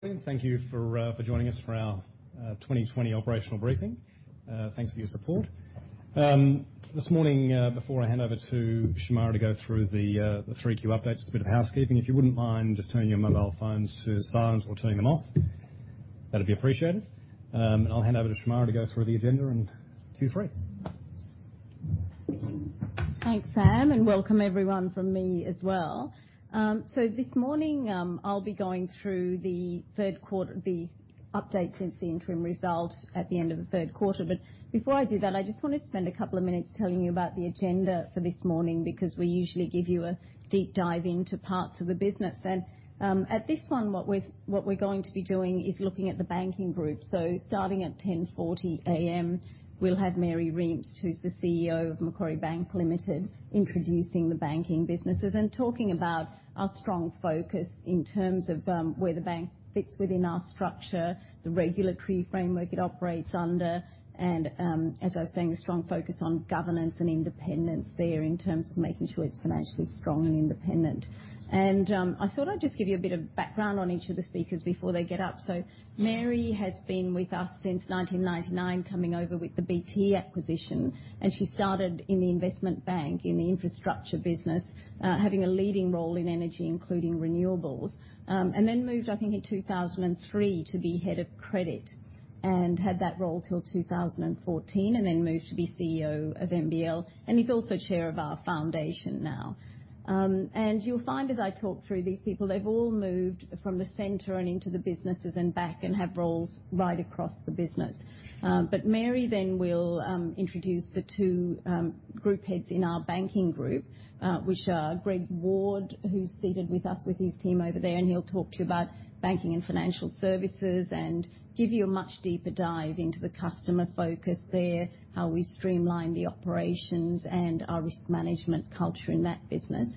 Thank you for joining us for our 2020 operational briefing. Thanks for your support. This morning, before I hand over to Shemara to go through the three-queue update, just a bit of housekeeping. If you wouldn't mind just turning your mobile phones to silent or turning them off, that would be appreciated. I will hand over to Shemara to go through the agenda in Q3. Thanks, Sam, and welcome everyone from me as well. This morning, I'll be going through the third quarter, the update since the interim result at the end of the third quarter. Before I do that, I just want to spend a couple of minutes telling you about the agenda for this morning because we usually give you a deep dive into parts of the business. At this one, what we're going to be doing is looking at the banking group. Starting at 10:40 A.M., we'll have Mary Reams, who's the CEO of Macquarie Bank Limited, introducing the banking businesses and talking about our strong focus in terms of where the bank fits within our structure, the regulatory framework it operates under, and, as I was saying, the strong focus on governance and independence there in terms of making sure it's financially strong and independent. I thought I'd just give you a bit of background on each of the speakers before they get up. Mary has been with us since 1999, coming over with the BT acquisition. She started in the investment bank, in the infrastructure business, having a leading role in energy, including renewables, and then moved, I think, in 2003 to be Head of Credit and had that role till 2014, and then moved to be CEO of MBL. She is also Chair of our foundation now. You'll find, as I talk through these people, they've all moved from the center and into the businesses and back and have roles right across the business. Mary then will introduce the two group heads in our banking group, which are Greg Ward, who's seated with us with his team over there, and he'll talk to you about Banking and Financial Services and give you a much deeper dive into the customer focus there, how we streamline the operations and our risk management culture in that business,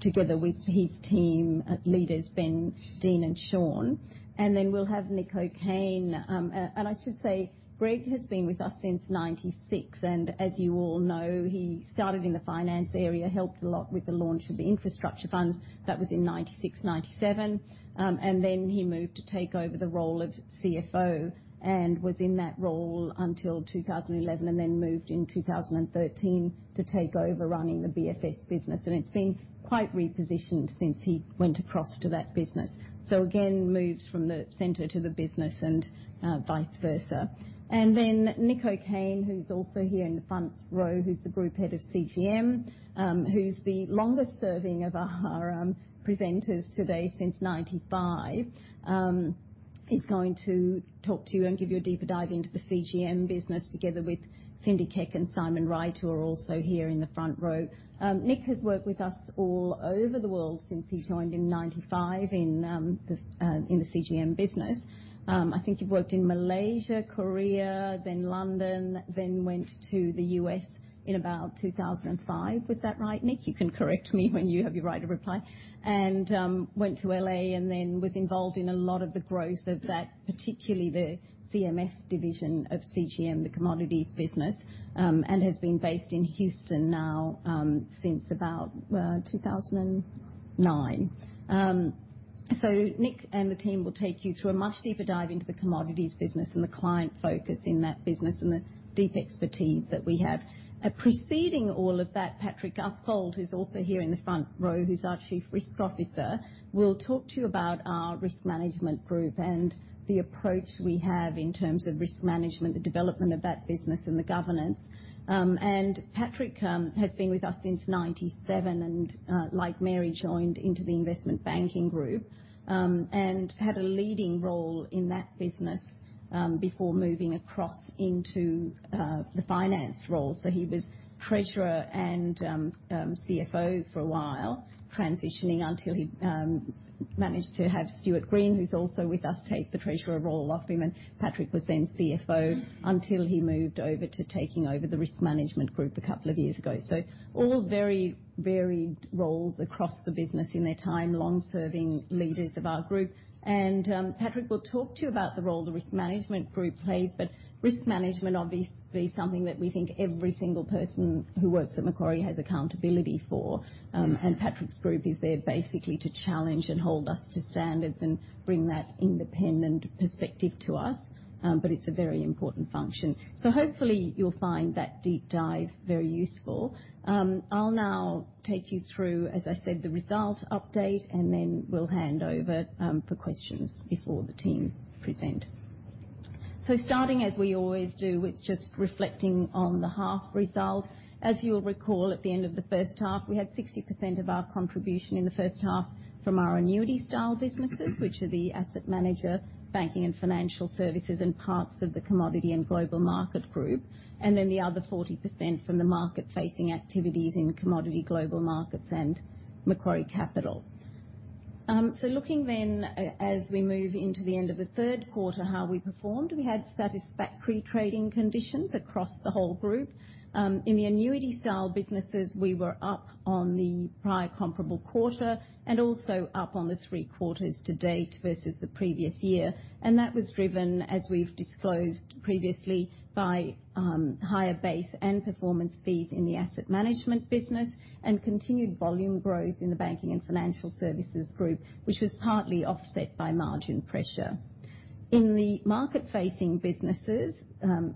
together with his team leaders, Ben, Dean, and Shawn. We will have Nicole Kane. I should say Greg has been with us since 1996. As you all know, he started in the finance area, helped a lot with the launch of the infrastructure funds. That was in 1996, 1997. He moved to take over the role of CFO and was in that role until 2011 and then moved in 2013 to take over running the BFS business. It's been quite repositioned since he went across to that business. Again, moves from the center to the business and vice versa. Nicole Kane, who's also here in the front row, who's the group head of CGM, who's the longest serving of our presenters today since 1995, is going to talk to you and give you a deeper dive into the CGM business together with Cindy Keck and Simon Wright, who are also here in the front row. Nick has worked with us all over the world since he joined in 1995 in the CGM business. I think you've worked in Malaysia, Korea, then London, then went to the US in about 2005. Was that right, Nick? You can correct me when you have your right of reply. Went to LA and then was involved in a lot of the growth of that, particularly the CMS division of CGM, the commodities business, and has been based in Houston now since about 2009. Nick and the team will take you through a much deeper dive into the commodities business and the client focus in that business and the deep expertise that we have. Preceding all of that, Patrick Uphold, who's also here in the front row, who's our Chief Risk Officer, will talk to you about our risk management group and the approach we have in terms of risk management, the development of that business, and the governance. Patrick has been with us since 1997 and, like Mary, joined into the investment banking group and had a leading role in that business before moving across into the finance role. He was Treasurer and CFO for a while, transitioning until he managed to have Stuart Green, who's also with us, take the Treasurer role off him. Patrick was then CFO until he moved over to taking over the Risk Management Group a couple of years ago. All very varied roles across the business in their time, long-serving leaders of our group. Patrick will talk to you about the role the Risk Management Group plays. Risk management, obviously, is something that we think every single person who works at Macquarie has accountability for. Patrick's group is there basically to challenge and hold us to standards and bring that independent perspective to us. It is a very important function. Hopefully, you'll find that deep dive very useful. I'll now take you through, as I said, the result update, and then we'll hand over for questions before the team present. Starting, as we always do, with just reflecting on the half result. As you'll recall, at the end of the first half, we had 60% of our contribution in the first half from our annuity-style businesses, which are the asset manager, banking, and financial services, and parts of the commodity and global market group, and then the other 40% from the market-facing activities in commodity global markets and Macquarie Capital. Looking then, as we move into the end of the third quarter, how we performed, we had satisfactory trading conditions across the whole group. In the annuity-style businesses, we were up on the prior comparable quarter and also up on the three quarters to date versus the previous year. That was driven, as we've disclosed previously, by higher base and performance fees in the asset management business and continued volume growth in the Banking and Financial Services group, which was partly offset by margin pressure. In the market-facing businesses,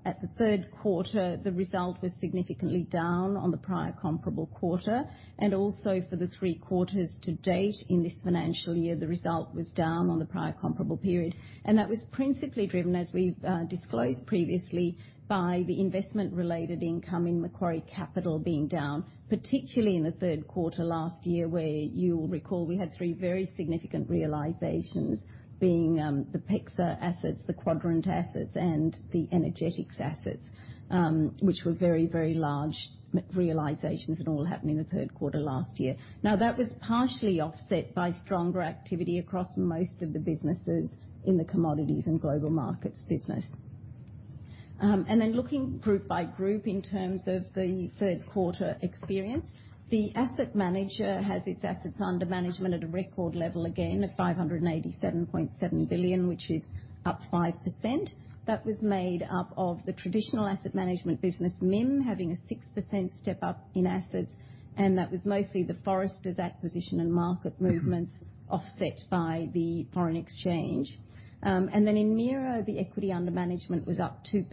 at the third quarter, the result was significantly down on the prior comparable quarter. Also, for the three quarters to date in this financial year, the result was down on the prior comparable period. That was principally driven, as we've disclosed previously, by the investment-related income in Macquarie Capital being down, particularly in the third quarter last year, where you'll recall we had three very significant realizations, being the PEXA assets, the Quadrant assets, and the Energetics assets, which were very, very large realizations and all happening in the third quarter last year. Now, that was partially offset by stronger activity across most of the businesses in the Commodities and Global Markets business. Looking group by group in terms of the third quarter experience, the asset manager has its assets under management at a record level again of $587.7 billion, which is up 5%. That was made up of the traditional asset management business, MIM, having a 6% step-up in assets. That was mostly the Foresters' acquisition and market movements offset by the foreign exchange. In MIRA, the equity under management was up 2%.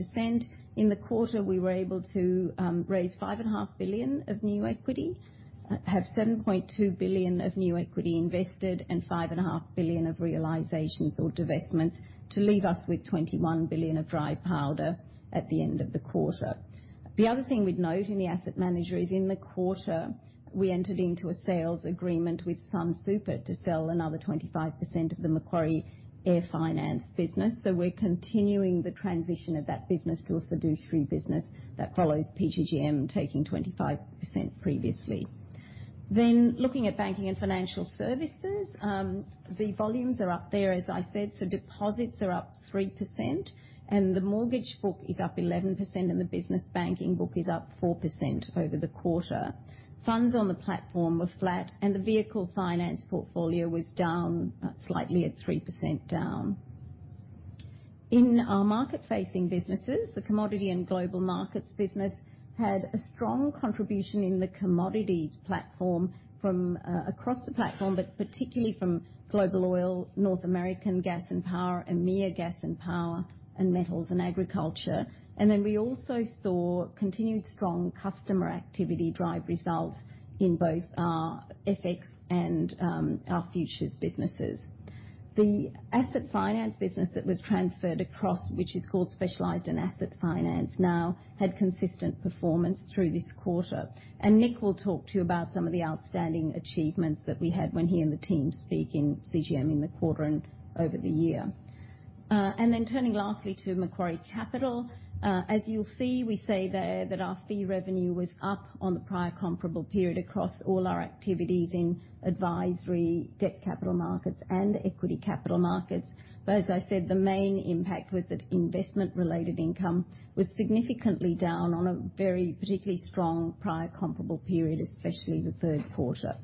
In the quarter, we were able to raise $5.5 billion of new equity, have $7.2 billion of new equity invested, and $5.5 billion of realizations or divestments to leave us with $21 billion of dry powder at the end of the quarter. The other thing we'd note in the asset manager is in the quarter, we entered into a sales agreement with Sun Super to sell another 25% of the Macquarie Air Finance business. We're continuing the transition of that business to a fiduciary business that follows PGGM, taking 25% previously. Looking at banking and financial services, the volumes are up there, as I said. Deposits are up 3%, and the mortgage book is up 11%, and the business banking book is up 4% over the quarter. Funds on the platform were flat, and the vehicle finance portfolio was down slightly at 3% down. In our market-facing businesses, the commodities and global markets business had a strong contribution in the commodities platform from across the platform, but particularly from global oil, North American gas and power, and MIR gas and power, and metals and agriculture. We also saw continued strong customer activity drive results in both our FX and our futures businesses. The asset finance business that was transferred across, which is called specialized in asset finance now, had consistent performance through this quarter. Nick will talk to you about some of the outstanding achievements that we had when he and the team speak in CGM in the quarter and over the year. Turning lastly to Macquarie Capital, as you'll see, we say there that our fee revenue was up on the prior comparable period across all our activities in advisory, debt capital markets, and equity capital markets. As I said, the main impact was that investment-related income was significantly down on a very particularly strong prior comparable period, especially the third quarter.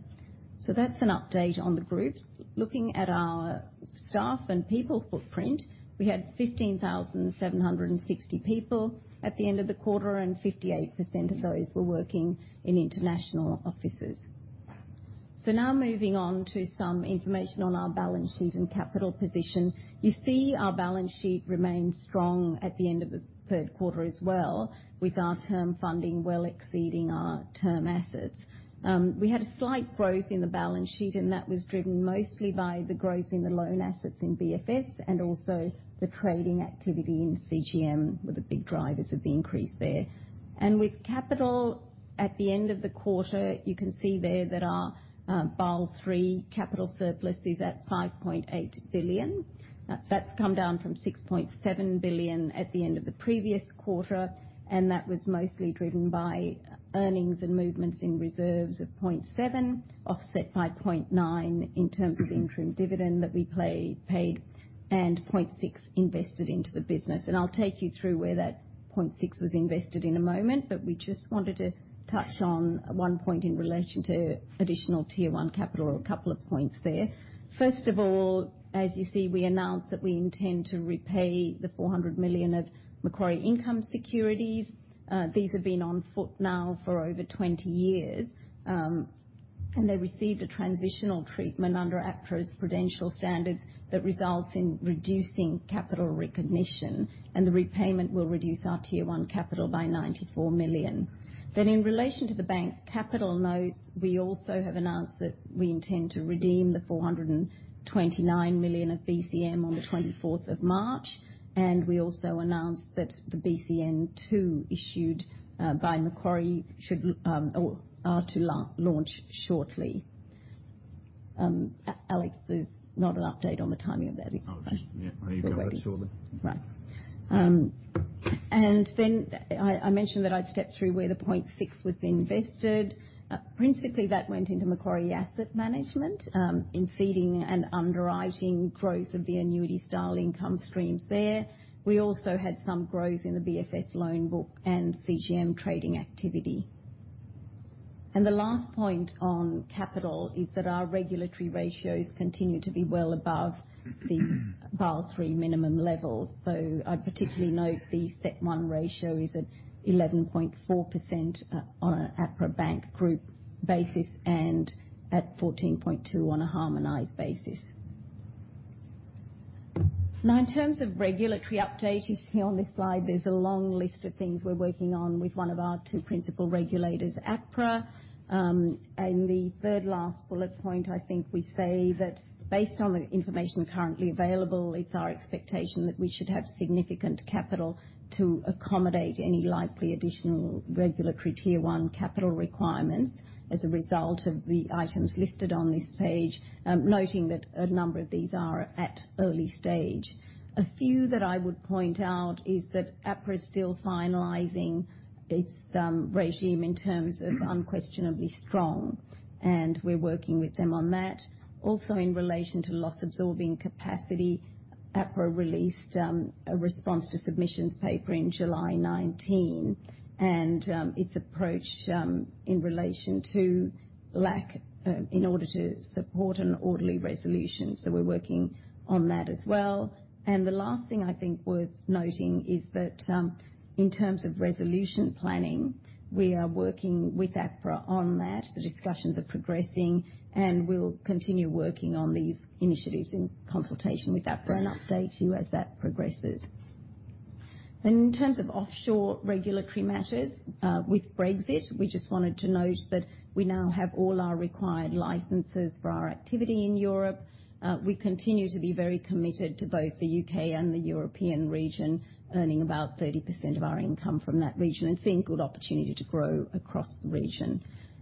That is an update on the groups. Looking at our staff and people footprint, we had 15,760 people at the end of the quarter, and 58% of those were working in international offices. Now moving on to some information on our balance sheet and capital position. You see our balance sheet remained strong at the end of the third quarter as well, with our term funding well exceeding our term assets. We had a slight growth in the balance sheet, and that was driven mostly by the growth in the loan assets in BFS and also the trading activity in CGM were the big drivers of the increase there. With capital at the end of the quarter, you can see there that our Basel III capital surplus is at $5.8 billion. That's come down from $6.7 billion at the end of the previous quarter. That was mostly driven by earnings and movements in reserves of $0.7 billion, offset by $0.9 billion in terms of interim dividend that we paid, and $0.6 billion invested into the business. I'll take you through where that $0.6 billion was invested in a moment, but we just wanted to touch on one point in relation to additional tier one capital, a couple of points there. First of all, as you see, we announced that we intend to repay the $400 million of Macquarie income securities. These have been on foot now for over 20 years, and they received a transitional treatment under APRA's prudential standards that results in reducing capital recognition, and the repayment will reduce our tier one capital by $94 million. In relation to the bank capital notes, we also have announced that we intend to redeem the $429 million of BCM on the 24th of March. We also announced that the BCN2 issued by Macquarie should or are to launch shortly. Alex, there's not an update on the timing of that. Oh, yeah, there you go. Right. I mentioned that I'd step through where the $0.6 billion was invested. Principally, that went into Macquarie Asset Management, in seeding and underwriting growth of the annuity-style income streams there. We also had some growth in the BFS loan book and CGM trading activity. The last point on capital is that our regulatory ratios continue to be well above the Basel III minimum levels. I'd particularly note the CET1 ratio is at 11.4% on an APRA Bank Group basis and at 14.2% on a harmonized basis. Now, in terms of regulatory update, you see on this slide, there's a long list of things we're working on with one of our two principal regulators, APRA. The third last bullet point, I think we say that based on the information currently available, it's our expectation that we should have significant capital to accommodate any likely additional regulatory tier one capital requirements as a result of the items listed on this page, noting that a number of these are at early stage. A few that I would point out is that APRA is still finalizing its regime in terms of unquestionably strong, and we're working with them on that. Also, in relation to loss-absorbing capacity, APRA released a response to submissions paper in July 2019, and its approach in relation to lack in order to support an orderly resolution. We're working on that as well. The last thing I think worth noting is that in terms of resolution planning, we are working with APRA on that. The discussions are progressing, and we'll continue working on these initiatives in consultation with APRA and update you as that progresses. In terms of offshore regulatory matters with Brexit, we just wanted to note that we now have all our required licenses for our activity in Europe. We continue to be very committed to both the U.K. and the European region, earning about 30% of our income from that region and seeing good opportunity to grow across the region.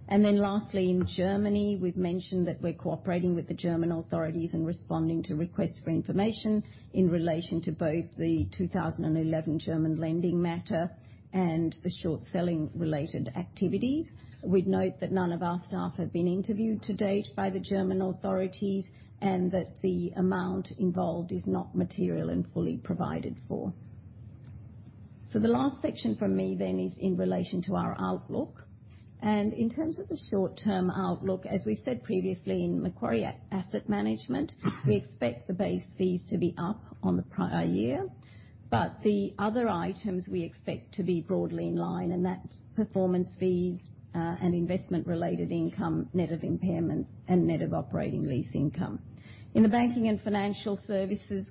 Lastly, in Germany, we've mentioned that we're cooperating with the German authorities and responding to requests for information in relation to both the 2011 German lending matter and the short-selling-related activities. We'd note that none of our staff have been interviewed to date by the German authorities and that the amount involved is not material and fully provided for. The last section for me then is in relation to our outlook. In terms of the short-term outlook, as we've said previously in Macquarie Asset Management, we expect the base fees to be up on the prior year, but the other items we expect to be broadly in line, and that's performance fees and investment-related income, net of impairments, and net of operating lease income. In the Banking and Financial Services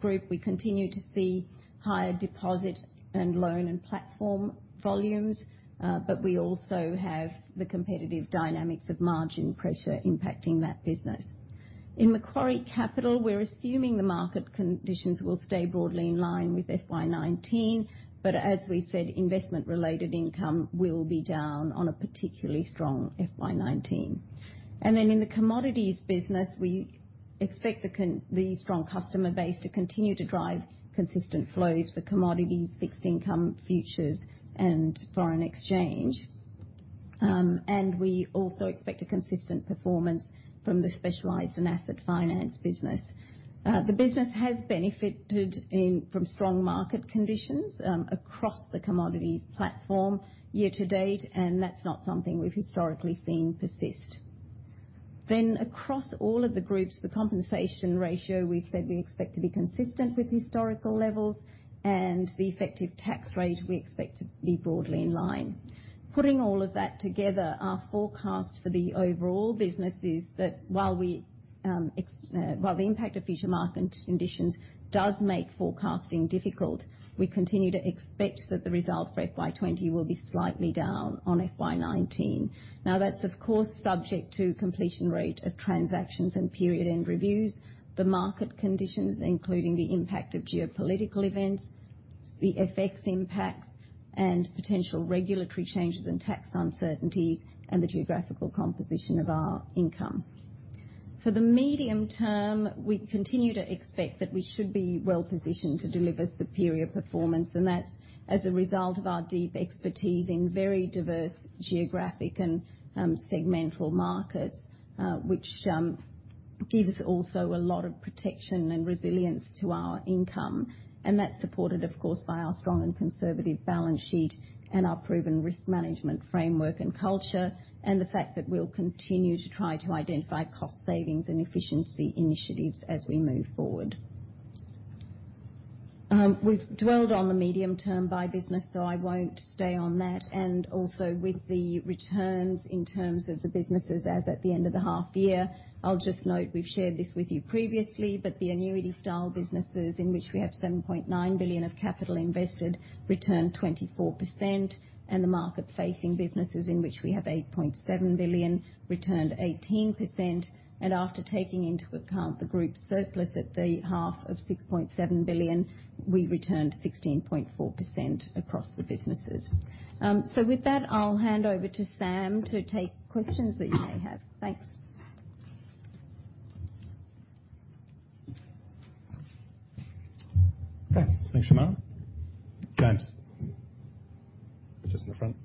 group, we continue to see higher deposit and loan and platform volumes, but we also have the competitive dynamics of margin pressure impacting that business. In Macquarie Capital, we're assuming the market conditions will stay broadly in line with FY2019, but as we said, investment-related income will be down on a particularly strong FY2019. In the commodities business, we expect the strong customer base to continue to drive consistent flows for commodities, fixed income futures, and foreign exchange. We also expect a consistent performance from the specialized and asset finance business. The business has benefited from strong market conditions across the commodities platform year to date, and that's not something we've historically seen persist. Across all of the groups, the compensation ratio we've said we expect to be consistent with historical levels, and the effective tax rate we expect to be broadly in line. Putting all of that together, our forecast for the overall business is that while the impact of future market conditions does make forecasting difficult, we continue to expect that the result for FY2020 will be slightly down on FY2019. Now, that's of course subject to completion rate of transactions and period end reviews, the market conditions, including the impact of geopolitical events, the FX impacts, and potential regulatory changes and tax uncertainties, and the geographical composition of our income. For the medium term, we continue to expect that we should be well positioned to deliver superior performance, and that's as a result of our deep expertise in very diverse geographic and segmental markets, which gives also a lot of protection and resilience to our income. That is supported, of course, by our strong and conservative balance sheet and our proven risk management framework and culture, and the fact that we'll continue to try to identify cost savings and efficiency initiatives as we move forward. We've dwelled on the medium-term by business, so I won't stay on that. Also with the returns in terms of the businesses as at the end of the half year, I'll just note we've shared this with you previously, but the annuity-style businesses in which we have $7.9 billion of capital invested returned 24%, and the market-facing businesses in which we have $8.7 billion returned 18%. After taking into account the group surplus at the half of $6.7 billion, we returned 16.4% across the businesses. With that, I'll hand over to Sam to take questions that you may have. Thanks. Okay. Thanks, Shemara. James. Just in the front.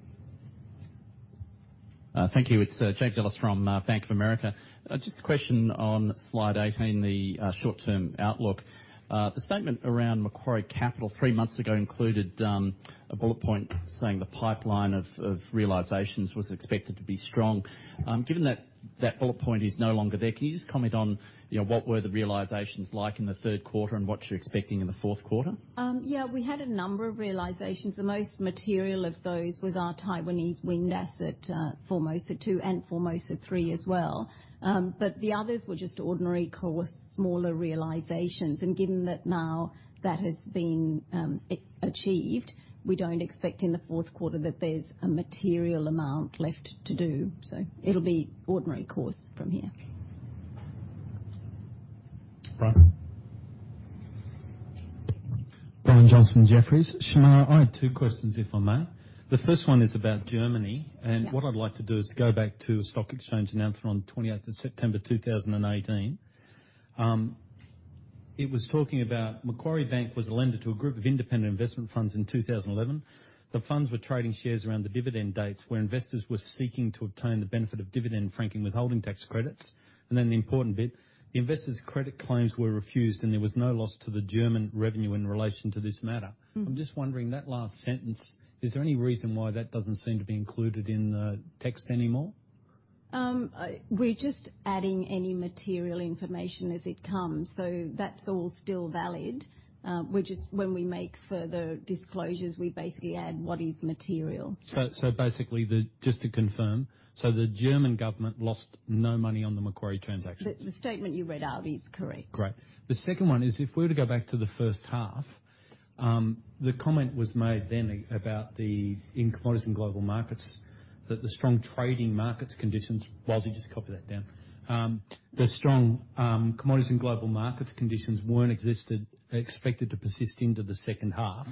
Thank you. It's James Ellis from Bank of America. Just a question on slide 18, the short-term outlook. The statement around Macquarie Capital three months ago included a bullet point saying the pipeline of realizations was expected to be strong. Given that that bullet point is no longer there, can you just comment on what were the realizations like in the third quarter and what you're expecting in the fourth quarter? Yeah, we had a number of realizations. The most material of those was our Taiwanese wind asset, Formosa 2 and Formosa 3 as well. The others were just ordinary, smaller, realizations. Given that now that has been achieved, we do not expect in the fourth quarter that there is a material amount left to do. It will be ordinary course from here. Brian. Brian Johnson Jeffries. Shemara, I had two questions if I may. The first one is about Germany. What I'd like to do is to go back to a stock exchange announcement on 28th of September 2018. It was talking about Macquarie Bank was a lender to a group of independent investment funds in 2011. The funds were trading shares around the dividend dates where investors were seeking to obtain the benefit of dividend franking withholding tax credits. The important bit, the investors' credit claims were refused and there was no loss to the German revenue in relation to this matter. I'm just wondering that last sentence, is there any reason why that doesn't seem to be included in the text anymore? We're just adding any material information as it comes. That's all still valid. When we make further disclosures, we basically add what is material. Just to confirm, the German government lost no money on the Macquarie transaction? The statement you read out is correct. Great. The second one is if we were to go back to the first half, the comment was made then about the Commodities and Global Markets that the strong trading markets conditions—Wasi, just copy that down—the strong Commodities and Global Markets conditions were not expected to persist into the second half.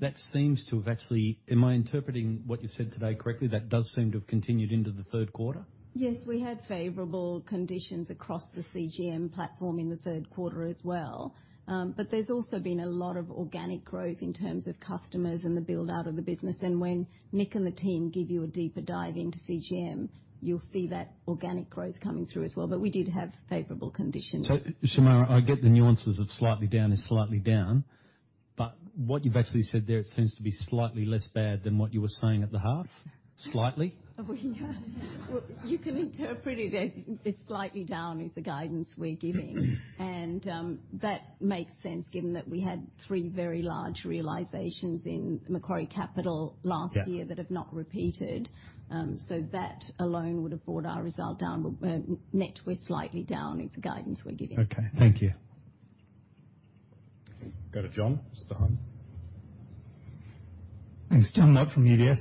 That seems to have actually—am I interpreting what you have said today correctly? That does seem to have continued into the third quarter? Yes, we had favorable conditions across the CGM platform in the third quarter as well. There has also been a lot of organic growth in terms of customers and the build-out of the business. When Nick and the team give you a deeper dive into CGM, you will see that organic growth coming through as well. We did have favorable conditions. Shemara, I get the nuances of slightly down is slightly down, but what you have actually said there, it seems to be slightly less bad than what you were saying at the half? Slightly? You can interpret it as slightly down is the guidance we are giving. That makes sense given that we had three very large realizations in Macquarie Capital last year that have not repeated. That alone would have brought our result down. Net was slightly down is the guidance we are giving. Thank you. Go to Jon. just behind. Thank you. Jon Mott from UBS.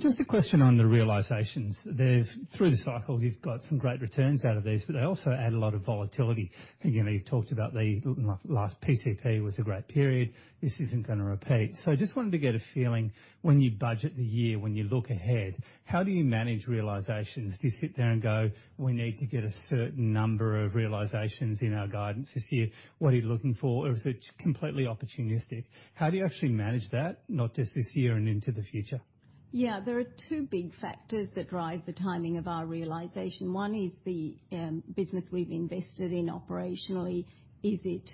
Just a question on the realizations. Through the cycle, you have got some great returns out of these, but they also add a lot of volatility. Again, you have talked about the last PCP was a great period. This is not going to repeat. I just wanted to get a feeling when you budget the year, when you look ahead, how do you manage realizations? Do you sit there and go, "We need to get a certain number of realizations in our guidance this year." What are you looking for? Is it completely opportunistic? How do you actually manage that, not just this year and into the future? Yeah, there are two big factors that drive the timing of our realization. One is the business we've invested in operationally. Is it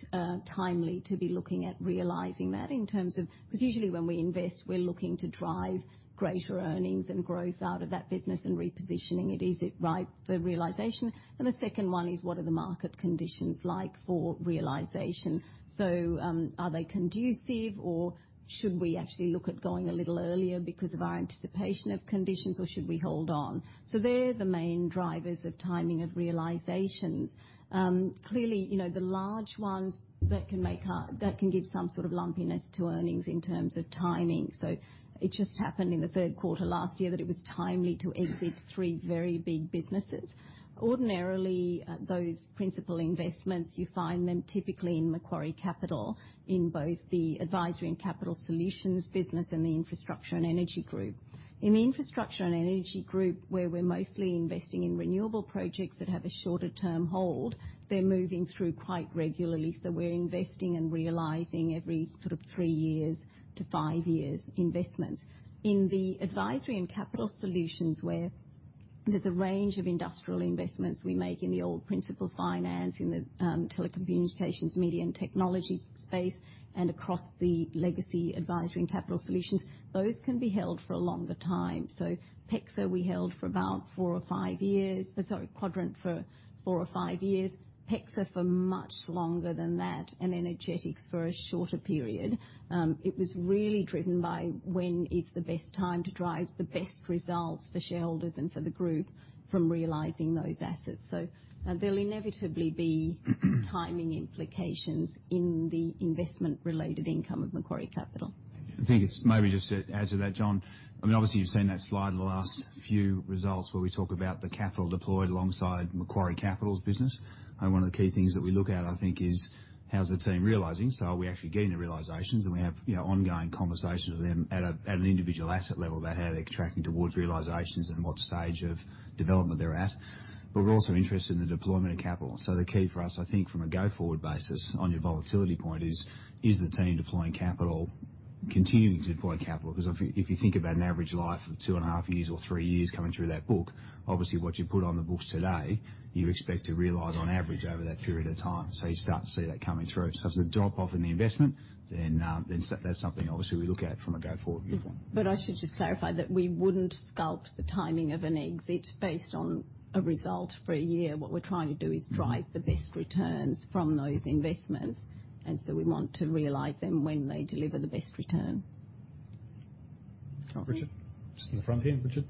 timely to be looking at realizing that in terms of—because usually when we invest, we're looking to drive greater earnings and growth out of that business and repositioning it. Is it ripe for realization? The second one is what are the market conditions like for realization? Are they conducive, or should we actually look at going a little earlier because of our anticipation of conditions, or should we hold on? They are the main drivers of timing of realizations. Clearly, the large ones can give some sort of lumpiness to earnings in terms of timing. It just happened in the third quarter last year that it was timely to exit three very big businesses. Ordinarily, those principal investments, you find them typically in Macquarie Capital in both the advisory and capital solutions business and the infrastructure and energy group. In the infrastructure and energy group, where we are mostly investing in renewable projects that have a shorter-term hold, they are moving through quite regularly. We are investing and realizing every sort of three years to five years investments. In the advisory and capital solutions, where there's a range of industrial investments we make in the old principal finance, in the telecommunications, media, and technology space, and across the legacy advisory and capital solutions, those can be held for a longer time. So PEXA we held for about four or five years—sorry, Quadrant for four or five years. PEXA for much longer than that, and Energetics for a shorter period. It was really driven by when is the best time to drive the best results for shareholders and for the group from realizing those assets. There will inevitably be timing implications in the investment-related income of Macquarie Capital. I think it's maybe just to add to that, Jon. I mean, obviously, you've seen that slide in the last few results where we talk about the capital deployed alongside Macquarie Capital's business. One of the key things that we look at, I think, is how's the team realizing. Are we actually getting the realizations? We have ongoing conversations with them at an individual asset level about how they're tracking towards realizations and what stage of development they're at. We're also interested in the deployment of capital. The key for us, I think, from a go-forward basis on your volatility point is, is the team deploying capital, continuing to deploy capital? If you think about an average life of two and a half years or three years coming through that book, obviously, what you put on the books today, you expect to realize on average over that period of time. You start to see that coming through. If there's a drop-off in the investment, then that's something obviously we look at from a go-forward viewpoint. I should just clarify that we would not sculpt the timing of an exit based on a result for a year. What we are trying to do is drive the best returns from those investments. We want to realize them when they deliver the best return. Richard, just in the front here, Richard.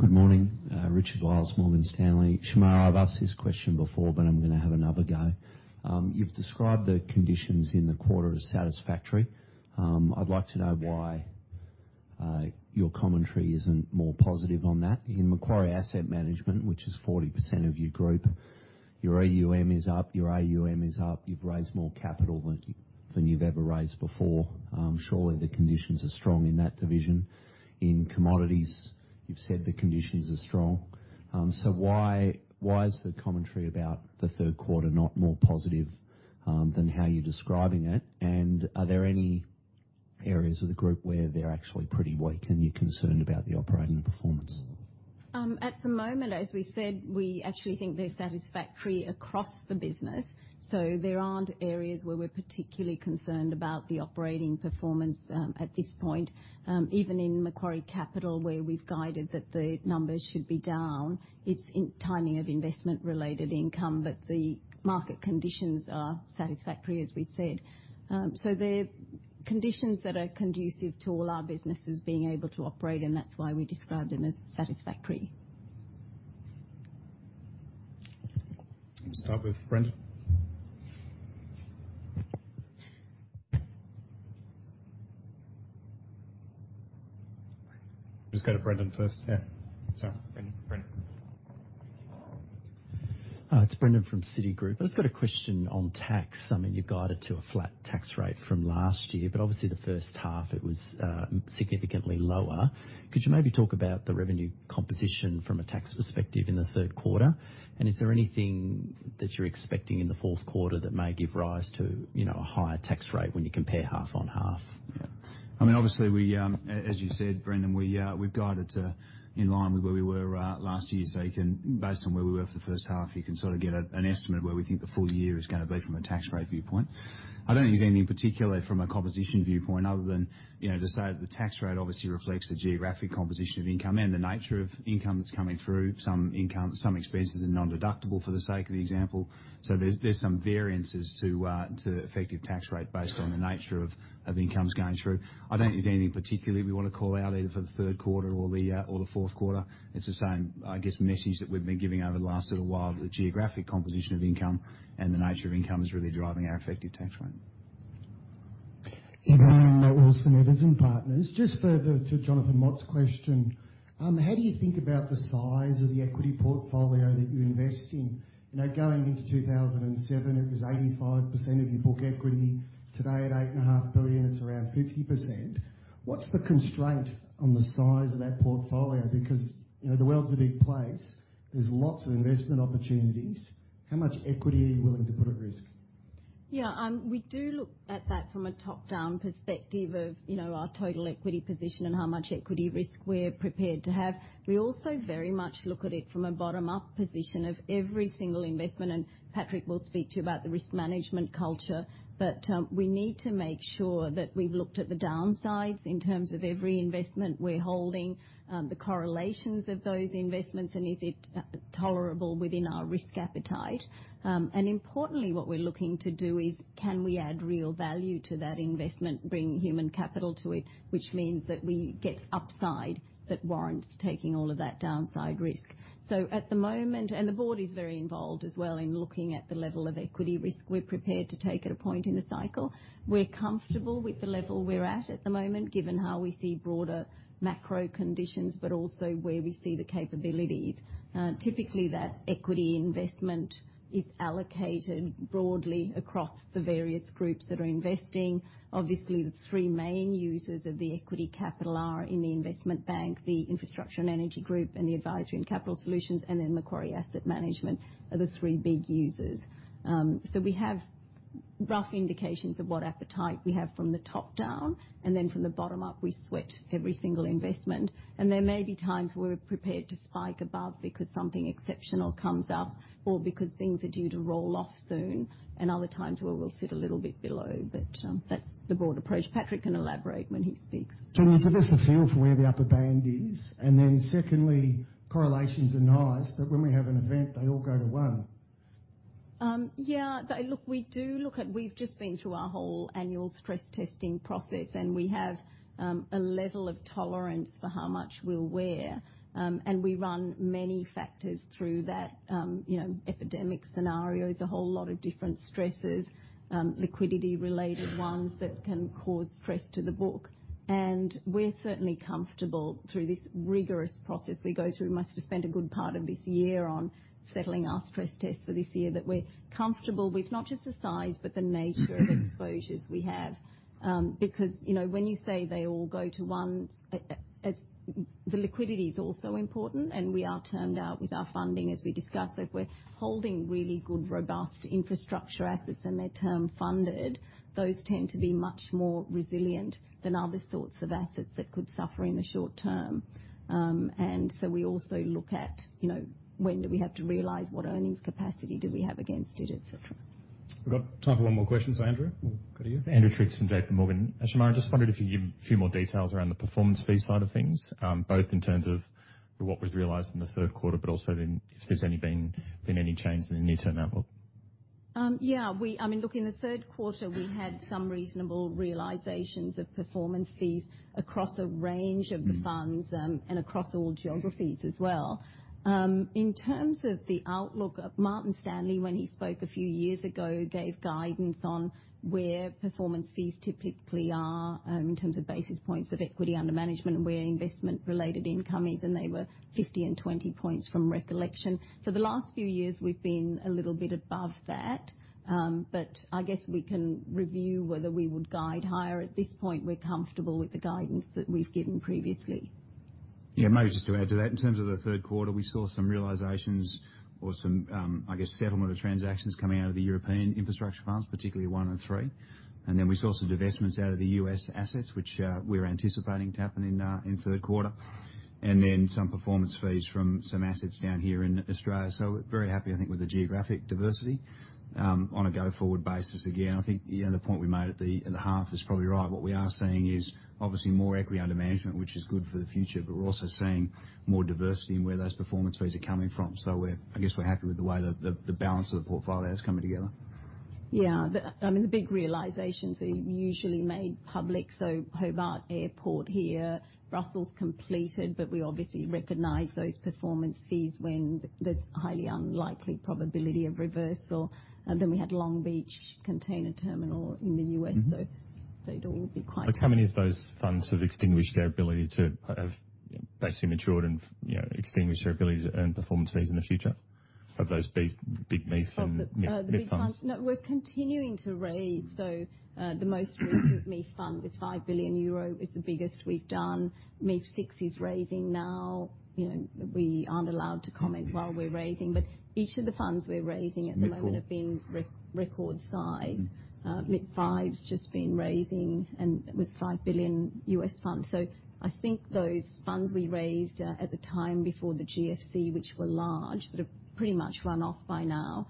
Good morning. Richard Wiles, Morgan Stanley. Shemara, I have asked this question before, but I am going to have another go. You have described the conditions in the quarter as satisfactory. I would like to know why your commentary is not more positive on that. In Macquarie Asset Management, which is 40% of your group, your AUM is up, your AUM is up. You have raised more capital than you have ever raised before. Surely the conditions are strong in that division. In commodities, you have said the conditions are strong. Why is the commentary about the third quarter not more positive than how you're describing it? Are there any areas of the group where they're actually pretty weak and you're concerned about the operating performance? At the moment, as we said, we actually think they're satisfactory across the business. There aren't areas where we're particularly concerned about the operating performance at this point. Even in Macquarie Capital, where we've guided that the numbers should be down, it's in timing of investment-related income, but the market conditions are satisfactory, as we said. They're conditions that are conducive to all our businesses being able to operate, and that's why we describe them as satisfactory. Let's start with Brendan. Just go to Brendan first. Yeah. Sorry. Brendan. Brendan. It's Brendan from Citigroup. I just got a question on tax. I mean, you guided to a flat tax rate from last year, but obviously the first half it was significantly lower. Could you maybe talk about the revenue composition from a tax perspective in the third quarter? Is there anything that you're expecting in the fourth quarter that may give rise to a higher tax rate when you compare half on half? Yeah. I mean, obviously, as you said, Brendan, we've guided in line with where we were last year. Based on where we were for the first half, you can sort of get an estimate of where we think the full year is going to be from a tax rate viewpoint. I don't think there's anything particular from a composition viewpoint other than to say that the tax rate obviously reflects the geographic composition of income and the nature of income that's coming through. Some expenses are non-deductible for the sake of the example. There's some variances to effective tax rate based on the nature of incomes going through. I don't think there's anything particularly we want to call out either for the third quarter or the fourth quarter. It's the same, I guess, message that we've been giving over the last little while. The geographic composition of income and the nature of income is really driving our effective tax rate. Matthew Wilson from Evans & Partners. Just further to Jonathan Mott's question, how do you think about the size of the equity portfolio that you invest in? Going into 2007, it was 85% of your book equity. Today, at $8.5 billion, it's around 50%. What's the constraint on the size of that portfolio? Because the world's a big place. There's lots of investment opportunities. How much equity are you willing to put at risk? Yeah, we do look at that from a top-down perspective of our total equity position and how much equity risk we're prepared to have. We also very much look at it from a bottom-up position of every single investment. Patrick will speak to you about the risk management culture. We need to make sure that we've looked at the downsides in terms of every investment we're holding, the correlations of those investments, and is it tolerable within our risk appetite. Importantly, what we're looking to do is, can we add real value to that investment, bring human capital to it, which means that we get upside that warrants taking all of that downside risk. At the moment, the board is very involved as well in looking at the level of equity risk we're prepared to take at a point in the cycle. We're comfortable with the level we're at at the moment, given how we see broader macro conditions, but also where we see the capabilities. Typically, that equity investment is allocated broadly across the various groups that are investing. Obviously, the three main users of the equity capital are in the investment bank, the infrastructure and energy group, and the advisory and capital solutions, and then Macquarie Asset Management are the three big users. We have rough indications of what appetite we have from the top down, and then from the bottom up, we sweat every single investment. There may be times where we're prepared to spike above because something exceptional comes up or because things are due to roll off soon, and other times where we'll sit a little bit below. That's the broad approach. Patrick can elaborate when he speaks. Can you give us a feel for where the upper band is? Secondly, correlations are nice, but when we have an event, they all go to one. Yeah, look, we do look at we've just been through our whole annual stress testing process, and we have a level of tolerance for how much we'll wear. We run many factors through that epidemic scenario, a whole lot of different stresses, liquidity-related ones that can cause stress to the book. We're certainly comfortable through this rigorous process we go through. We must have spent a good part of this year on settling our stress tests for this year that we're comfortable with not just the size, but the nature of exposures we have. Because when you say they all go to one, the liquidity is also important, and we are turned out with our funding, as we discussed. If we're holding really good, robust infrastructure assets and they're term funded, those tend to be much more resilient than other sorts of assets that could suffer in the short term. We also look at when do we have to realize what earnings capacity do we have against it, etc. We've got time for one more question. Andrew, we'll go to you. Andrew Triggs from JPMorgan. Shemara, I just wondered if you could give a few more details around the performance fee side of things, both in terms of what was realized in the third quarter, but also if there's been any change in the near-term outlook. Yeah, I mean, look, in the third quarter, we had some reasonable realizations of performance fees across a range of the funds and across all geographies as well. In terms of the outlook, Martin Stanley, when he spoke a few years ago, gave guidance on where performance fees typically are in terms of basis points of equity under management and where investment-related income is, and they were 50 and 20 basis points from recollection. For the last few years, we've been a little bit above that, but I guess we can review whether we would guide higher. At this point, we're comfortable with the guidance that we've given previously. Yeah, maybe just to add to that, in terms of the third quarter, we saw some realizations or some, I guess, settlement of transactions coming out of the European infrastructure funds, particularly one and three. We saw some divestments out of the US assets, which we're anticipating to happen in third quarter, and then some performance fees from some assets down here in Australia. Very happy, I think, with the geographic diversity on a go-forward basis. Again, I think the point we made at the half is probably right. What we are seeing is obviously more equity under management, which is good for the future, but we're also seeing more diversity in where those performance fees are coming from. I guess we're happy with the way the balance of the portfolio is coming together. Yeah, I mean, the big realizations are usually made public. Hobart Airport here, Brussels completed, but we obviously recognize those performance fees when there's a highly unlikely probability of reversal. We had Long Beach container terminal in the US. They'd all be quite. How many of those funds have extinguished their ability to have basically matured and extinguished their ability to earn performance fees in the future of those big MIF and MIF funds? The big funds. No, we're continuing to raise. The most recent MIF fund, this 5 billion euro, is the biggest we've done. MIF 6 is raising now. We aren't allowed to comment while we're raising. Each of the funds we're raising at the moment have been record size. MIF 5 has just been raising, and it was 5 billion US fund. I think those funds we raised at the time before the GFC, which were large, that have pretty much run off by now,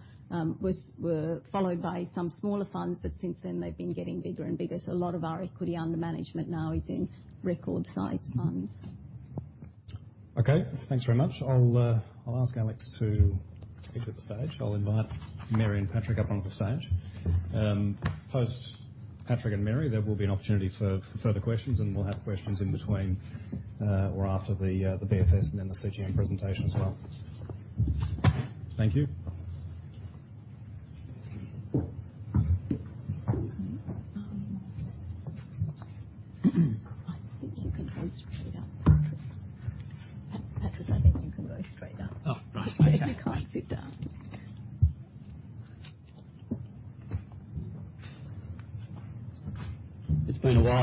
were followed by some smaller funds, but since then, they've been getting bigger and bigger. A lot of our equity under management now is in record-sized funds. Okay, thanks very much. I'll ask Alex to exit the stage. I'll invite Mary and Patrick up onto the stage. Post Patrick and Mary, there will be an opportunity for further questions, and we'll have questions in between or after the BFS and then the CGM presentation as well. Thank you.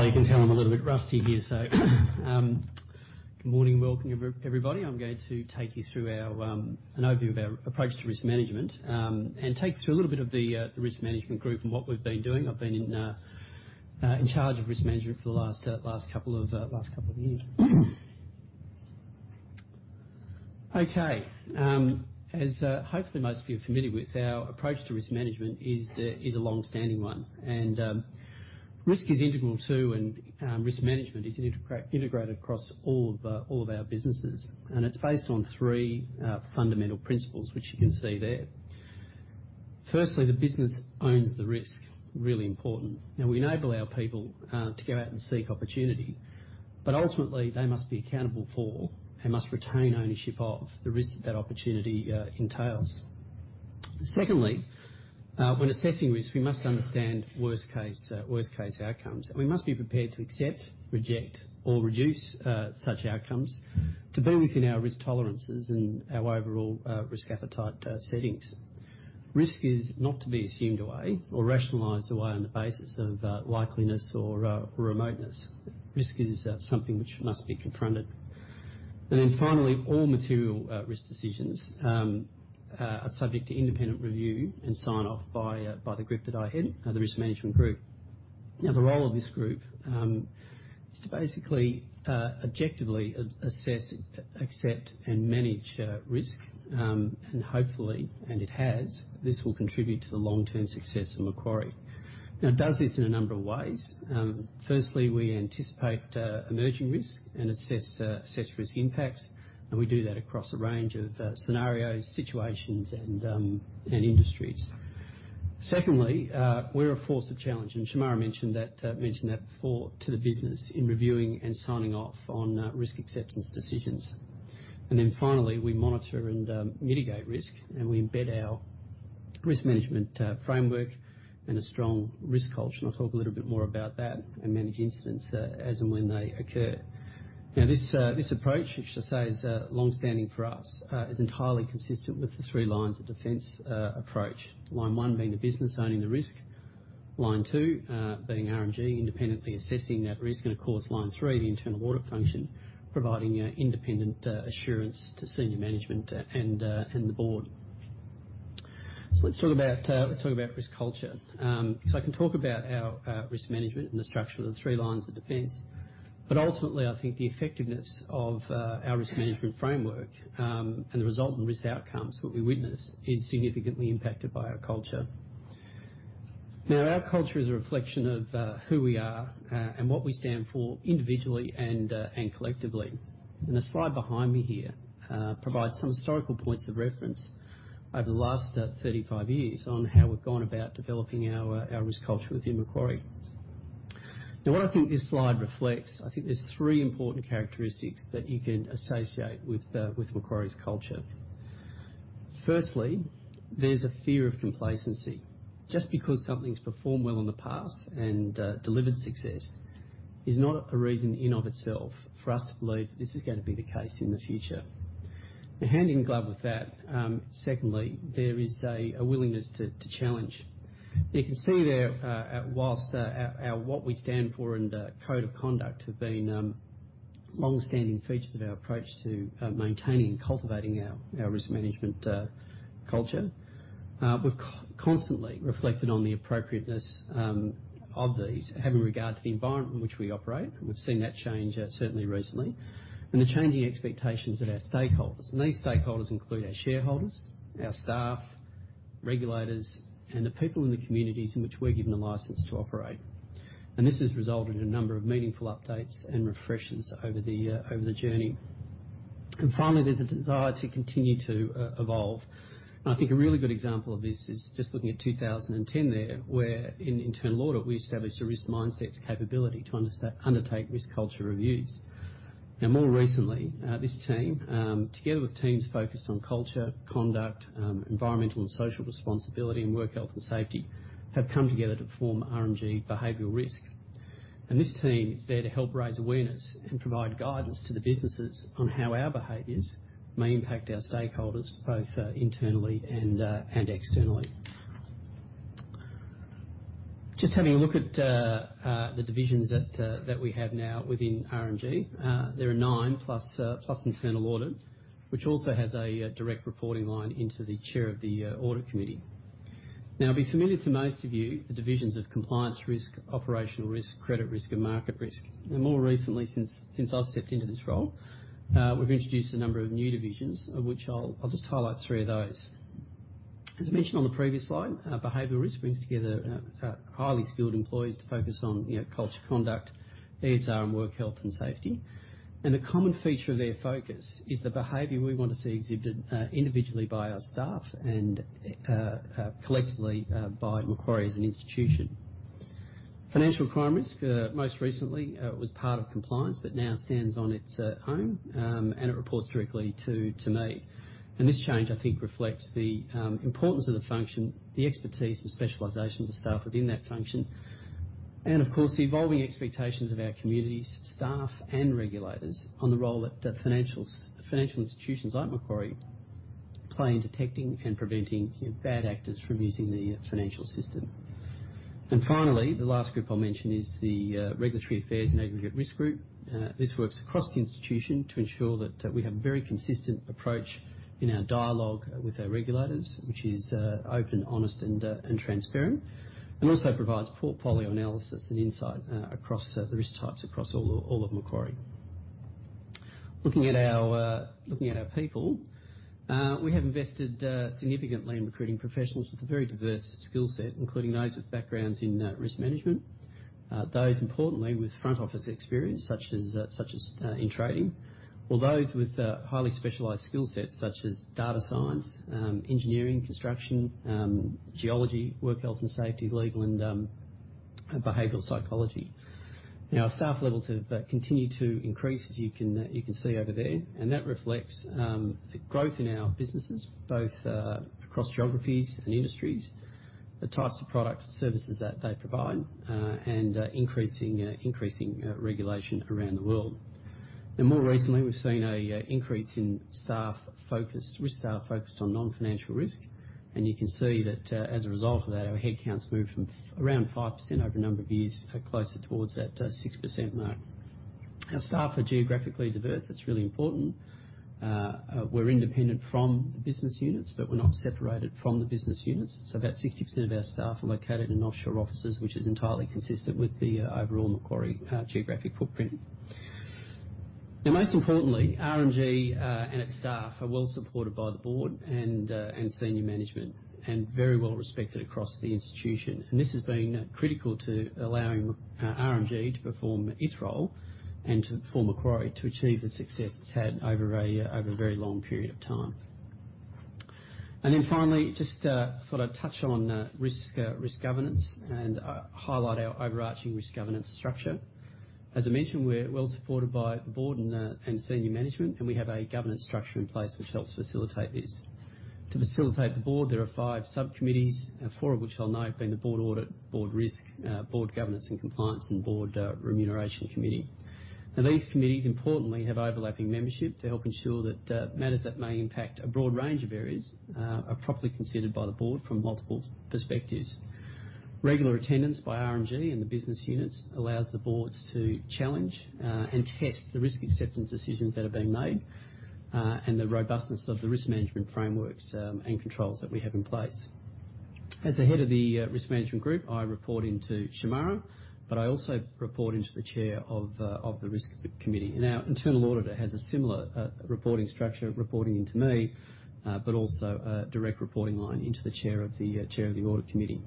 I think you can go straight up, Patrick. Patrick, I think you can go straight up. Oh, right. You can't sit down. It's been a while. You can tell I'm a little bit rusty here. Good morning, welcome, everybody. I'm going to take you through an overview of our approach to risk management and take you through a little bit of the risk management group and what we've been doing. I've been in charge of risk management for the last couple of years. Okay. As hopefully most of you are familiar with, our approach to risk management is a long-standing one. Risk is integral too, and risk management is integrated across all of our businesses. It's based on three fundamental principles, which you can see there. Firstly, the business owns the risk. Really important. We enable our people to go out and seek opportunity. Ultimately, they must be accountable for and must retain ownership of the risk that that opportunity entails. Secondly, when assessing risk, we must understand worst-case outcomes. We must be prepared to accept, reject, or reduce such outcomes to be within our risk tolerances and our overall risk appetite settings. Risk is not to be assumed away or rationalized away on the basis of likeliness or remoteness. Risk is something which must be confronted. Finally, all material risk decisions are subject to independent review and sign-off by the group that I head, the risk management group. The role of this group is to basically objectively assess, accept, and manage risk. Hopefully, and it has, this will contribute to the long-term success of Macquarie. It does this in a number of ways. Firstly, we anticipate emerging risk and assess risk impacts. We do that across a range of scenarios, situations, and industries. Secondly, we're a force of challenge. Shemara mentioned that before to the business in reviewing and signing off on risk acceptance decisions. Finally, we monitor and mitigate risk, and we embed our risk management framework and a strong risk culture. I'll talk a little bit more about that and manage incidents as and when they occur. This approach, which I say is long-standing for us, is entirely consistent with the three lines of defense approach. Line one being the business owning the risk, line two being R&G independently assessing that risk, and of course, line three, the internal audit function, providing independent assurance to senior management and the board. Let's talk about risk culture. I can talk about our risk management and the structure of the three lines of defense. Ultimately, I think the effectiveness of our risk management framework and the resultant risk outcomes, what we witness, is significantly impacted by our culture. Our culture is a reflection of who we are and what we stand for individually and collectively. The slide behind me here provides some historical points of reference over the last 35 years on how we've gone about developing our risk culture within Macquarie. What I think this slide reflects, I think there's three important characteristics that you can associate with Macquarie's culture. Firstly, there's a fear of complacency. Just because something's performed well in the past and delivered success is not a reason in of itself for us to believe that this is going to be the case in the future. Hand in glove with that, secondly, there is a willingness to challenge. You can see there, whilst what we stand for and code of conduct have been long-standing features of our approach to maintaining and cultivating our risk management culture, we've constantly reflected on the appropriateness of these having regard to the environment in which we operate. We've seen that change certainly recently. The changing expectations of our stakeholders include our shareholders, our staff, regulators, and the people in the communities in which we're given the license to operate. This has resulted in a number of meaningful updates and refreshes over the journey. Finally, there's a desire to continue to evolve. I think a really good example of this is just looking at 2010 there, where in internal audit, we established a risk mindset's capability to undertake risk culture reviews. Now, more recently, this team, together with teams focused on culture, conduct, environmental and social responsibility, and work health and safety, have come together to form R&G Behavioural Risk. This team is there to help raise awareness and provide guidance to the businesses on how our behaviours may impact our stakeholders, both internally and externally. Just having a look at the divisions that we have now within R&G, there are nine plus internal audit, which also has a direct reporting line into the chair of the audit committee. It will be familiar to most of you, the divisions of compliance risk, operational risk, credit risk, and market risk. More recently, since I've stepped into this role, we've introduced a number of new divisions, of which I'll just highlight three of those. As I mentioned on the previous slide, behavioural risk brings together highly skilled employees to focus on culture, conduct, EHR, and work health and safety. A common feature of their focus is the behaviour we want to see exhibited individually by our staff and collectively by Macquarie as an institution. Financial crime risk, most recently, was part of compliance but now stands on its own, and it reports directly to me. I think this change reflects the importance of the function, the expertise, and specialisation of the staff within that function. Of course, the evolving expectations of our communities, staff, and regulators on the role that financial institutions like Macquarie play in detecting and preventing bad actors from using the financial system. Finally, the last group I'll mention is the regulatory affairs and aggregate risk group. This works across the institution to ensure that we have a very consistent approach in our dialogue with our regulators, which is open, honest, and transparent, and also provides portfolio analysis and insight across the risk types across all of Macquarie. Looking at our people, we have invested significantly in recruiting professionals with a very diverse skill set, including those with backgrounds in risk management, those, importantly, with front office experience, such as in trading, or those with highly specialised skill sets, such as data science, engineering, construction, geology, work health and safety, legal, and behavioral psychology. Now, our staff levels have continued to increase, as you can see over there. That reflects the growth in our businesses, both across geographies and industries, the types of products and services that they provide, and increasing regulation around the world. More recently, we've seen an increase in risk staff focused on non-financial risk. You can see that as a result of that, our headcount's moved from around 5% over a number of years closer towards that 6% mark. Our staff are geographically diverse. That's really important. We're independent from the business units, but we're not separated from the business units. About 60% of our staff are located in offshore offices, which is entirely consistent with the overall Macquarie geographic footprint. Most importantly, R&G and its staff are well supported by the board and senior management and very well respected across the institution. This has been critical to allowing R&G to perform its role and to Macquarie to achieve the success it's had over a very long period of time. Finally, just thought I'd touch on risk governance and highlight our overarching risk governance structure. As I mentioned, we're well supported by the board and senior management, and we have a governance structure in place which helps facilitate this. To facilitate the board, there are five subcommittees, four of which I'll note have been the board audit, board risk, board governance and compliance, and board remuneration committee. Now, these committees, importantly, have overlapping membership to help ensure that matters that may impact a broad range of areas are properly considered by the board from multiple perspectives. Regular attendance by R&G and the business units allows the boards to challenge and test the risk acceptance decisions that are being made and the robustness of the risk management frameworks and controls that we have in place. As the head of the risk management group, I report into Shemara, but I also report into the chair of the risk committee. Our internal auditor has a similar reporting structure, reporting into me, but also a direct reporting line into the chair of the audit committee.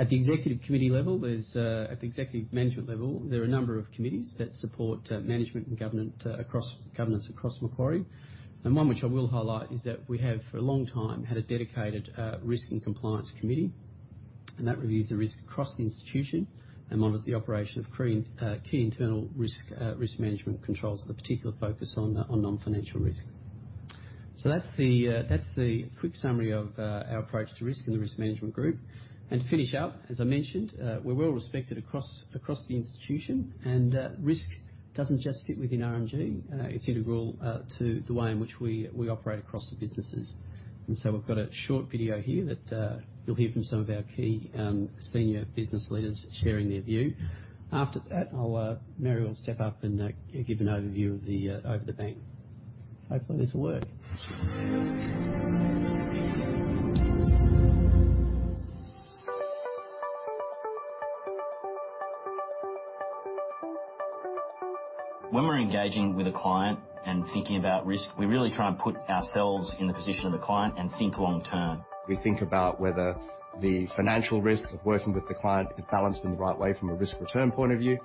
At the executive committee level, at the executive management level, there are a number of committees that support management and governance across Macquarie. One which I will highlight is that we have, for a long time, had a dedicated risk and compliance committee. That reviews the risk across the institution and monitors the operation of key internal risk management controls, with a particular focus on non-financial risk. That is the quick summary of our approach to risk and the risk management group. To finish up, as I mentioned, we are well respected across the institution. Risk does not just sit within R&G. It is integral to the way in which we operate across the businesses. We have a short video here that you will hear from some of our key senior business leaders sharing their view. After that, Mary will step up and give an overview over the bank. Hopefully, this will work. When we are engaging with a client and thinking about risk, we really try and put ourselves in the position of the client and think long term. We think about whether the financial risk of working with the client is balanced in the right way from a risk return point of view.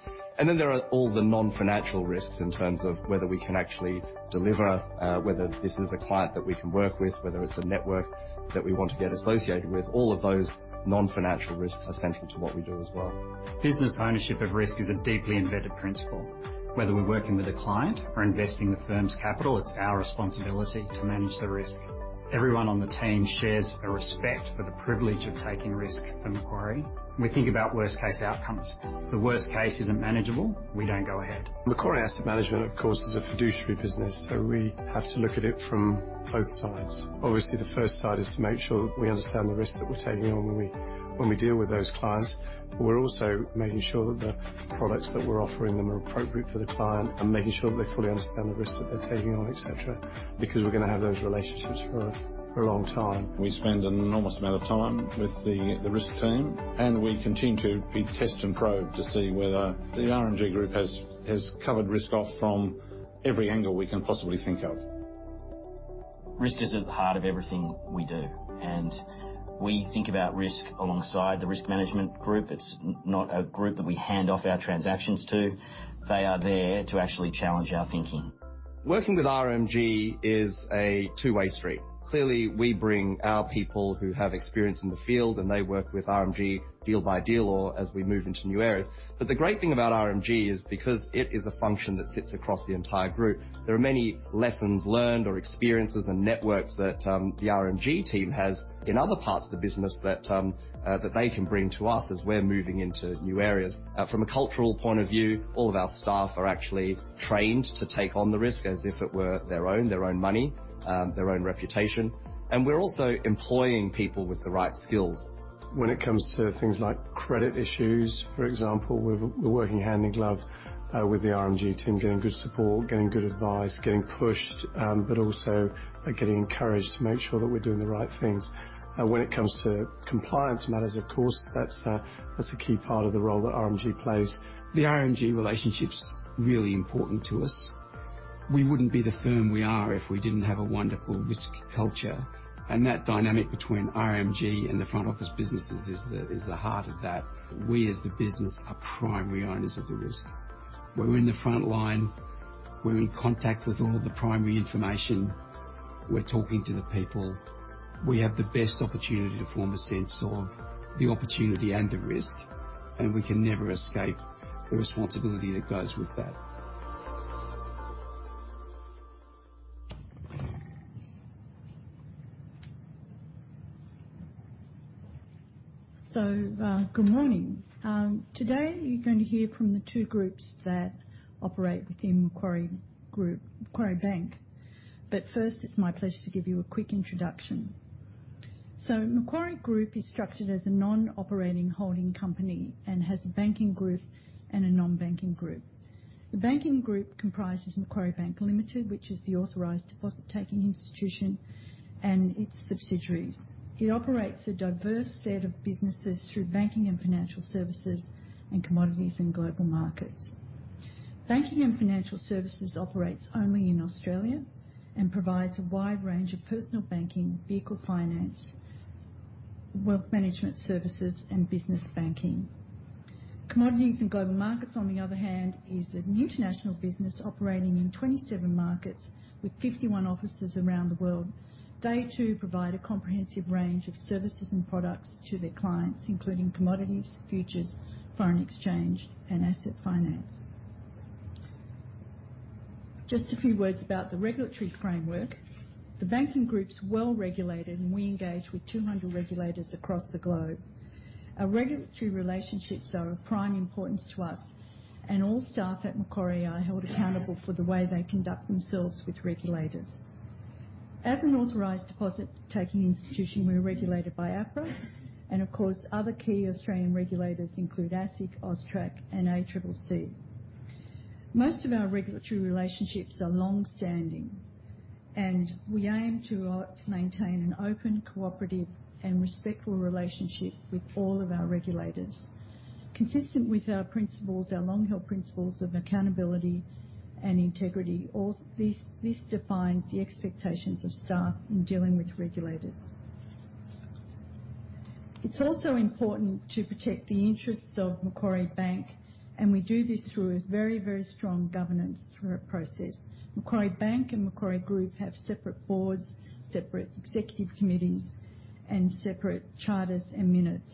There are all the non-financial risks in terms of whether we can actually deliver, whether this is a client that we can work with, whether it is a network that we want to get associated with. All of those non-financial risks are central to what we do as well. Business ownership of risk is a deeply embedded principle. Whether we're working with a client or investing the firm's capital, it's our responsibility to manage the risk. Everyone on the team shares a respect for the privilege of taking risk for Macquarie. We think about worst-case outcomes. If the worst case isn't manageable, we don't go ahead. Macquarie Asset Management, of course, is a fiduciary business, so we have to look at it from both sides. Obviously, the first side is to make sure that we understand the risks that we're taking on when we deal with those clients. We are also making sure that the products that we are offering them are appropriate for the client and making sure that they fully understand the risks that they are taking on, etc., because we are going to have those relationships for a long time. We spend an enormous amount of time with the risk team, and we continue to test and probe to see whether the R&G group has covered risk off from every angle we can possibly think of. Risk is at the heart of everything we do. We think about risk alongside the risk management group. It is not a group that we hand off our transactions to. They are there to actually challenge our thinking. Working with R&G is a two-way street. Clearly, we bring our people who have experience in the field, and they work with R&G deal by deal or as we move into new areas. The great thing about R&G is because it is a function that sits across the entire group, there are many lessons learned or experiences and networks that the R&G team has in other parts of the business that they can bring to us as we're moving into new areas. From a cultural point of view, all of our staff are actually trained to take on the risk as if it were their own, their own money, their own reputation. We're also employing people with the right skills. When it comes to things like credit issues, for example, we're working hand in glove with the R&G team, getting good support, getting good advice, getting pushed, but also getting encouraged to make sure that we're doing the right things. When it comes to compliance matters, of course, that's a key part of the role that R&G plays. The R&G relationship's really important to us. We wouldn't be the firm we are if we didn't have a wonderful risk culture. That dynamic between R&G and the front office businesses is the heart of that. We, as the business, are primary owners of the risk. We're in the front line. We're in contact with all of the primary information. We're talking to the people. We have the best opportunity to form a sense of the opportunity and the risk. We can never escape the responsibility that goes with that. Good morning. Today, you're going to hear from the two groups that operate within Macquarie Group, Macquarie Bank. First, it's my pleasure to give you a quick introduction. Macquarie Group is structured as a non-operating holding company and has a banking group and a non-banking group. The banking group comprises Macquarie Bank Limited, which is the authorised deposit-taking institution, and its subsidiaries. It operates a diverse set of businesses through Banking and Financial Services and Commodities and Global Markets. Banking and Financial Services operates only in Australia and provides a wide range of personal banking, vehicle finance, wealth management services, and business banking. Commodities and Global Markets, on the other hand, is an international business operating in 27 markets with 51 offices around the world. They too provide a comprehensive range of services and products to their clients, including commodities, futures, foreign exchange, and asset finance. Just a few words about the regulatory framework. The banking group is well regulated, and we engage with 200 regulators across the globe. Our regulatory relationships are of prime importance to us, and all staff at Macquarie are held accountable for the way they conduct themselves with regulators. As an authorised deposit-taking institution, we're regulated by APRA, and of course, other key Australian regulators include ASIC, AUSTRAC, and ACCC. Most of our regulatory relationships are longstanding, and we aim to maintain an open, cooperative, and respectful relationship with all of our regulators. Consistent with our principles, our long-held principles of accountability and integrity, this defines the expectations of staff in dealing with regulators. It's also important to protect the interests of Macquarie Bank, and we do this through a very, very strong governance process. Macquarie Bank and Macquarie Group have separate boards, separate executive committees, and separate charters and minutes.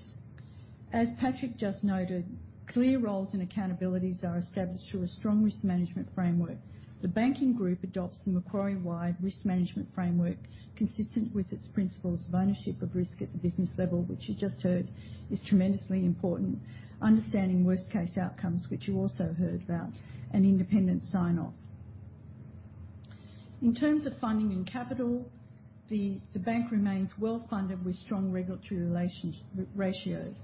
As Patrick just noted, clear roles and accountabilities are established through a strong risk management framework. The banking group adopts the Macquarie-wide risk management framework, consistent with its principles of ownership of risk at the business level, which you just heard, is tremendously important, understanding worst-case outcomes, which you also heard about, and independent sign-off. In terms of funding and capital, the bank remains well funded with strong regulatory ratios.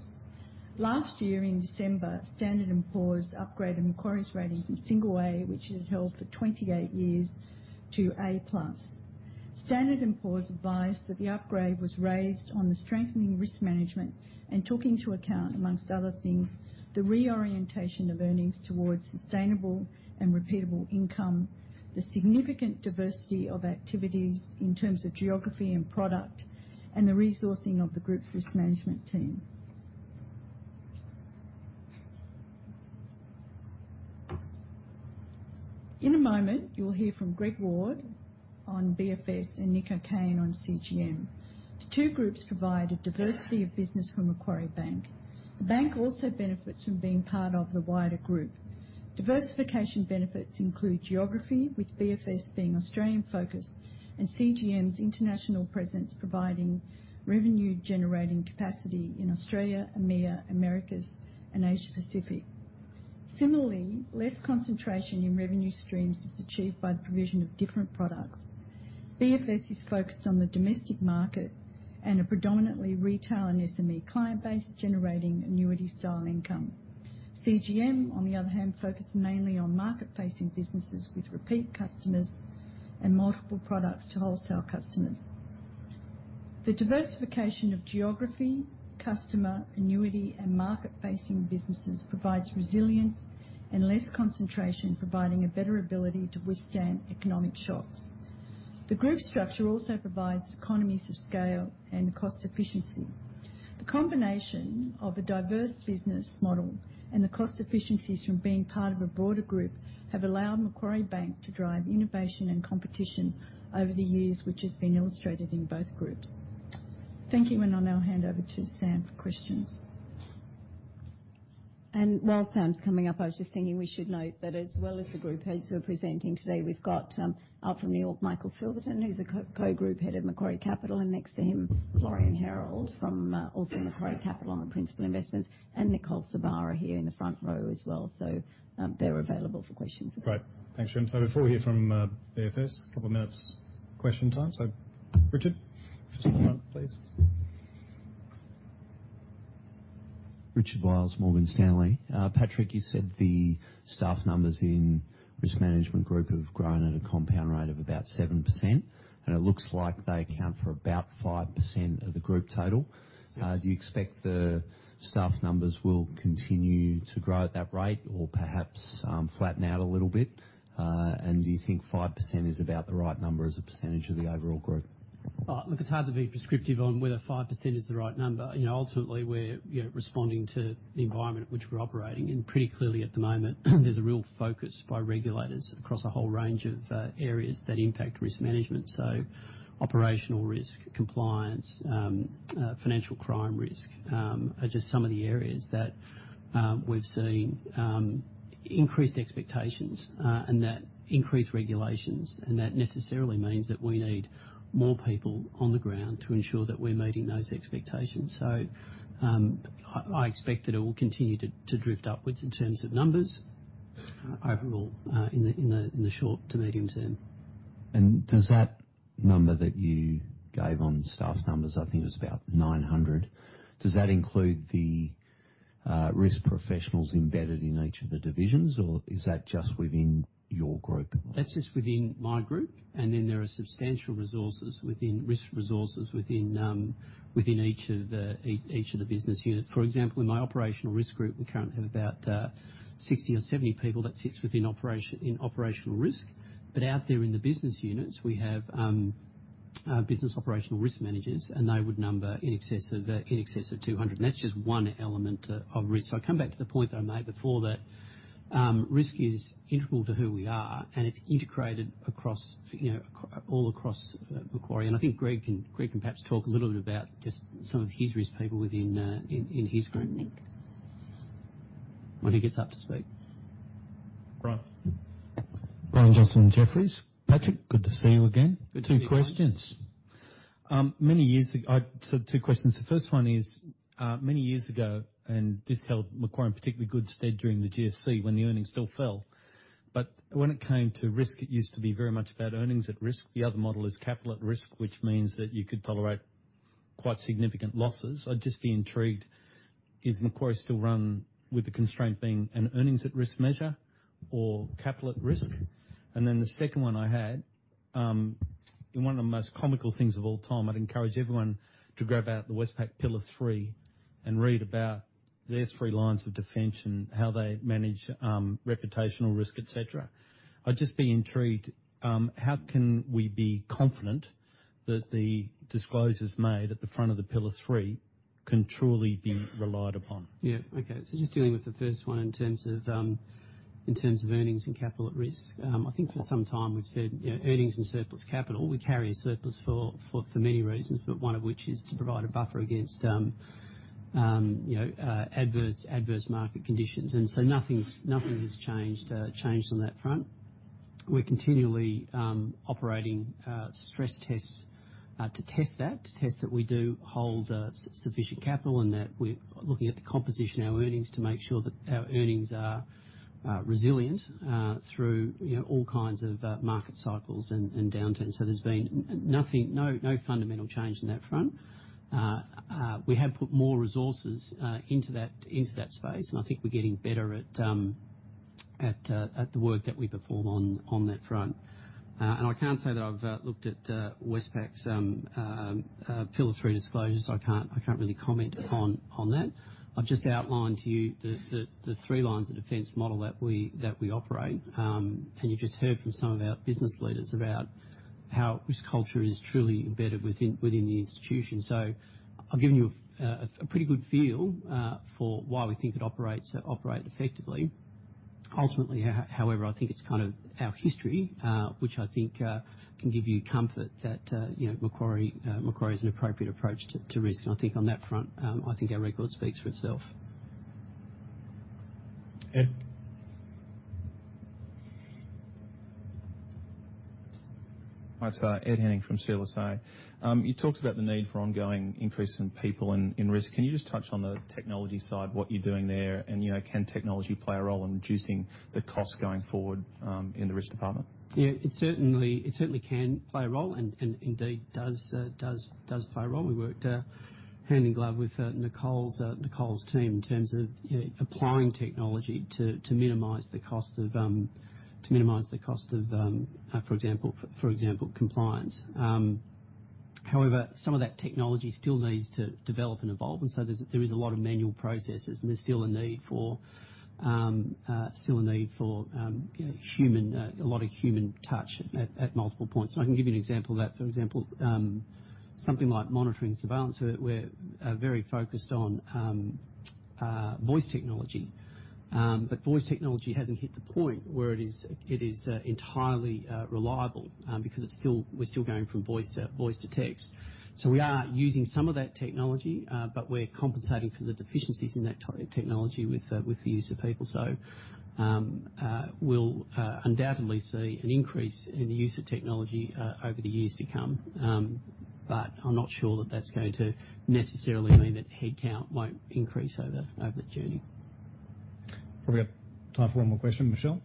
Last year, in December, Standard & Poor's upgraded Macquarie's rating from single A, which it had held for 28 years, to A plus. Standard & Poor's advised that the upgrade was raised on the strengthening risk management and took into account, amongst other things, the reorientation of earnings towards sustainable and repeatable income, the significant diversity of activities in terms of geography and product, and the resourcing of the group's risk management team. In a moment, you'll hear from Greg Ward on BFS and Nicole Kane on CGM. The two groups provide a diversity of business for Macquarie Bank. The bank also benefits from being part of the wider group. Diversification benefits include geography, with BFS being Australian-focused, and CGM's international presence providing revenue-generating capacity in Australia, EMEA, Americas, and Asia-Pacific. Similarly, less concentration in revenue streams is achieved by the provision of different products. BFS is focused on the domestic market and a predominantly retail and SME client base, generating annuity-style income. CGM, on the other hand, focuses mainly on market-facing businesses with repeat customers and multiple products to wholesale customers. The diversification of geography, customer, annuity, and market-facing businesses provides resilience and less concentration, providing a better ability to withstand economic shocks. The group structure also provides economies of scale and cost efficiency. The combination of a diverse business model and the cost efficiencies from being part of a broader group have allowed Macquarie Bank to drive innovation and competition over the years, which has been illustrated in both groups. Thank you, and I'll now hand over to Sam for questions. While Sam's coming up, I was just thinking we should note that, as well as the group heads who are presenting today, we've got out from New York, Michael Silverton, who's a co-group head at Macquarie Capital, and next to him, Florian Herold from also Macquarie Capital on the principal investments, and Nicole Sorbara here in the front row as well. They're available for questions. Great. Thanks, Shemara. Before we hear from BFS, a couple of minutes question time. Richard, please. Richard Wiles, Morgan Stanley. Patrick, you said the staff numbers in the risk management group have grown at a compound rate of about 7%, and it looks like they account for about 5% of the group total. Do you expect the staff numbers will continue to grow at that rate or perhaps flatten out a little bit? Do you think 5% is about the right number as a percentage of the overall group? Look, it's hard to be prescriptive on whether 5% is the right number. Ultimately, we're responding to the environment in which we're operating. Pretty clearly, at the moment, there's a real focus by regulators across a whole range of areas that impact risk management. Operational risk, compliance, financial crime risk are just some of the areas that we've seen increased expectations and that increased regulations, and that necessarily means that we need more people on the ground to ensure that we're meeting those expectations. I expect that it will continue to drift upwards in terms of numbers overall in the short to medium term. Does that number that you gave on staff numbers, I think it was about 900, does that include the risk professionals embedded in each of the divisions, or is that just within your group? That's just within my group. There are substantial resources within risk resources within each of the business units. For example, in my operational risk group, we currently have about 60 or 70 people that sit in operational risk. Out there in the business units, we have business operational risk managers, and they would number in excess of 200. That is just one element of risk. I come back to the point that I made before that risk is integral to who we are, and it is integrated all across Macquarie. I think Greg can perhaps talk a little bit about just some of his risk people within his group when he gets up to speak. Brian Johnson, Jefferies. Patrick, good to see you again. Two questions. Many years ago, two questions. The first one is, many years ago, and this held Macquarie in a particularly good stead during the GFC when the earnings still fell. When it came to risk, it used to be very much about earnings at risk. The other model is capital at risk, which means that you could tolerate quite significant losses. I'd just be intrigued, is Macquarie still run with the constraint being an earnings at risk measure or capital at risk? The second one I had, one of the most comical things of all time, I'd encourage everyone to grab out the Westpac Pillar 3 and read about their three lines of defense and how they manage reputational risk, etc. I'd just be intrigued, how can we be confident that the disclosures made at the front of the Pillar 3 can truly be relied upon? Yeah. Okay. Just dealing with the first one in terms of earnings and capital at risk. I think for some time we've said earnings and surplus capital, we carry surplus for many reasons, but one of which is to provide a buffer against adverse market conditions. Nothing has changed on that front. We're continually operating stress tests to test that, to test that we do hold sufficient capital and that we're looking at the composition of our earnings to make sure that our earnings are resilient through all kinds of market cycles and downturns. There's been no fundamental change in that front. We have put more resources into that space, and I think we're getting better at the work that we perform on that front. I can't say that I've looked at Westpac's Pillar 3 disclosures, so I can't really comment on that. I've just outlined to you the three lines of defense model that we operate. You just heard from some of our business leaders about how risk culture is truly embedded within the institution. I've given you a pretty good feel for why we think it operates effectively. Ultimately, however, I think it's kind of our history, which I think can give you comfort that Macquarie is an appropriate approach to risk. I think on that front, I think our record speaks for itself. Ed. All right. Ed Henning from CLSA. You talked about the need for ongoing increase in people in risk. Can you just touch on the technology side, what you're doing there, and can technology play a role in reducing the costs going forward in the risk department? Yeah. It certainly can play a role and indeed does play a role. We worked hand in glove with Nicole's team in terms of applying technology to minimise the cost of, for example, compliance. However, some of that technology still needs to develop and evolve. There is a lot of manual processes, and there's still a need for, still a need for a lot of human touch at multiple points. I can give you an example of that. For example, something like monitoring surveillance, we're very focused on voice technology. Voice technology hasn't hit the point where it is entirely reliable because we're still going from voice to text. We are using some of that technology, but we're compensating for the deficiencies in that technology with the use of people. We'll undoubtedly see an increase in the use of technology over the years to come. I'm not sure that that's going to necessarily mean that headcount won't increase over that journey. Probably time for one more question, Michelle.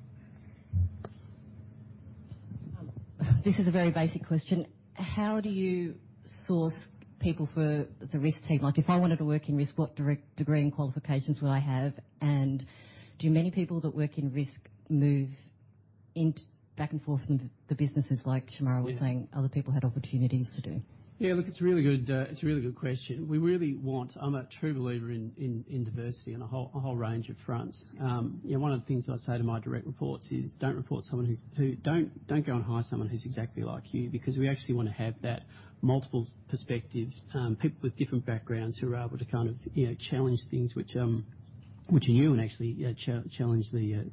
This is a very basic question. How do you source people for the risk team? If I wanted to work in risk, what degree and qualifications would I have? And do many people that work in risk move back and forth from the businesses, like Shemara was saying, other people had opportunities to do? Yeah. Look, it's a really good question. We really want—I'm a true believer in diversity on a whole range of fronts. One of the things I say to my direct reports is, "Don't report someone who's—don't go and hire someone who's exactly like you," because we actually want to have that multiple perspective, people with different backgrounds who are able to kind of challenge things which are new and actually challenge the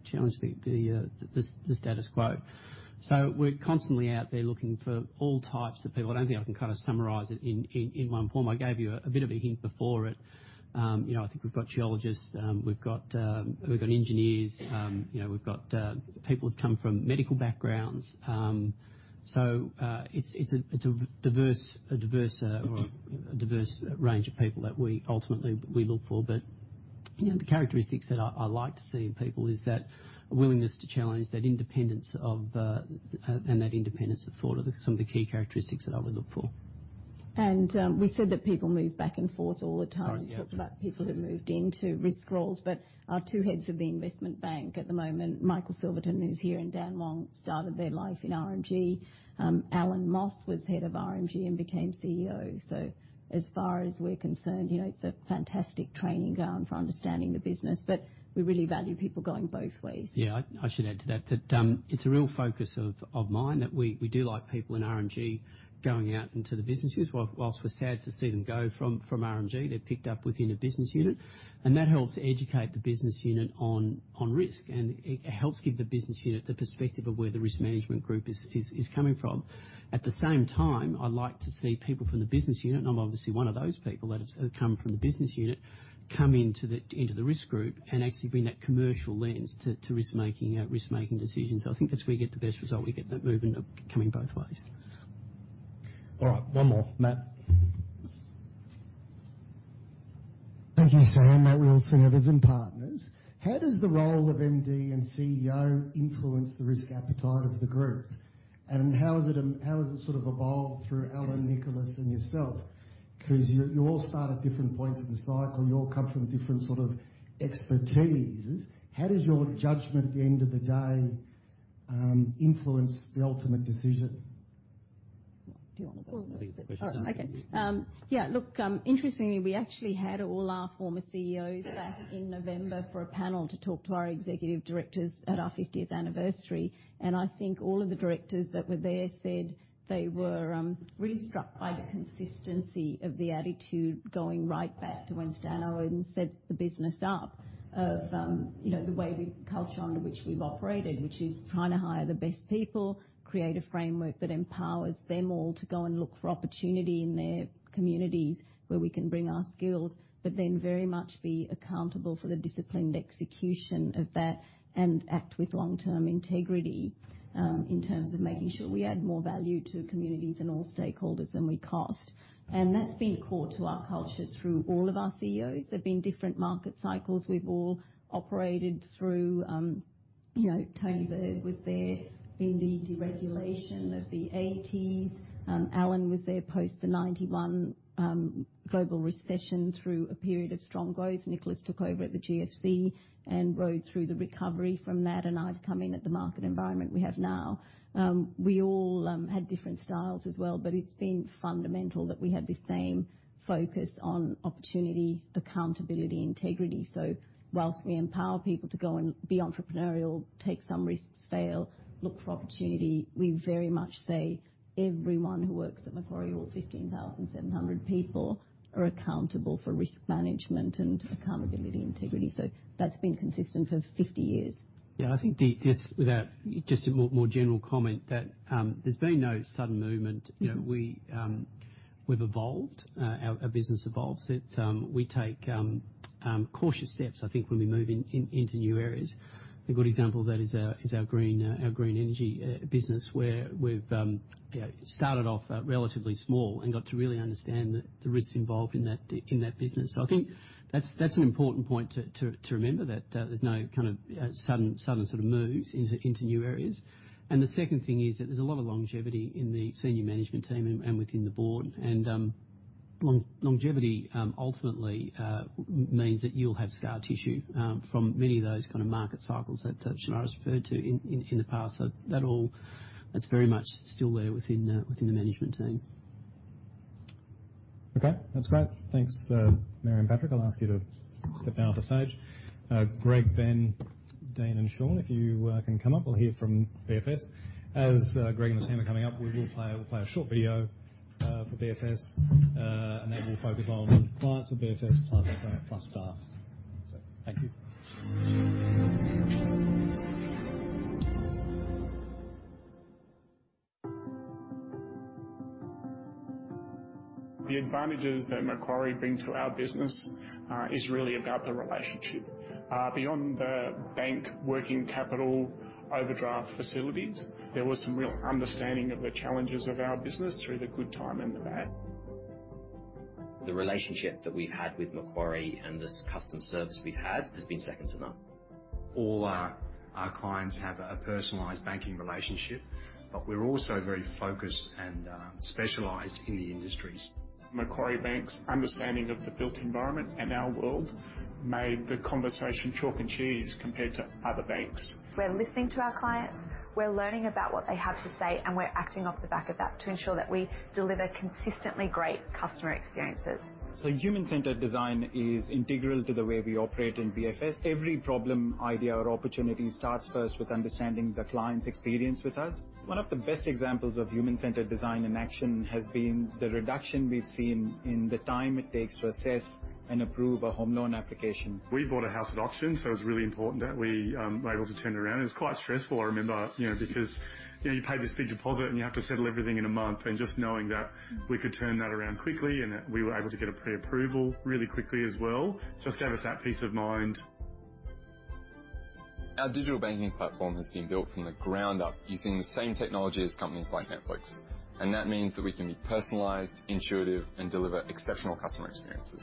status quo. So we're constantly out there looking for all types of people. I don't think I can kind of summarise it in one form. I gave you a bit of a hint before it. I think we've got geologists. We've got engineers. We've got people who've come from medical backgrounds. It is a diverse range of people that we ultimately look for. The characteristics that I like to see in people is that willingness to challenge, that independence, and that independence of thought are some of the key characteristics that I would look for. We said that people move back and forth all the time. You talked about people who moved into risk roles. Our two heads of the investment bank at the moment, Michael Silverton, who's here, and Dan Wong, started their life in RMG. Alan Moss was head of RMG and became CEO. As far as we're concerned, it is a fantastic training ground for understanding the business. We really value people going both ways. Yeah. I should add to that that it's a real focus of mine that we do like people in RMG going out into the business units. Whilst we're sad to see them go from RMG, they're picked up within a business unit. That helps educate the business unit on risk. It helps give the business unit the perspective of where the risk management group is coming from. At the same time, I'd like to see people from the business unit—I am obviously one of those people that have come from the business unit—come into the risk group and actually bring that commercial lens to risk-making decisions. I think that's where you get the best result. We get that movement coming both ways. All right. One more, Matt. Thank you, Shannon, Matt Wilson, Evans & Partners. How does the role of MD and CEO influence the risk appetite of the group? How has it sort of evolved through Alan, Nicholas, and yourself? You all start at different points in the cycle. You all come from different sort of expertises. How does your judgment at the end of the day influence the ultimate decision? Do you want to go? I think that's a good question. Okay. Yeah. Look, interestingly, we actually had all our former CEOs back in November for a panel to talk to our executive directors at our 50th anniversary. I think all of the directors that were there said they were really struck by the consistency of the attitude going right back to when Stan Owen set the business up of the culture under which we've operated, which is trying to hire the best people, create a framework that empowers them all to go and look for opportunity in their communities where we can bring our skills, but then very much be accountable for the disciplined execution of that and act with long-term integrity in terms of making sure we add more value to communities and all stakeholders than we cost. That's been core to our culture through all of our CEOs. There've been different market cycles. We've all operated through. Tony Bird was there, in the deregulation of the 1980s. Alan was there post the 1991 global recession through a period of strong growth. Nicholas took over at the GFC and rode through the recovery from that. I have come in at the market environment we have now. We all had different styles as well, but it has been fundamental that we had the same focus on opportunity, accountability, integrity. Whilst we empower people to go and be entrepreneurial, take some risks, fail, look for opportunity, we very much say everyone who works at Macquarie, all 15,700 people, are accountable for risk management and accountability, integrity. That has been consistent for 50 years. I think just a more general comment that there has been no sudden movement. We have evolved. Our business evolves. We take cautious steps, I think, when we move into new areas. A good example of that is our green energy business, where we started off relatively small and got to really understand the risks involved in that business. I think that's an important point to remember, that there's no kind of sudden sort of moves into new areas. The second thing is that there's a lot of longevity in the senior management team and within the board. Longevity ultimately means that you'll have scar tissue from many of those kind of market cycles that Shemara's referred to in the past. That's very much still there within the management team. Okay. That's great. Thanks, Mary and Patrick. I'll ask you to step down off the stage. Greg, Ben, Dean, and Sean, if you can come up, we'll hear from BFS. As Greg and the team are coming up, we will play a short video for BFS, and that will focus on clients of BFS plus staff. Thank you. The advantages that Macquarie brings to our business is really about the relationship. Beyond the bank working capital overdraft facilities, there was some real understanding of the challenges of our business through the good time and the bad. The relationship that we've had with Macquarie and the customer service we've had has been second to none. All our clients have a personalized banking relationship, but we're also very focused and specialized in the industries. Macquarie Bank's understanding of the built environment and our world made the conversation chalk and cheese compared to other banks. We're listening to our clients. We're learning about what they have to say, and we're acting off the back of that to ensure that we deliver consistently great customer experiences. Human-centred design is integral to the way we operate in BFS. Every problem, idea, or opportunity starts first with understanding the client's experience with us. One of the best examples of human-centred design in action has been the reduction we've seen in the time it takes to assess and approve a home loan application. We bought a house at auction, so it was really important that we were able to turn it around. It was quite stressful, I remember, because you pay this big deposit, and you have to settle everything in a month. Just knowing that we could turn that around quickly and that we were able to get a pre-approval really quickly as well just gave us that peace of mind. Our digital banking platform has been built from the ground up using the same technology as companies like Netflix. That means that we can be personalised, intuitive, and deliver exceptional customer experiences.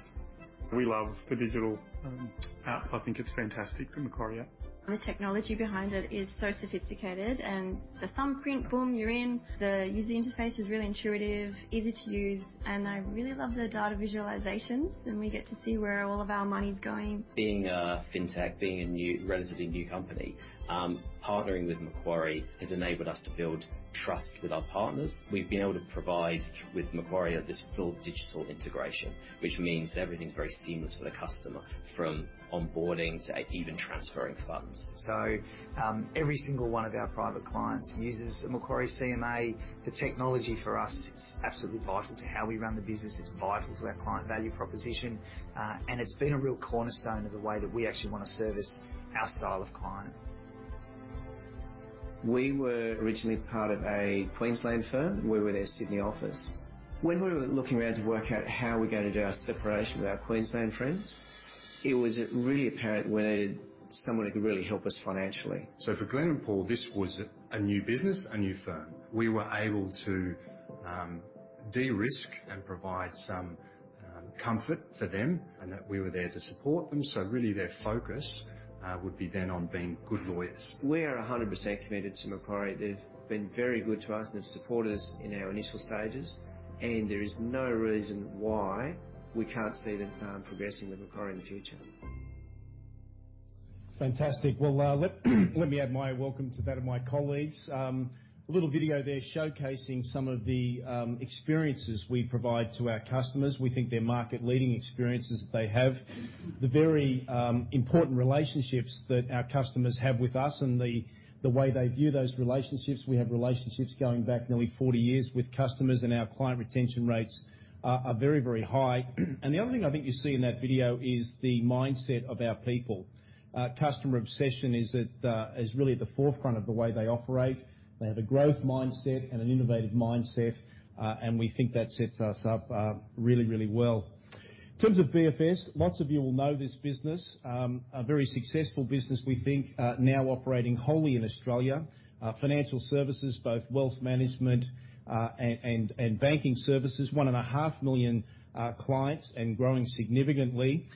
We love the digital app. I think it's fantastic from Macquarie. The technology behind it is so sophisticated. The thumbprint, boom, you're in. The user interface is really intuitive, easy to use. I really love the data visualisations, and we get to see where all of our money's going. Being a fintech, being a relatively new company, partnering with Macquarie has enabled us to build trust with our partners. We've been able to provide with Macquarie this full digital integration, which means everything's very seamless for the customer, from onboarding to even transferring funds. Every single one of our private clients uses a Macquarie CMA. The technology for us, it's absolutely vital to how we run the business. It's vital to our client value proposition. It's been a real cornerstone of the way that we actually want to service our style of client. We were originally part of a Queensland firm. We were their Sydney office. When we were looking around to work out how we're going to do our separation with our Queensland friends, it was really apparent we needed someone who could really help us financially. For Glenn and Paul, this was a new business, a new firm. We were able to de-risk and provide some comfort for them and that we were there to support them. Their focus would be then on being good lawyers. We are 100% committed to Macquarie. They've been very good to us, and they've supported us in our initial stages. There is no reason why we can't see them progressing with Macquarie in the future. Fantastic. Let me add my welcome to that of my colleagues. A little video there showcasing some of the experiences we provide to our customers. We think they're market-leading experiences that they have. The very important relationships that our customers have with us and the way they view those relationships. We have relationships going back nearly 40 years with customers, and our client retention rates are very, very high. The other thing I think you see in that video is the mindset of our people. Customer obsession is really at the forefront of the way they operate. They have a growth mindset and an innovative mindset. We think that sets us up really, really well. In terms of BFS, lots of you will know this business. A very successful business, we think, now operating wholly in Australia. Financial services, both wealth management and banking services, one and a half million clients and growing significantly.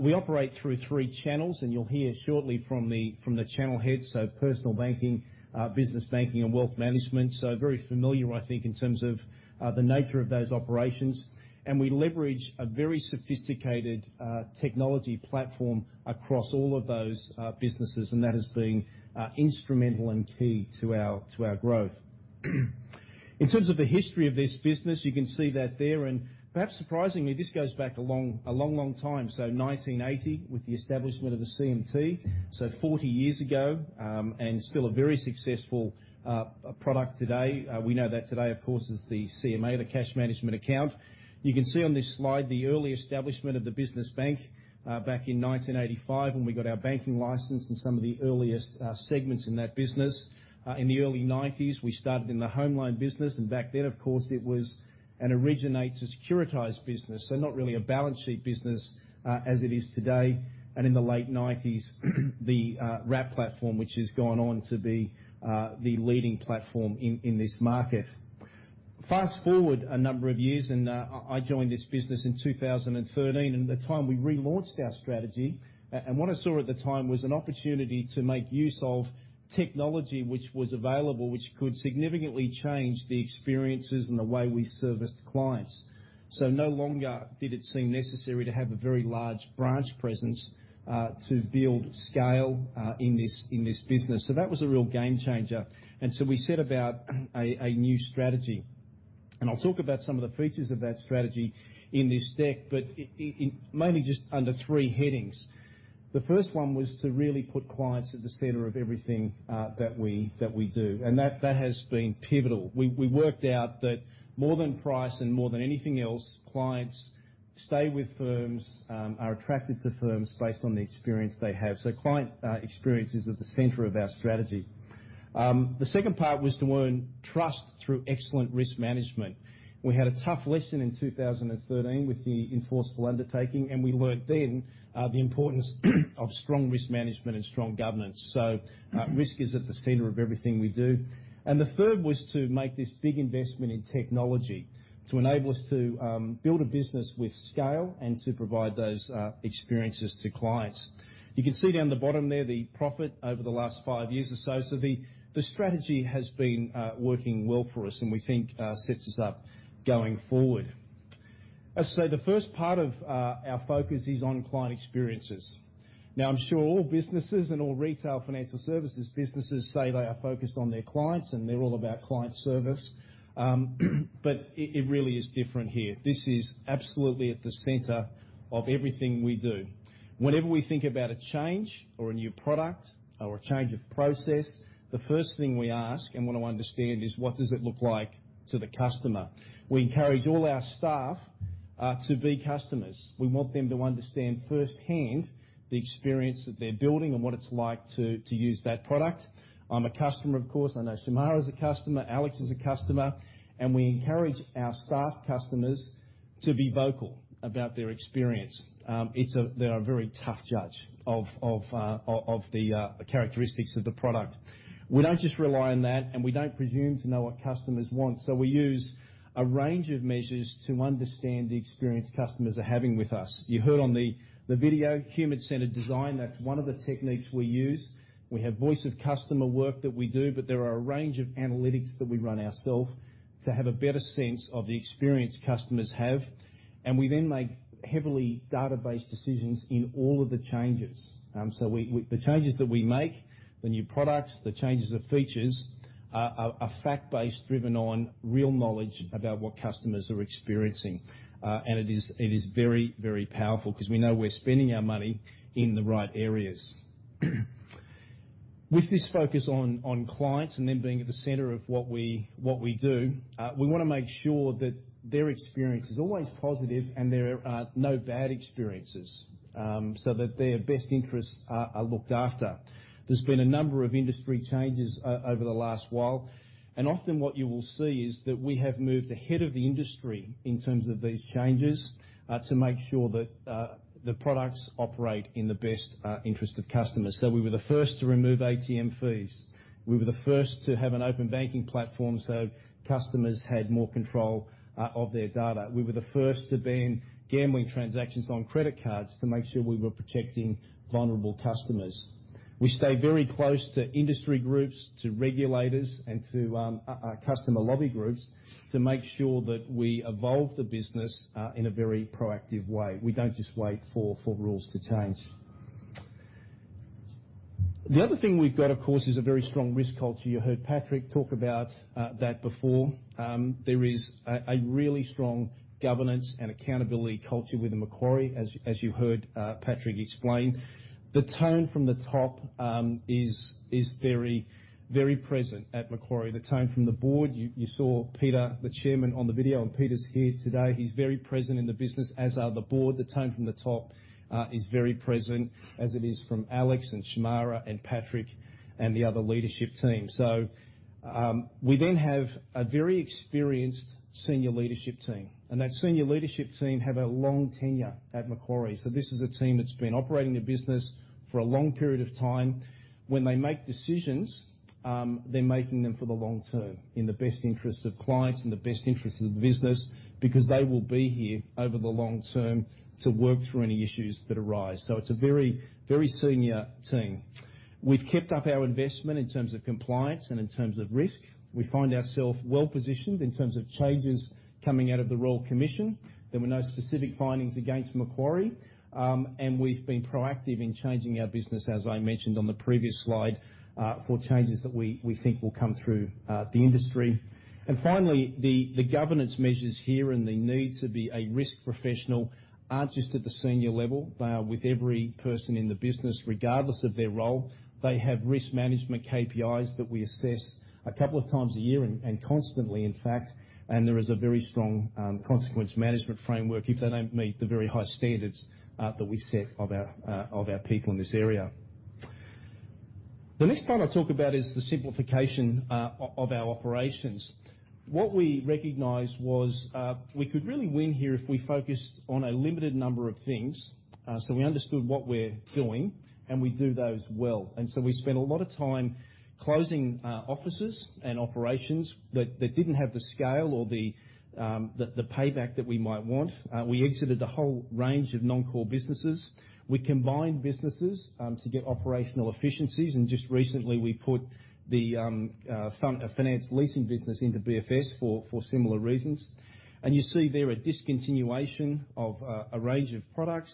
We operate through three channels, and you'll hear shortly from the channel heads, so personal banking, business banking, and wealth management. Very familiar, I think, in terms of the nature of those operations. We leverage a very sophisticated technology platform across all of those businesses, and that has been instrumental and key to our growth. In terms of the history of this business, you can see that there. Perhaps surprisingly, this goes back a long, long time, so 1980 with the establishment of the CMT, so 40 years ago and still a very successful product today. We know that today, of course, is the CMA, the Cash Management Account. You can see on this slide the early establishment of the business bank back in 1985 when we got our banking license and some of the earliest segments in that business. In the early 1990s, we started in the home loan business. Back then, of course, it was an originate-to-securitise business, so not really a balance sheet business as it is today. In the late 1990s, the Wrap platform, which has gone on to be the leading platform in this market. Fast forward a number of years, and I joined this business in 2013. At the time, we relaunched our strategy. What I saw at the time was an opportunity to make use of technology which was available, which could significantly change the experiences and the way we serviced clients. No longer did it seem necessary to have a very large branch presence to build scale in this business. That was a real game changer. We set about a new strategy. I'll talk about some of the features of that strategy in this deck, but mainly just under three headings. The first one was to really put clients at the centre of everything that we do. That has been pivotal. We worked out that more than price and more than anything else, clients stay with firms, are attracted to firms based on the experience they have. Client experience is at the centre of our strategy. The second part was to earn trust through excellent risk management. We had a tough lesson in 2013 with the enforceable undertaking, and we learned then the importance of strong risk management and strong governance. Risk is at the centre of everything we do. The third was to make this big investment in technology to enable us to build a business with scale and to provide those experiences to clients. You can see down the bottom there the profit over the last five years or so. The strategy has been working well for us, and we think sets us up going forward. As I say, the first part of our focus is on client experiences. Now, I'm sure all businesses and all retail financial services businesses say they are focused on their clients, and they're all about client service. It really is different here. This is absolutely at the center of everything we do. Whenever we think about a change or a new product or a change of process, the first thing we ask and want to understand is, what does it look like to the customer? We encourage all our staff to be customers. We want them to understand firsthand the experience that they're building and what it's like to use that product. I'm a customer, of course. I know Shemara is a customer. Alex is a customer. We encourage our staff customers to be vocal about their experience. They're a very tough judge of the characteristics of the product. We don't just rely on that, and we don't presume to know what customers want. We use a range of measures to understand the experience customers are having with us. You heard on the video, human-centred design. That's one of the techniques we use. We have voice of customer work that we do, but there are a range of analytics that we run ourselves to have a better sense of the experience customers have. We then make heavily data-based decisions in all of the changes. The changes that we make, the new products, the changes of features are fact-based, driven on real knowledge about what customers are experiencing. It is very, very powerful because we know we're spending our money in the right areas. With this focus on clients and them being at the center of what we do, we want to make sure that their experience is always positive and there are no bad experiences so that their best interests are looked after. There has been a number of industry changes over the last while. Often, what you will see is that we have moved ahead of the industry in terms of these changes to make sure that the products operate in the best interest of customers. We were the first to remove ATM fees. We were the first to have an open banking platform so customers had more control of their data. We were the first to ban gambling transactions on credit cards to make sure we were protecting vulnerable customers. We stay very close to industry groups, to regulators, and to customer lobby groups to make sure that we evolve the business in a very proactive way. We don't just wait for rules to change. The other thing we've got, of course, is a very strong risk culture. You heard Patrick talk about that before. There is a really strong governance and accountability culture within Macquarie, as you heard Patrick explain. The tone from the top is very, very present at Macquarie. The tone from the board, you saw Peter, the chairman, on the video, and Peter's here today. He's very present in the business, as are the board. The tone from the top is very present, as it is from Alex and Shemara and Patrick and the other leadership team. We then have a very experienced senior leadership team. That senior leadership team have a long tenure at Macquarie. This is a team that's been operating the business for a long period of time. When they make decisions, they're making them for the long term in the best interest of clients and the best interest of the business because they will be here over the long term to work through any issues that arise. It's a very, very senior team. We've kept up our investment in terms of compliance and in terms of risk. We find ourselves well positioned in terms of changes coming out of the Royal Commission. There were no specific findings against Macquarie. We've been proactive in changing our business, as I mentioned on the previous slide, for changes that we think will come through the industry. Finally, the governance measures here and the need to be a risk professional are not just at the senior level. They are with every person in the business, regardless of their role. They have risk management KPIs that we assess a couple of times a year and constantly, in fact. There is a very strong consequence management framework if they do not meet the very high standards that we set of our people in this area. The next part I will talk about is the simplification of our operations. What we recognized was we could really win here if we focused on a limited number of things. We understood what we are doing, and we do those well. We spent a lot of time closing offices and operations that did not have the scale or the payback that we might want. We exited a whole range of non-core businesses. We combined businesses to get operational efficiencies. Just recently, we put the finance leasing business into BFS for similar reasons. You see there a discontinuation of a range of products,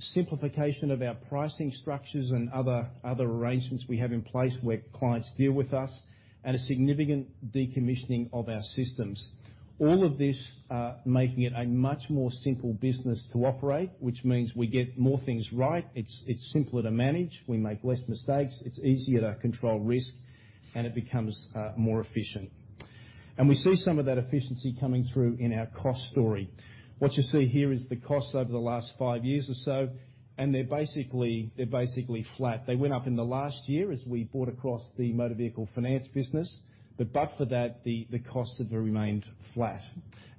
simplification of our pricing structures and other arrangements we have in place where clients deal with us, and a significant decommissioning of our systems. All of this making it a much more simple business to operate, which means we get more things right. It's simpler to manage. We make less mistakes. It's easier to control risk, and it becomes more efficient. We see some of that efficiency coming through in our cost story. What you see here is the costs over the last five years or so, and they're basically flat. They went up in the last year as we bought across the motor vehicle finance business. For that, the costs have remained flat.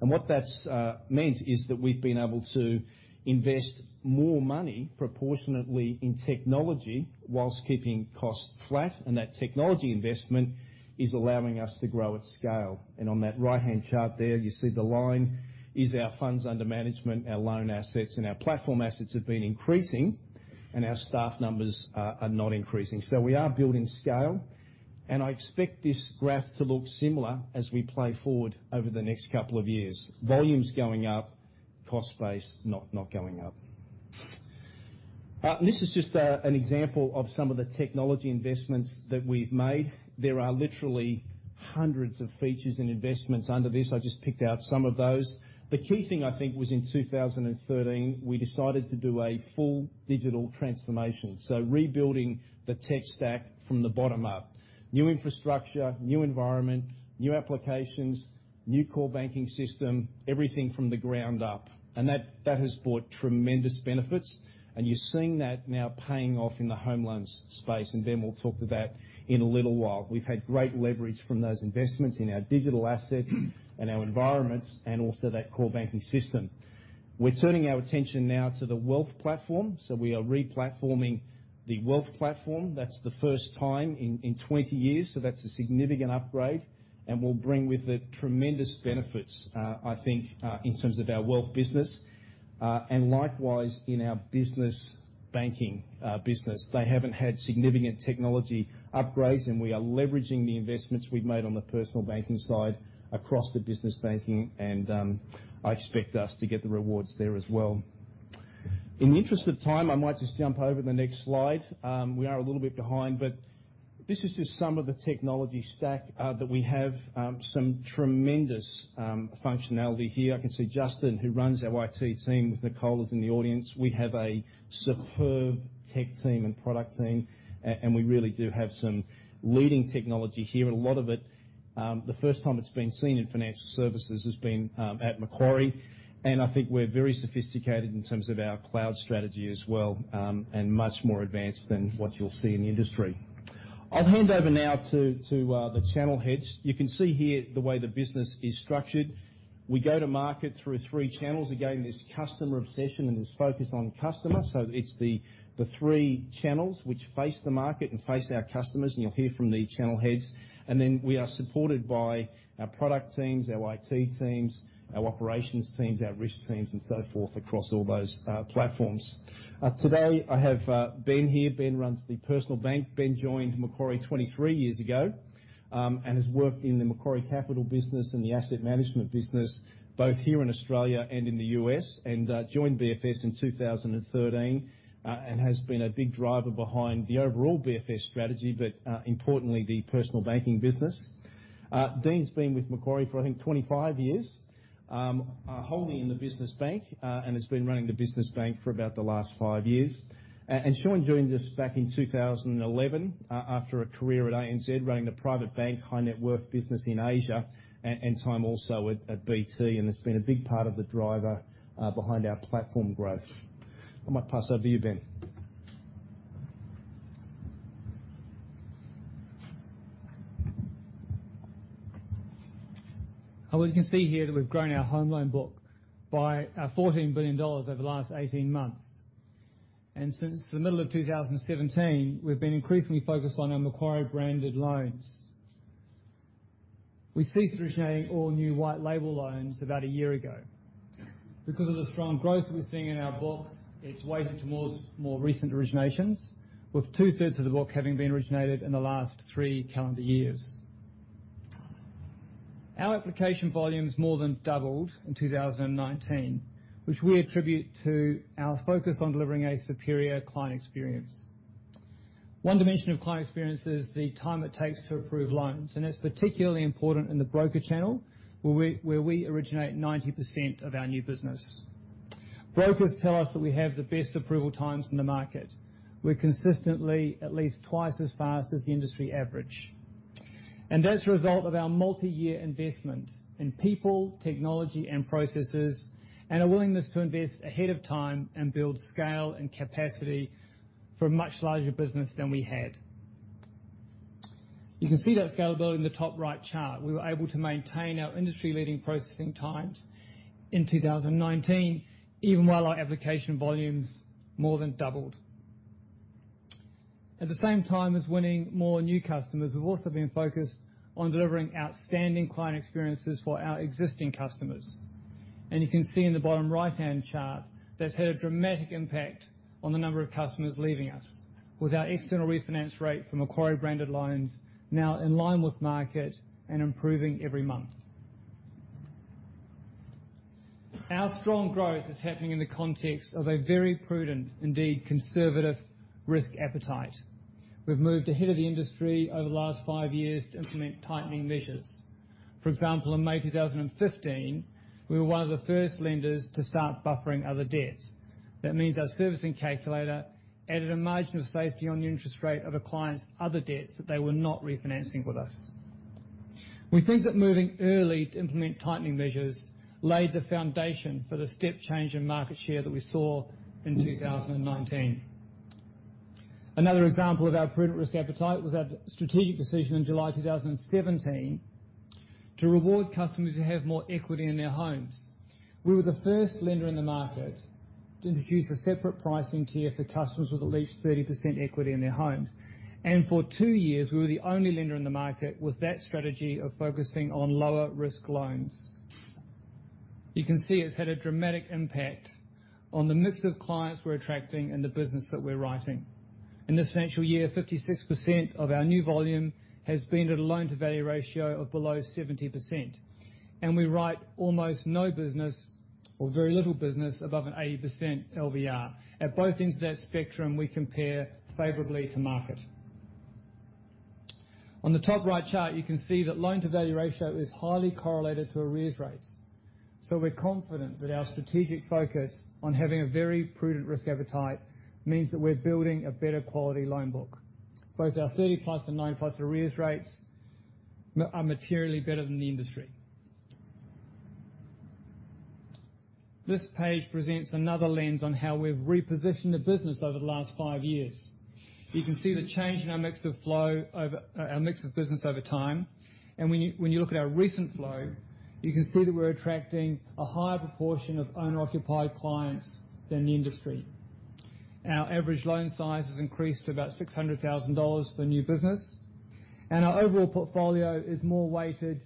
What that has meant is that we have been able to invest more money proportionately in technology whilst keeping costs flat. That technology investment is allowing us to grow at scale. On that right-hand chart there, you see the line is our funds under management, our loan assets, and our platform assets have been increasing, and our staff numbers are not increasing. We are building scale. I expect this graph to look similar as we play forward over the next couple of years. Volume is going up, cost base not going up. This is just an example of some of the technology investments that we have made. There are literally hundreds of features and investments under this. I just picked out some of those. The key thing I think was in 2013, we decided to do a full digital transformation. Rebuilding the tech stack from the bottom up. New infrastructure, new environment, new applications, new core banking system, everything from the ground up. That has brought tremendous benefits. You are seeing that now paying off in the home loans space. Ben will talk to that in a little while. We have had great leverage from those investments in our digital assets and our environments and also that core banking system. We are turning our attention now to the wealth platform. We are replatforming the wealth platform. That is the first time in 20 years. That is a significant upgrade. It will bring with it tremendous benefits, I think, in terms of our wealth business and likewise in our business banking business. They have not had significant technology upgrades, and we are leveraging the investments we have made on the personal banking side across the business banking. I expect us to get the rewards there as well. In the interest of time, I might just jump over to the next slide. We are a little bit behind, but this is just some of the technology stack that we have. Some tremendous functionality here. I can see Justin, who runs our IT team, with Nicole who's in the audience. We have a superb tech team and product team, and we really do have some leading technology here. A lot of it, the first time it's been seen in financial services, has been at Macquarie. I think we're very sophisticated in terms of our cloud strategy as well and much more advanced than what you'll see in the industry. I'll hand over now to the channel heads. You can see here the way the business is structured. We go to market through three channels. Again, this customer obsession and this focus on customer. It is the three channels which face the market and face our customers. You will hear from the channel heads. We are supported by our product teams, our IT teams, our operations teams, our risk teams, and so forth across all those platforms. Today, I have Ben here. Ben runs the personal bank. Ben joined Macquarie 23 years ago and has worked in the Macquarie Capital business and the asset management business, both here in Australia and in the US, and joined BFS in 2013 and has been a big driver behind the overall BFS strategy, but importantly, the personal banking business. Dean has been with Macquarie for, I think, 25 years, wholly in the business bank, and has been running the business bank for about the last five years. Sean joined us back in 2011 after a career at ANZ, running the private bank high-net-worth business in Asia and time also at BT. It has been a big part of the driver behind our platform growth. I might pass over to you, Ben. You can see here that we have grown our home loan book by $14 billion over the last 18 months. Since the middle of 2017, we have been increasingly focused on our Macquarie-branded loans. We ceased originating all new white-label loans about a year ago. Because of the strong growth we are seeing in our book, it is weighted towards more recent originations, with two-thirds of the book having been originated in the last three calendar years. Our application volumes more than doubled in 2019, which we attribute to our focus on delivering a superior client experience. One dimension of client experience is the time it takes to approve loans. It's particularly important in the broker channel, where we originate 90% of our new business. Brokers tell us that we have the best approval times in the market. We're consistently at least twice as fast as the industry average. That's a result of our multi-year investment in people, technology, and processes, and a willingness to invest ahead of time and build scale and capacity for a much larger business than we had. You can see that scalability in the top right chart. We were able to maintain our industry-leading processing times in 2019, even while our application volumes more than doubled. At the same time as winning more new customers, we've also been focused on delivering outstanding client experiences for our existing customers. You can see in the bottom right-hand chart that's had a dramatic impact on the number of customers leaving us, with our external refinance rate for Macquarie-branded loans now in line with market and improving every month. Our strong growth is happening in the context of a very prudent, indeed conservative, risk appetite. We've moved ahead of the industry over the last five years to implement tightening measures. For example, in May 2015, we were one of the first lenders to start buffering other debts. That means our servicing calculator added a margin of safety on the interest rate of a client's other debts that they were not refinancing with us. We think that moving early to implement tightening measures laid the foundation for the step change in market share that we saw in 2019. Another example of our prudent risk appetite was our strategic decision in July 2017 to reward customers who have more equity in their homes. We were the first lender in the market to introduce a separate pricing tier for customers with at least 30% equity in their homes. For two years, we were the only lender in the market with that strategy of focusing on lower-risk loans. You can see it's had a dramatic impact on the mix of clients we're attracting and the business that we're writing. In this financial year, 56% of our new volume has been at a loan-to-value ratio of below 70%. We write almost no business or very little business above an 80% LVR. At both ends of that spectrum, we compare favorably to market. On the top right chart, you can see that loan-to-value ratio is highly correlated to arrears rates. We're confident that our strategic focus on having a very prudent risk appetite means that we're building a better quality loan book. Both our 30-plus and 9-plus arrears rates are materially better than the industry. This page presents another lens on how we've repositioned the business over the last five years. You can see the change in our mix of business over time. When you look at our recent flow, you can see that we're attracting a higher proportion of owner-occupied clients than the industry. Our average loan size has increased to about $600,000 for new business. Our overall portfolio is more weighted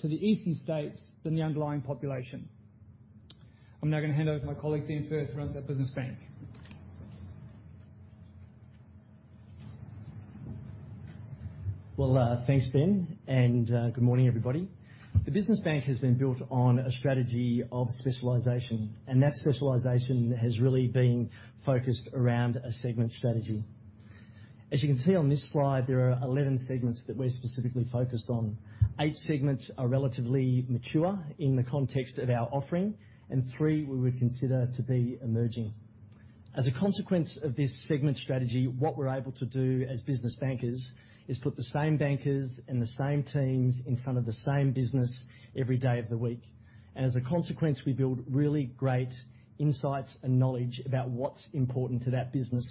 to the Eastern States than the underlying population. I'm now going to hand over to my colleague, Dean Firth, who runs our business bank. Thanks, Ben. Good morning, everybody. The business bank has been built on a strategy of specialisation. That specialisation has really been focused around a segment strategy. As you can see on this slide, there are 11 segments that we're specifically focused on. Eight segments are relatively mature in the context of our offering, and three we would consider to be emerging. As a consequence of this segment strategy, what we're able to do as business bankers is put the same bankers and the same teams in front of the same business every day of the week. As a consequence, we build really great insights and knowledge about what's important to that business,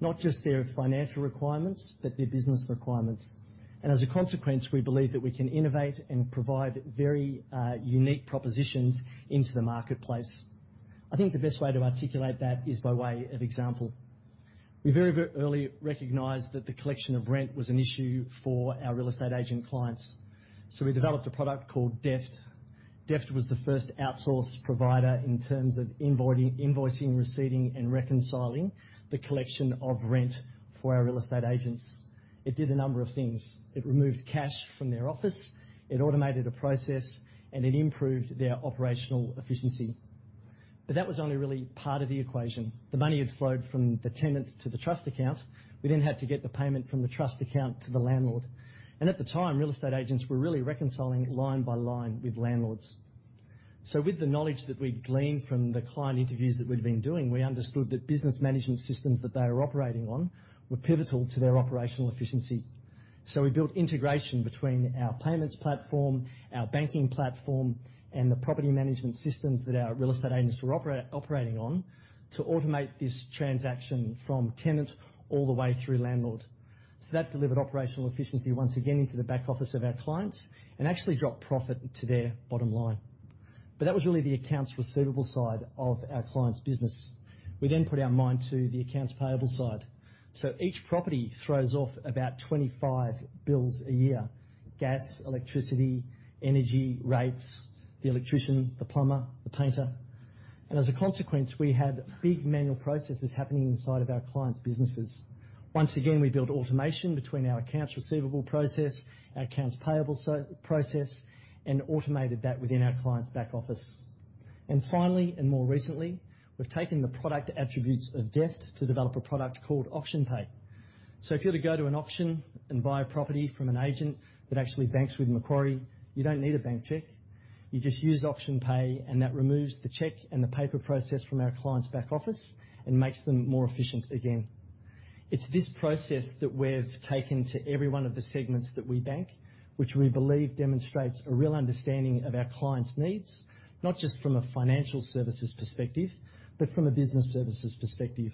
not just their financial requirements, but their business requirements. As a consequence, we believe that we can innovate and provide very unique propositions into the marketplace. I think the best way to articulate that is by way of example. We very, very early recognized that the collection of rent was an issue for our real estate agent clients. We developed a product called DEFT. DEFT was the first outsourced provider in terms of invoicing, receiving, and reconciling the collection of rent for our real estate agents. It did a number of things. It removed cash from their office. It automated a process, and it improved their operational efficiency. That was only really part of the equation. The money had flowed from the tenant to the trust account. We then had to get the payment from the trust account to the landlord. At the time, real estate agents were really reconciling line by line with landlords. With the knowledge that we'd gleaned from the client interviews that we'd been doing, we understood that business management systems that they were operating on were pivotal to their operational efficiency. We built integration between our payments platform, our banking platform, and the property management systems that our real estate agents were operating on to automate this transaction from tenant all the way through landlord. That delivered operational efficiency once again into the back office of our clients and actually dropped profit to their bottom line. That was really the accounts receivable side of our client's business. We then put our mind to the accounts payable side. Each property throws off about 25 bills a year: gas, electricity, energy, rates, the electrician, the plumber, the painter. As a consequence, we had big manual processes happening inside of our client's businesses. Once again, we built automation between our accounts receivable process, our accounts payable process, and automated that within our client's back office. Finally, and more recently, we've taken the product attributes of DEFT to develop a product called AuctionPay. If you were to go to an auction and buy a property from an agent that actually banks with Macquarie, you don't need a bank check. You just use AuctionPay, and that removes the check and the paper process from our client's back office and makes them more efficient again. It's this process that we've taken to every one of the segments that we bank, which we believe demonstrates a real understanding of our client's needs, not just from a financial services perspective, but from a business services perspective.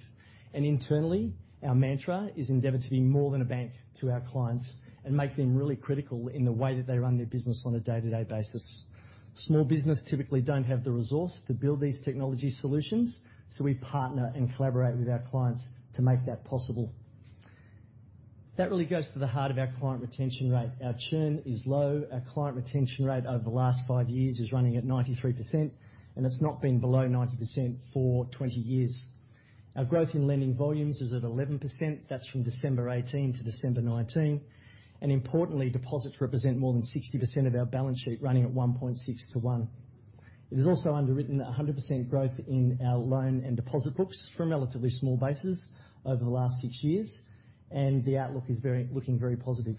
Internally, our mantra is endeavour to be more than a bank to our clients and make them really critical in the way that they run their business on a day-to-day basis. Small business typically do not have the resource to build these technology solutions, so we partner and collaborate with our clients to make that possible. That really goes to the heart of our client retention rate. Our churn is low. Our client retention rate over the last five years is running at 93%, and it has not been below 90% for 20 years. Our growth in lending volumes is at 11%. That is from December 2018 to December 2019. Importantly, deposits represent more than 60% of our balance sheet running at 1.6 to 1. It is also underwritten at 100% growth in our loan and deposit books from relatively small bases over the last six years, and the outlook is looking very positive.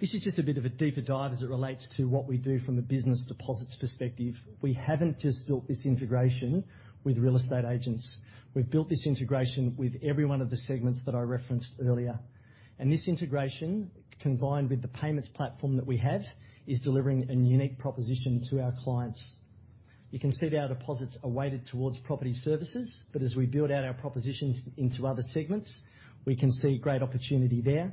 This is just a bit of a deeper dive as it relates to what we do from a business deposits perspective. We have not just built this integration with real estate agents. We have built this integration with every one of the segments that I referenced earlier. This integration, combined with the payments platform that we have, is delivering a unique proposition to our clients. You can see that our deposits are weighted towards property services, but as we build out our propositions into other segments, we can see great opportunity there.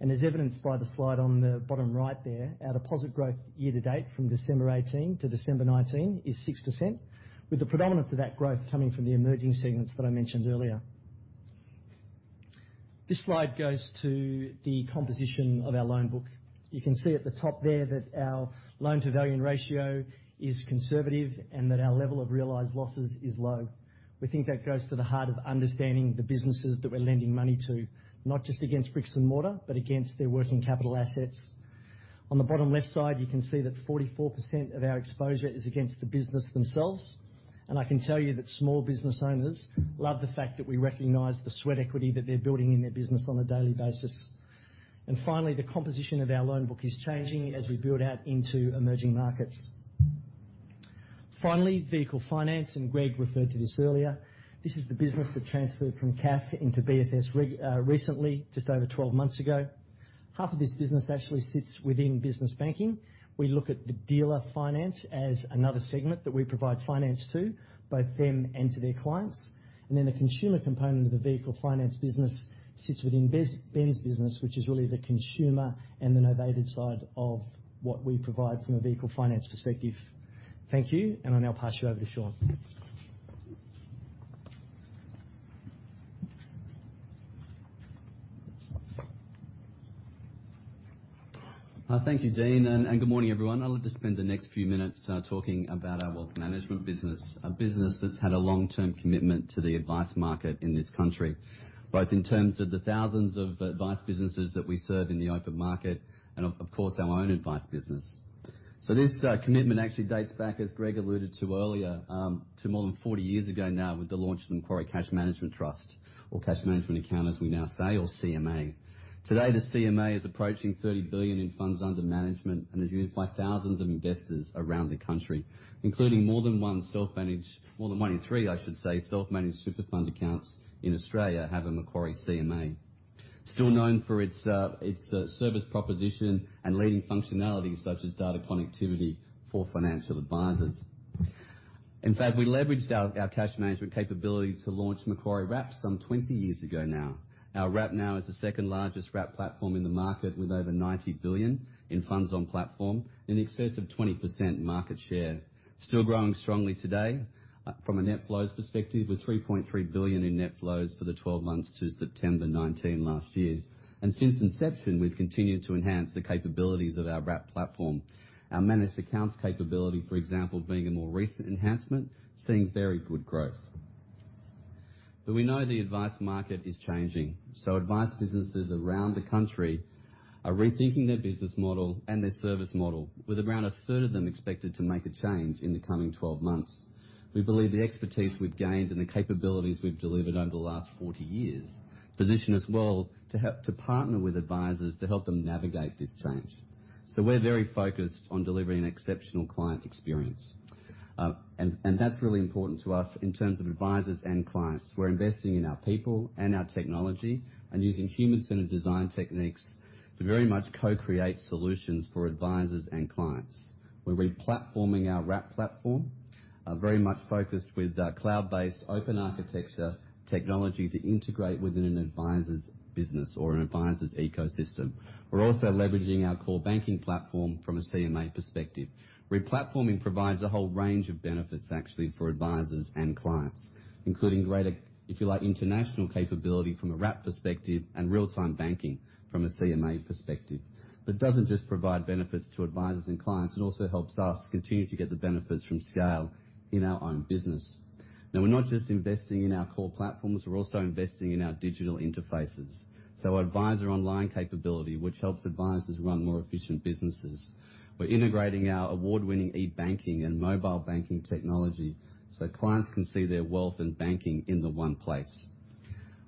As evidenced by the slide on the bottom right there, our deposit growth year-to-date from December 2018 to December 2019 is 6%, with the predominance of that growth coming from the emerging segments that I mentioned earlier. This slide goes to the composition of our loan book. You can see at the top there that our loan-to-value ratio is conservative and that our level of realised losses is low. We think that goes to the heart of understanding the businesses that we're lending money to, not just against bricks and mortar, but against their working capital assets. On the bottom left side, you can see that 44% of our exposure is against the business themselves. I can tell you that small business owners love the fact that we recognise the sweat equity that they're building in their business on a daily basis. Finally, the composition of our loan book is changing as we build out into emerging markets. Vehicle finance, and Greg referred to this earlier. This is the business that transferred from CAF into BFS recently, just over 12 months ago. Half of this business actually sits within business banking. We look at the dealer finance as another segment that we provide finance to, both them and to their clients. The consumer component of the vehicle finance business sits within Ben's business, which is really the consumer and the novated side of what we provide from a vehicle finance perspective. Thank you, and I'll now pass you over to Sean. Thank you, Dean, and good morning, everyone. I'll just spend the next few minutes talking about our wealth management business, a business that's had a long-term commitment to the advice market in this country, both in terms of the thousands of advice businesses that we serve in the open market and, of course, our own advice business. This commitment actually dates back, as Greg alluded to earlier, to more than 40 years ago now with the launch of the Macquarie Cash Management Trust, or cash management account, as we now say, or CMA. Today, the CMA is approaching $30 billion in funds under management and is used by thousands of investors around the country, including more than one in three, I should say, self-managed super fund accounts in Australia have a Macquarie CMA, still known for its service proposition and leading functionalities such as data connectivity for financial advisors. In fact, we leveraged our cash management capability to launch Macquarie Wrap some 20 years ago now. Our Wrap now is the second-largest wrap platform in the market with over $90 billion in funds on platform and an excess of 20% market share, still growing strongly today from a net flows perspective with $3.3 billion in net flows for the 12 months to September 2019 last year. Since inception, we've continued to enhance the capabilities of our Wrap platform, our managed accounts capability, for example, being a more recent enhancement, seeing very good growth. We know the advice market is changing. Advice businesses around the country are rethinking their business model and their service model, with around a third of them expected to make a change in the coming 12 months. We believe the expertise we've gained and the capabilities we've delivered over the last 40 years position us well to partner with advisors to help them navigate this change. We're very focused on delivering an exceptional client experience. That's really important to us in terms of advisors and clients. We're investing in our people and our technology and using human-centered design techniques to very much co-create solutions for advisors and clients. We're replatforming our Wrap platform, very much focused with cloud-based open architecture technology to integrate within an advisor's business or an advisor's ecosystem. We're also leveraging our core banking platform from a CMA perspective. Replatforming provides a whole range of benefits, actually, for advisors and clients, including greater, if you like, international capability from a Wrap perspective and real-time banking from a CMA perspective. It doesn't just provide benefits to advisors and clients. It also helps us continue to get the benefits from scale in our own business. We're not just investing in our core platforms. We're also investing in our digital interfaces, so advisor online capability, which helps advisors run more efficient businesses. We're integrating our award-winning e-banking and mobile banking technology so clients can see their wealth and banking in the one place.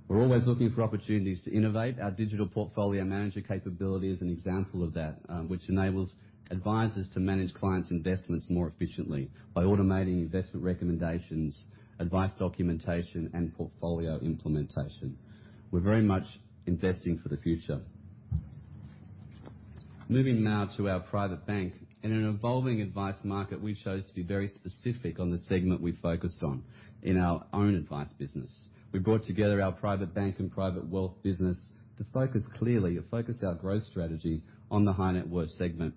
We're always looking for opportunities to innovate. Our digital portfolio manager capability is an example of that, which enables advisors to manage clients' investments more efficiently by automating investment recommendations, advice documentation, and portfolio implementation. We're very much investing for the future. Moving now to our private bank, in an evolving advice market, we chose to be very specific on the segment we focused on in our own advice business. We brought together our private bank and private wealth business to focus clearly and focus our growth strategy on the high-net-worth segment.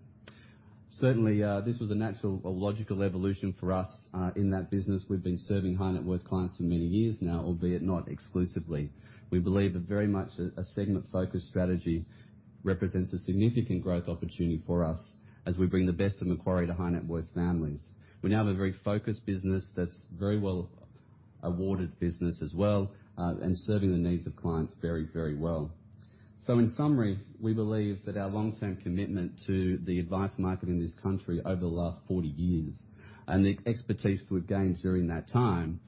Certainly, this was a natural or logical evolution for us in that business. We've been serving high-net-worth clients for many years now, albeit not exclusively. We believe that very much a segment-focused strategy represents a significant growth opportunity for us as we bring the best of Macquarie to high-net-worth families. We now have a very focused business that is very well-awarded business as well and serving the needs of clients very, very well. In summary, we believe that our long-term commitment to the advice market in this country over the last 40 years and the expertise we have gained during that time,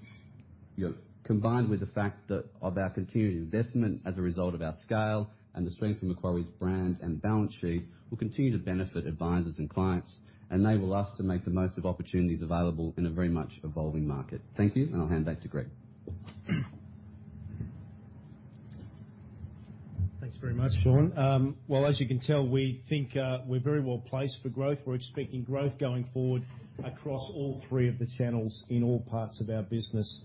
combined with the fact of our continued investment as a result of our scale and the strength of Macquarie's brand and balance sheet, will continue to benefit advisors and clients and enable us to make the most of opportunities available in a very much evolving market. Thank you, and I'll hand back to Greg. Thanks very much, Sean. As you can tell, we think we're very well placed for growth. We're expecting growth going forward across all three of the channels in all parts of our business.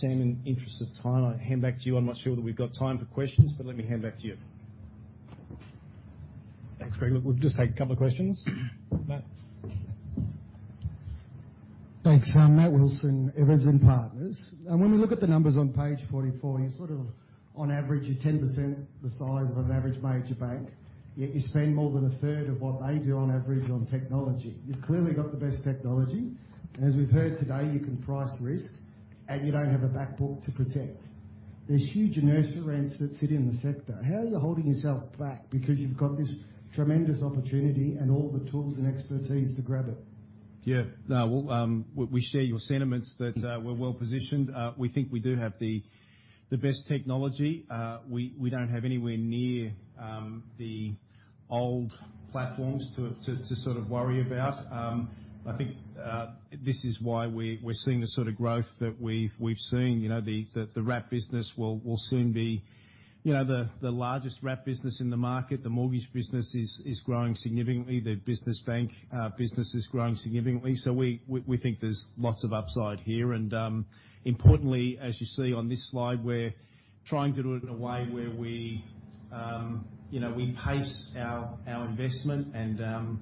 Sam, in the interest of time, I'll hand back to you. I'm not sure that we've got time for questions, but let me hand back to you. Thanks, Greg. We'll just take a couple of questions. Matt. Thanks. Matt Wilson. Evans & Partners. When we look at the numbers on page 44, you're sort of, on average, you're 10% the size of an average major bank, yet you spend more than a third of what they do on average on technology. You've clearly got the best technology. As we've heard today, you can price risk, and you don't have a backbook to protect. There's huge inertia rents that sit in the sector. How are you holding yourself back because you've got this tremendous opportunity and all the tools and expertise to grab it? Yeah. No, we share your sentiments that we're well positioned. We think we do have the best technology. We do not have anywhere near the old platforms to sort of worry about. I think this is why we're seeing the sort of growth that we've seen. The Wrap business will soon be the largest Wrap business in the market. The mortgage business is growing significantly. The business bank business is growing significantly. We think there is lots of upside here. Importantly, as you see on this slide, we're trying to do it in a way where we pace our investment, and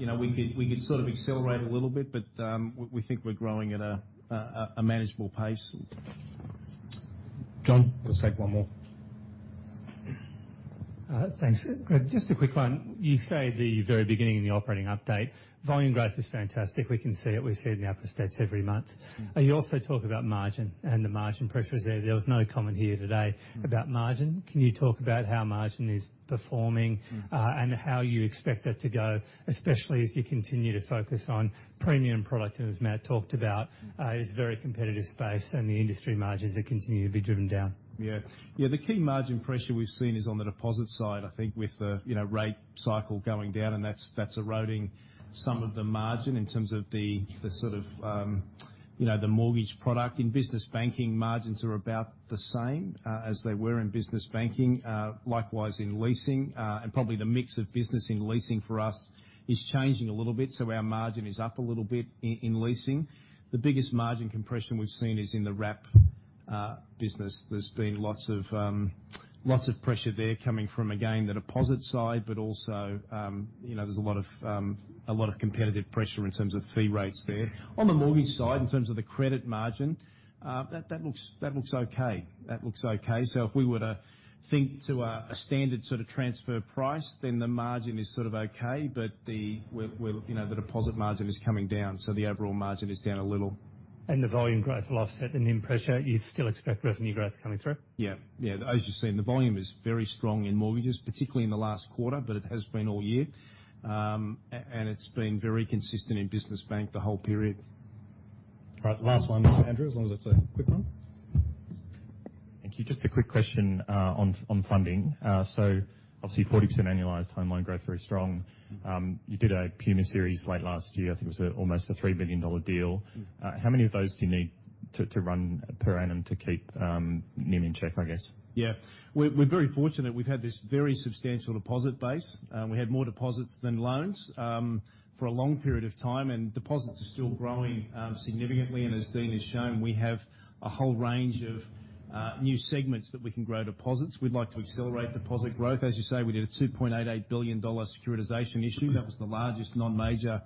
we could sort of accelerate a little bit, but we think we're growing at a manageable pace. Jon, let's take one more. Thanks. Greg, just a quick one. You say at the very beginning in the operating update, "Volume growth is fantastic. We can see it. We see it in the upper steps every month." You also talk about margin, and the margin pressure is there. There was no comment here today about margin. Can you talk about how margin is performing and how you expect that to go, especially as you continue to focus on premium product, as Matt talked about, in this very competitive space and the industry margins that continue to be driven down? Yeah. Yeah, the key margin pressure we've seen is on the deposit side, I think, with the rate cycle going down, and that's eroding some of the margin in terms of the sort of the mortgage product. In business banking, margins are about the same as they were in business banking. Likewise, in leasing, and probably the mix of business in leasing for us is changing a little bit, so our margin is up a little bit in leasing. The biggest margin compression we've seen is in the Wrap business. There's been lots of pressure there coming from, again, the deposit side, but also there's a lot of competitive pressure in terms of fee rates there. On the mortgage side, in terms of the credit margin, that looks okay. That looks okay. If we were to think to a standard sort of transfer price, then the margin is sort of okay, but the deposit margin is coming down, so the overall margin is down a little. The volume growth will offset the nim pressure. You'd still expect revenue growth coming through? Yeah. Yeah. As you've seen, the volume is very strong in mortgages, particularly in the last quarter, but it has been all year, and it's been very consistent in business bank the whole period. All right. Last one, Andrew, as long as it's a quick one. Thank you. Just a quick question on funding. Obviously, 40% annualized home loan growth is very strong. You did a Puma series late last year. I think it was almost a $3 billion deal. How many of those do you need to run per annum to keep NIM in check, I guess? Yeah. We're very fortunate. We've had this very substantial deposit base. We had more deposits than loans for a long period of time, and deposits are still growing significantly. As Dean has shown, we have a whole range of new segments that we can grow deposits. We'd like to accelerate deposit growth. As you say, we did a $2.88 billion securitisation issue. That was the largest non-major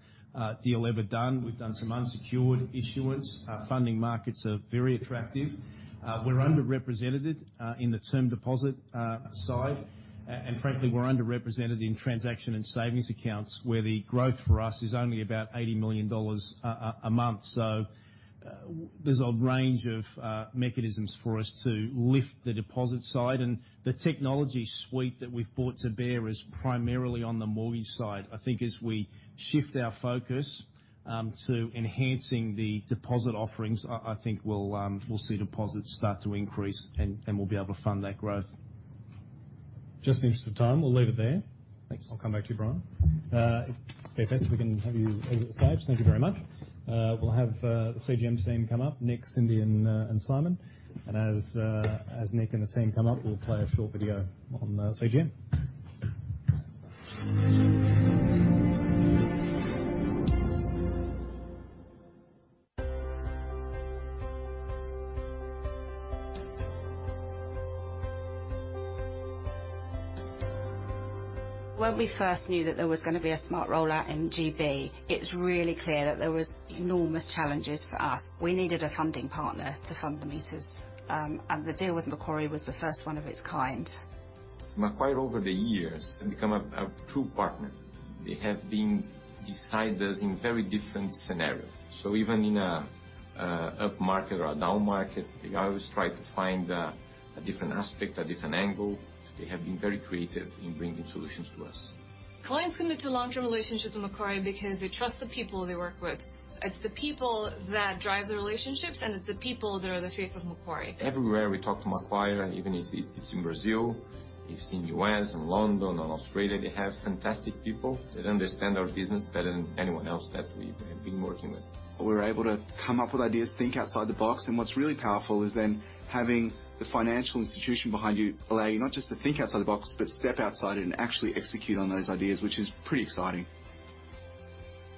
deal ever done. We've done some unsecured issuance. Funding markets are very attractive. We're underrepresented in the term deposit side, and frankly, we're underrepresented in transaction and savings accounts where the growth for us is only about $80 million a month. There is a range of mechanisms for us to lift the deposit side. The technology suite that we've brought to bear is primarily on the mortgage side. I think as we shift our focus to enhancing the deposit offerings, I think we'll see deposits start to increase, and we'll be able to fund that growth. Just in the interest of time, we'll leave it there. Thanks. I'll come back to you, Brian. BFS, if we can have you exit the stage. Thank you very much. We'll have the CGM team come up, Nick, Cindy, and Simon. As Nick and the team come up, we'll play a short video on CGM. When we first knew that there was going to be a smart rollout in GB, it's really clear that there were enormous challenges for us. We needed a funding partner to fund the meters, and the deal with Macquarie was the first one of its kind. Macquarie, over the years, has become a true partner. They have been beside us in very different scenarios. Even in an upmarket or a downmarket, they always try to find a different aspect, a different angle. They have been very creative in bringing solutions to us. Clients commit to long-term relationships with Macquarie because they trust the people they work with. It's the people that drive the relationships, and it's the people that are the face of Macquarie. Everywhere we talk to Macquarie, even if it's in Brazil, if it's in the U.S., in London, in Australia, they have fantastic people. They understand our business better than anyone else that we have been working with. We're able to come up with ideas, think outside the box. What's really powerful is then having the financial institution behind you allow you not just to think outside the box, but step outside it and actually execute on those ideas, which is pretty exciting.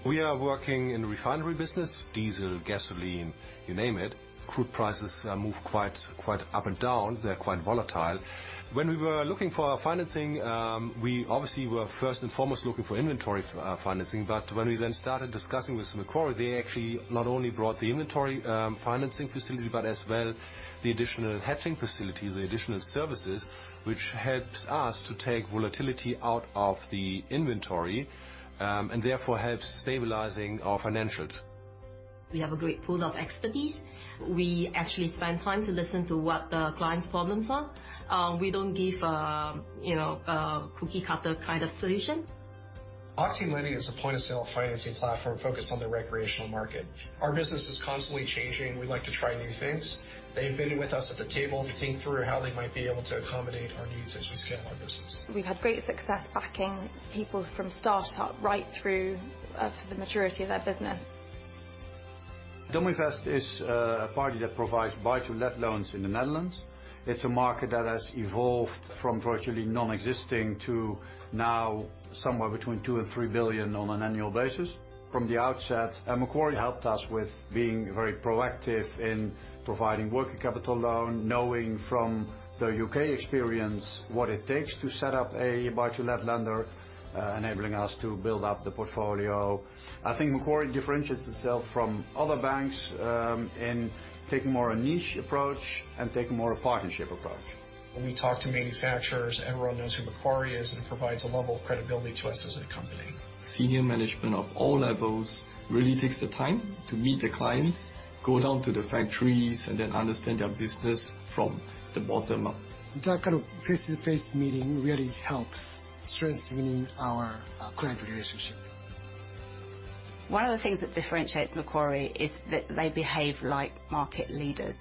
We are working in the refinery business, diesel, gasoline, you name it. Crude prices move quite up and down. They're quite volatile. When we were looking for financing, we obviously were first and foremost looking for inventory financing. When we then started discussing with Macquarie, they actually not only brought the inventory financing facility, but as well the additional hedging facilities, the additional services, which helps us to take volatility out of the inventory and therefore helps stabilizing our financials. We have a great pool of expertise. We actually spend time to listen to what the clients' problems are. We do not give a cookie-cutter kind of solution. Our team leading is a point-of-sale financing platform focused on the recreational market. Our business is constantly changing. We like to try new things. They've been with us at the table to think through how they might be able to accommodate our needs as we scale our business. We've had great success backing people from startup right through to the maturity of their business. Domivest is a party that provides buy-to-let loans in the Netherlands. It's a market that has evolved from virtually non-existing to now somewhere between 2 billion-3 billion on an annual basis. From the outset, Macquarie helped us with being very proactive in providing working capital loan, knowing from the U.K. experience what it takes to set up a buy-to-let lender, enabling us to build up the portfolio. I think Macquarie differentiates itself from other banks in taking more a niche approach and taking more a partnership approach. When we talk to manufacturers, everyone knows who Macquarie is, and it provides a level of credibility to us as a company. Senior management of all levels really takes the time to meet the clients, go down to the factories, and then understand their business from the bottom up. That kind of face-to-face meeting really helps strengthen our client relationship. One of the things that differentiates Macquarie is that they behave like market leaders.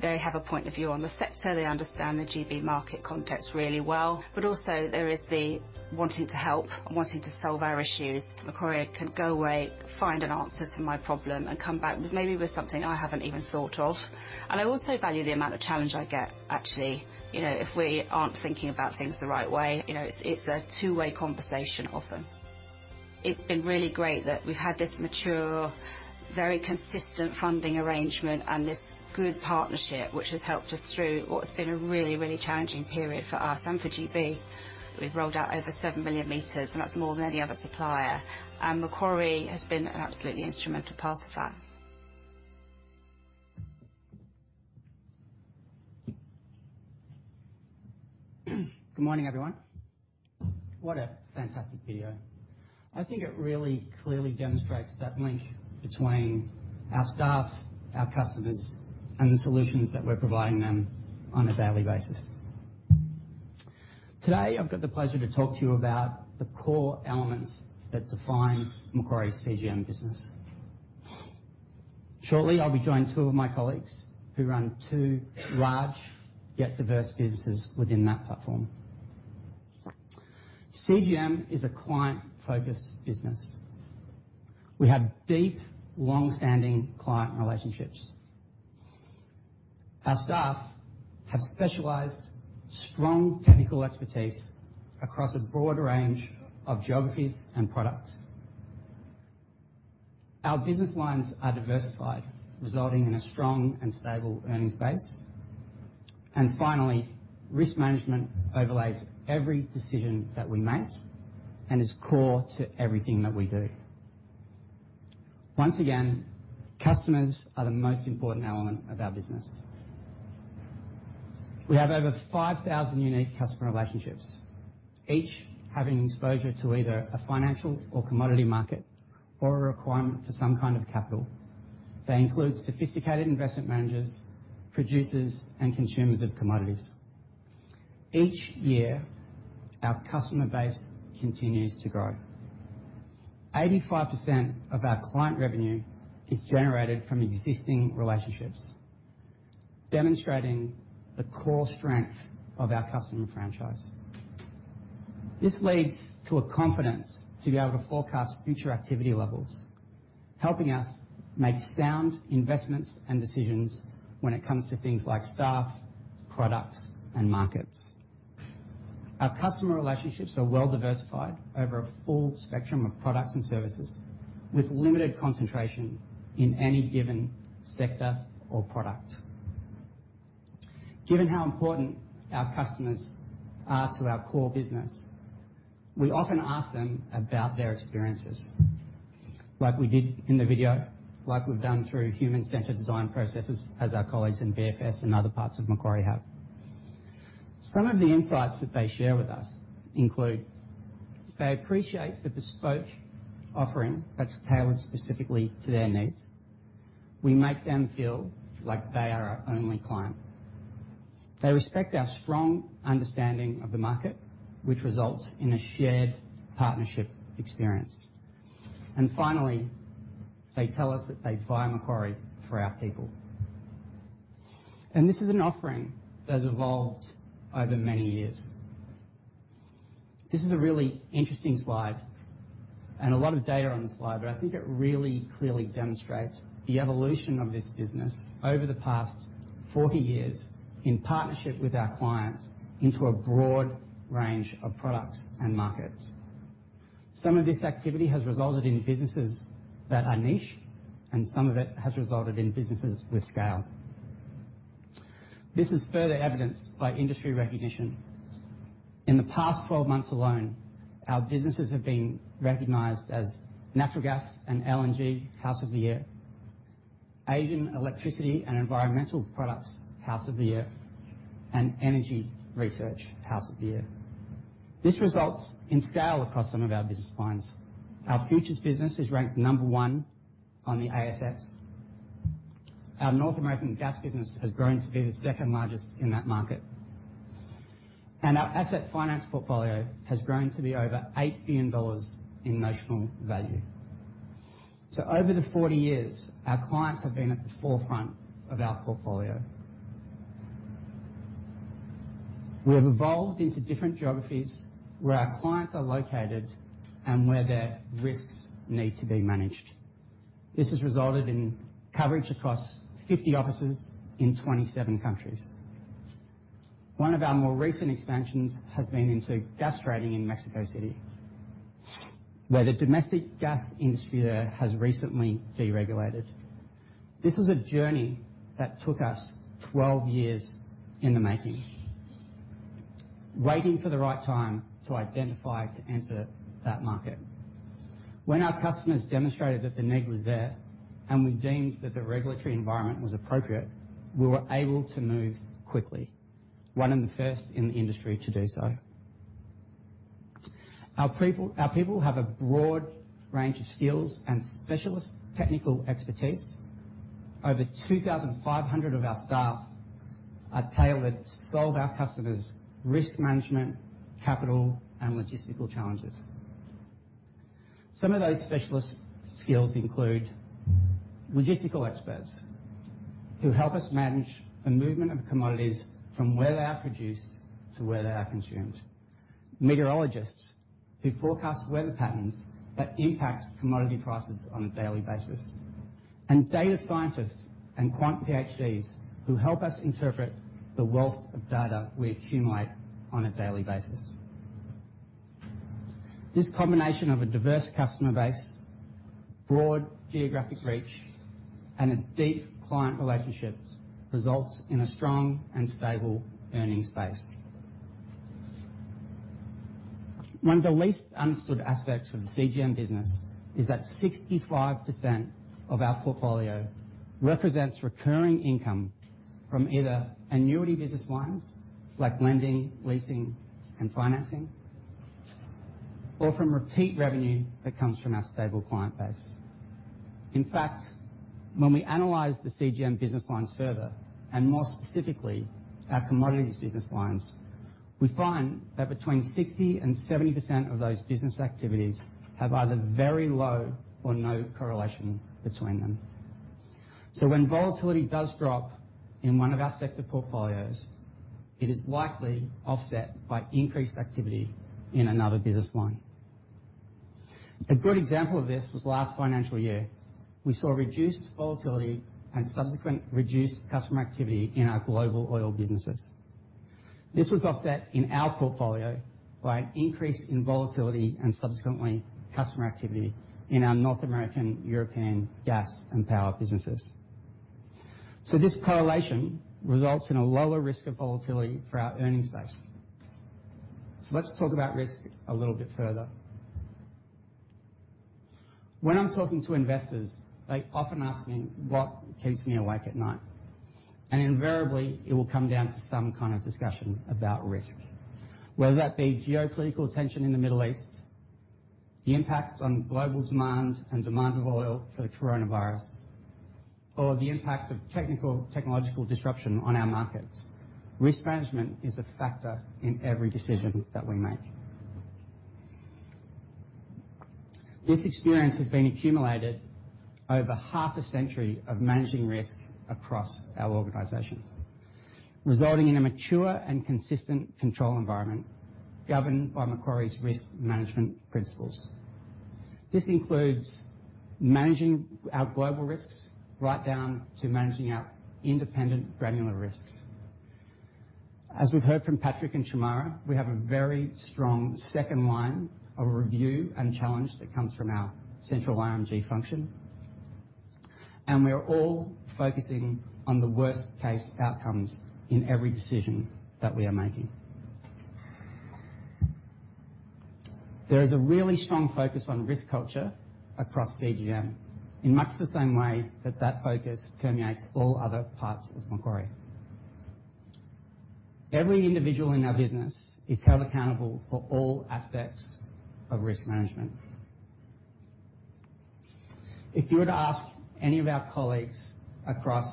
They have a point of view on the sector. They understand the GB market context really well. There is the wanting to help and wanting to solve our issues. Macquarie can go away, find an answer to my problem, and come back maybe with something I have not even thought of. I also value the amount of challenge I get, actually. If we are not thinking about things the right way, it is a two-way conversation often. It has been really great that we have had this mature, very consistent funding arrangement and this good partnership, which has helped us through what has been a really, really challenging period for us and for GB. We have rolled out over 7 million meters, and that is more than any other supplier. Macquarie has been an absolutely instrumental part of that. Good morning, everyone. What a fantastic video. I think it really clearly demonstrates that link between our staff, our customers, and the solutions that we're providing them on a daily basis. Today, I've got the pleasure to talk to you about the core elements that define Macquarie's CGM business. Shortly, I'll be joined by two of my colleagues who run two large yet diverse businesses within that platform. CGM is a client-focused business. We have deep, long-standing client relationships. Our staff have specialised, strong technical expertise across a broad range of geographies and products. Our business lines are diversified, resulting in a strong and stable earnings base. Finally, risk management overlays every decision that we make and is core to everything that we do. Once again, customers are the most important element of our business. We have over 5,000 unique customer relationships, each having exposure to either a financial or commodity market or a requirement for some kind of capital. They include sophisticated investment managers, producers, and consumers of commodities. Each year, our customer base continues to grow. 85% of our client revenue is generated from existing relationships, demonstrating the core strength of our customer franchise. This leads to a confidence to be able to forecast future activity levels, helping us make sound investments and decisions when it comes to things like staff, products, and markets. Our customer relationships are well-diversified over a full spectrum of products and services, with limited concentration in any given sector or product. Given how important our customers are to our core business, we often ask them about their experiences, like we did in the video, like we've done through human-centred design processes, as our colleagues in BFS and other parts of Macquarie have. Some of the insights that they share with us include they appreciate the bespoke offering that's tailored specifically to their needs. We make them feel like they are our only client. They respect our strong understanding of the market, which results in a shared partnership experience. Finally, they tell us that they buy Macquarie for our people. This is an offering that has evolved over many years. This is a really interesting slide, and a lot of data on the slide, but I think it really clearly demonstrates the evolution of this business over the past 40 years in partnership with our clients into a broad range of products and markets. Some of this activity has resulted in businesses that are niche, and some of it has resulted in businesses with scale. This is further evidenced by industry recognition. In the past 12 months alone, our businesses have been recognized as Natural Gas and LNG House of the Year, Asian Electricity and Environmental Products House of the Year, and Energy Research House of the Year. This results in scale across some of our business lines. Our futures business is ranked number one on the ASX. Our North American gas business has grown to be the second largest in that market. Our asset finance portfolio has grown to be over $8 billion in notional value. Over the 40 years, our clients have been at the forefront of our portfolio. We have evolved into different geographies where our clients are located and where their risks need to be managed. This has resulted in coverage across 50 offices in 27 countries. One of our more recent expansions has been into gas trading in Mexico City, where the domestic gas industry there has recently deregulated. This was a journey that took us 12 years in the making, waiting for the right time to identify to enter that market. When our customers demonstrated that the need was there and we deemed that the regulatory environment was appropriate, we were able to move quickly, one of the first in the industry to do so. Our people have a broad range of skills and specialist technical expertise. Over 2,500 of our staff are tailored to solve our customers' risk management, capital, and logistical challenges. Some of those specialist skills include logistical experts who help us manage the movement of commodities from where they are produced to where they are consumed, meteorologists who forecast weather patterns that impact commodity prices on a daily basis, and data scientists and quant PhDs who help us interpret the wealth of data we accumulate on a daily basis. This combination of a diverse customer base, broad geographic reach, and deep client relationships results in a strong and stable earnings base. One of the least understood aspects of the CGM business is that 65% of our portfolio represents recurring income from either annuity business lines like lending, leasing, and financing, or from repeat revenue that comes from our stable client base. In fact, when we analyse the CGM business lines further, and more specifically our commodities business lines, we find that between 60% and 70% of those business activities have either very low or no correlation between them. When volatility does drop in one of our sector portfolios, it is likely offset by increased activity in another business line. A good example of this was last financial year. We saw reduced volatility and subsequent reduced customer activity in our global oil businesses. This was offset in our portfolio by an increase in volatility and subsequently customer activity in our North American European gas and power businesses. This correlation results in a lower risk of volatility for our earnings base. Let's talk about risk a little bit further. When I'm talking to investors, they often ask me what keeps me awake at night. Invariably, it will come down to some kind of discussion about risk, whether that be geopolitical tension in the Middle East, the impact on global demand and demand of oil for the coronavirus, or the impact of technical technological disruption on our markets. Risk management is a factor in every decision that we make. This experience has been accumulated over half a century of managing risk across our organization, resulting in a mature and consistent control environment governed by Macquarie's risk management principles. This includes managing our global risks right down to managing our independent granular risks. As we have heard from Patrick and Shemara, we have a very strong second line of review and challenge that comes from our central RMG function. We are all focusing on the worst-case outcomes in every decision that we are making. There is a really strong focus on risk culture across CGM, in much the same way that that focus permeates all other parts of Macquarie. Every individual in our business is held accountable for all aspects of risk management. If you were to ask any of our colleagues across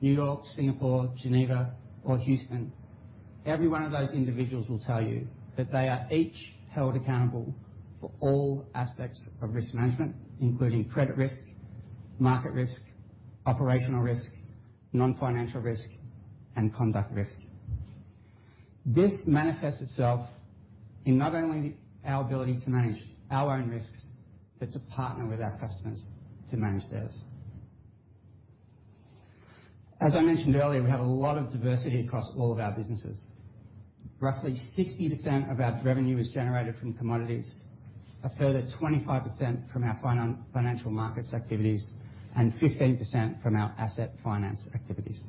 New York, Singapore, Geneva, or Houston, every one of those individuals will tell you that they are each held accountable for all aspects of risk management, including credit risk, market risk, operational risk, non-financial risk, and conduct risk. This manifests itself in not only our ability to manage our own risks, but to partner with our customers to manage theirs. As I mentioned earlier, we have a lot of diversity across all of our businesses. Roughly 60% of our revenue is generated from commodities, a further 25% from our financial markets activities, and 15% from our asset finance activities.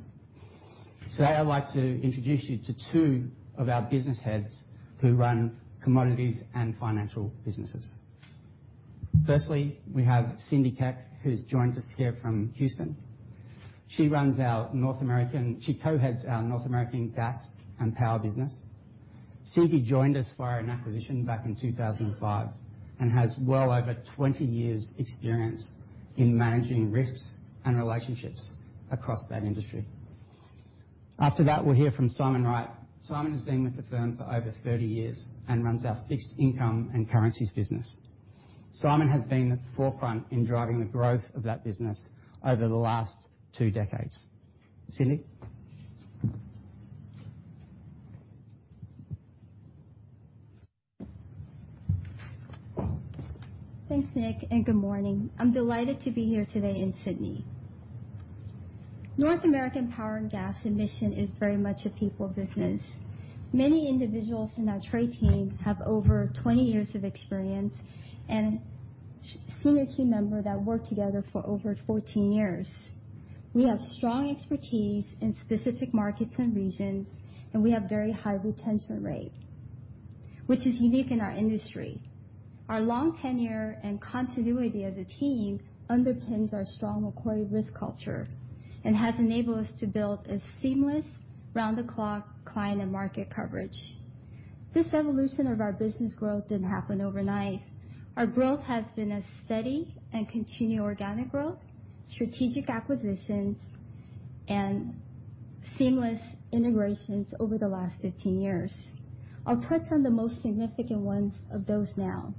Today, I'd like to introduce you to two of our business heads who run commodities and financial businesses. Firstly, we have Cindy Keck, who's joined us here from Houston. She co-heads our North American gas and power business. Cindy joined us via an acquisition back in 2005 and has well over 20 years' experience in managing risks and relationships across that industry. After that, we'll hear from Simon Wright. Simon has been with the firm for over 30 years and runs our fixed income and currencies business. Simon has been at the forefront in driving the growth of that business over the last two decades. Cindy. Thanks, Nick, and good morning. I'm delighted to be here today in Sydney. North American Power and Gas's mission is very much a people business. Many individuals in our trade team have over 20 years of experience and a senior team member that worked together for over 14 years. We have strong expertise in specific markets and regions, and we have very high retention rate, which is unique in our industry. Our long tenure and continuity as a team underpins our strong Macquarie risk culture and has enabled us to build a seamless, round-the-clock client and market coverage. This evolution of our business growth didn't happen overnight. Our growth has been a steady and continued organic growth, strategic acquisitions, and seamless integrations over the last 15 years. I'll touch on the most significant ones of those now.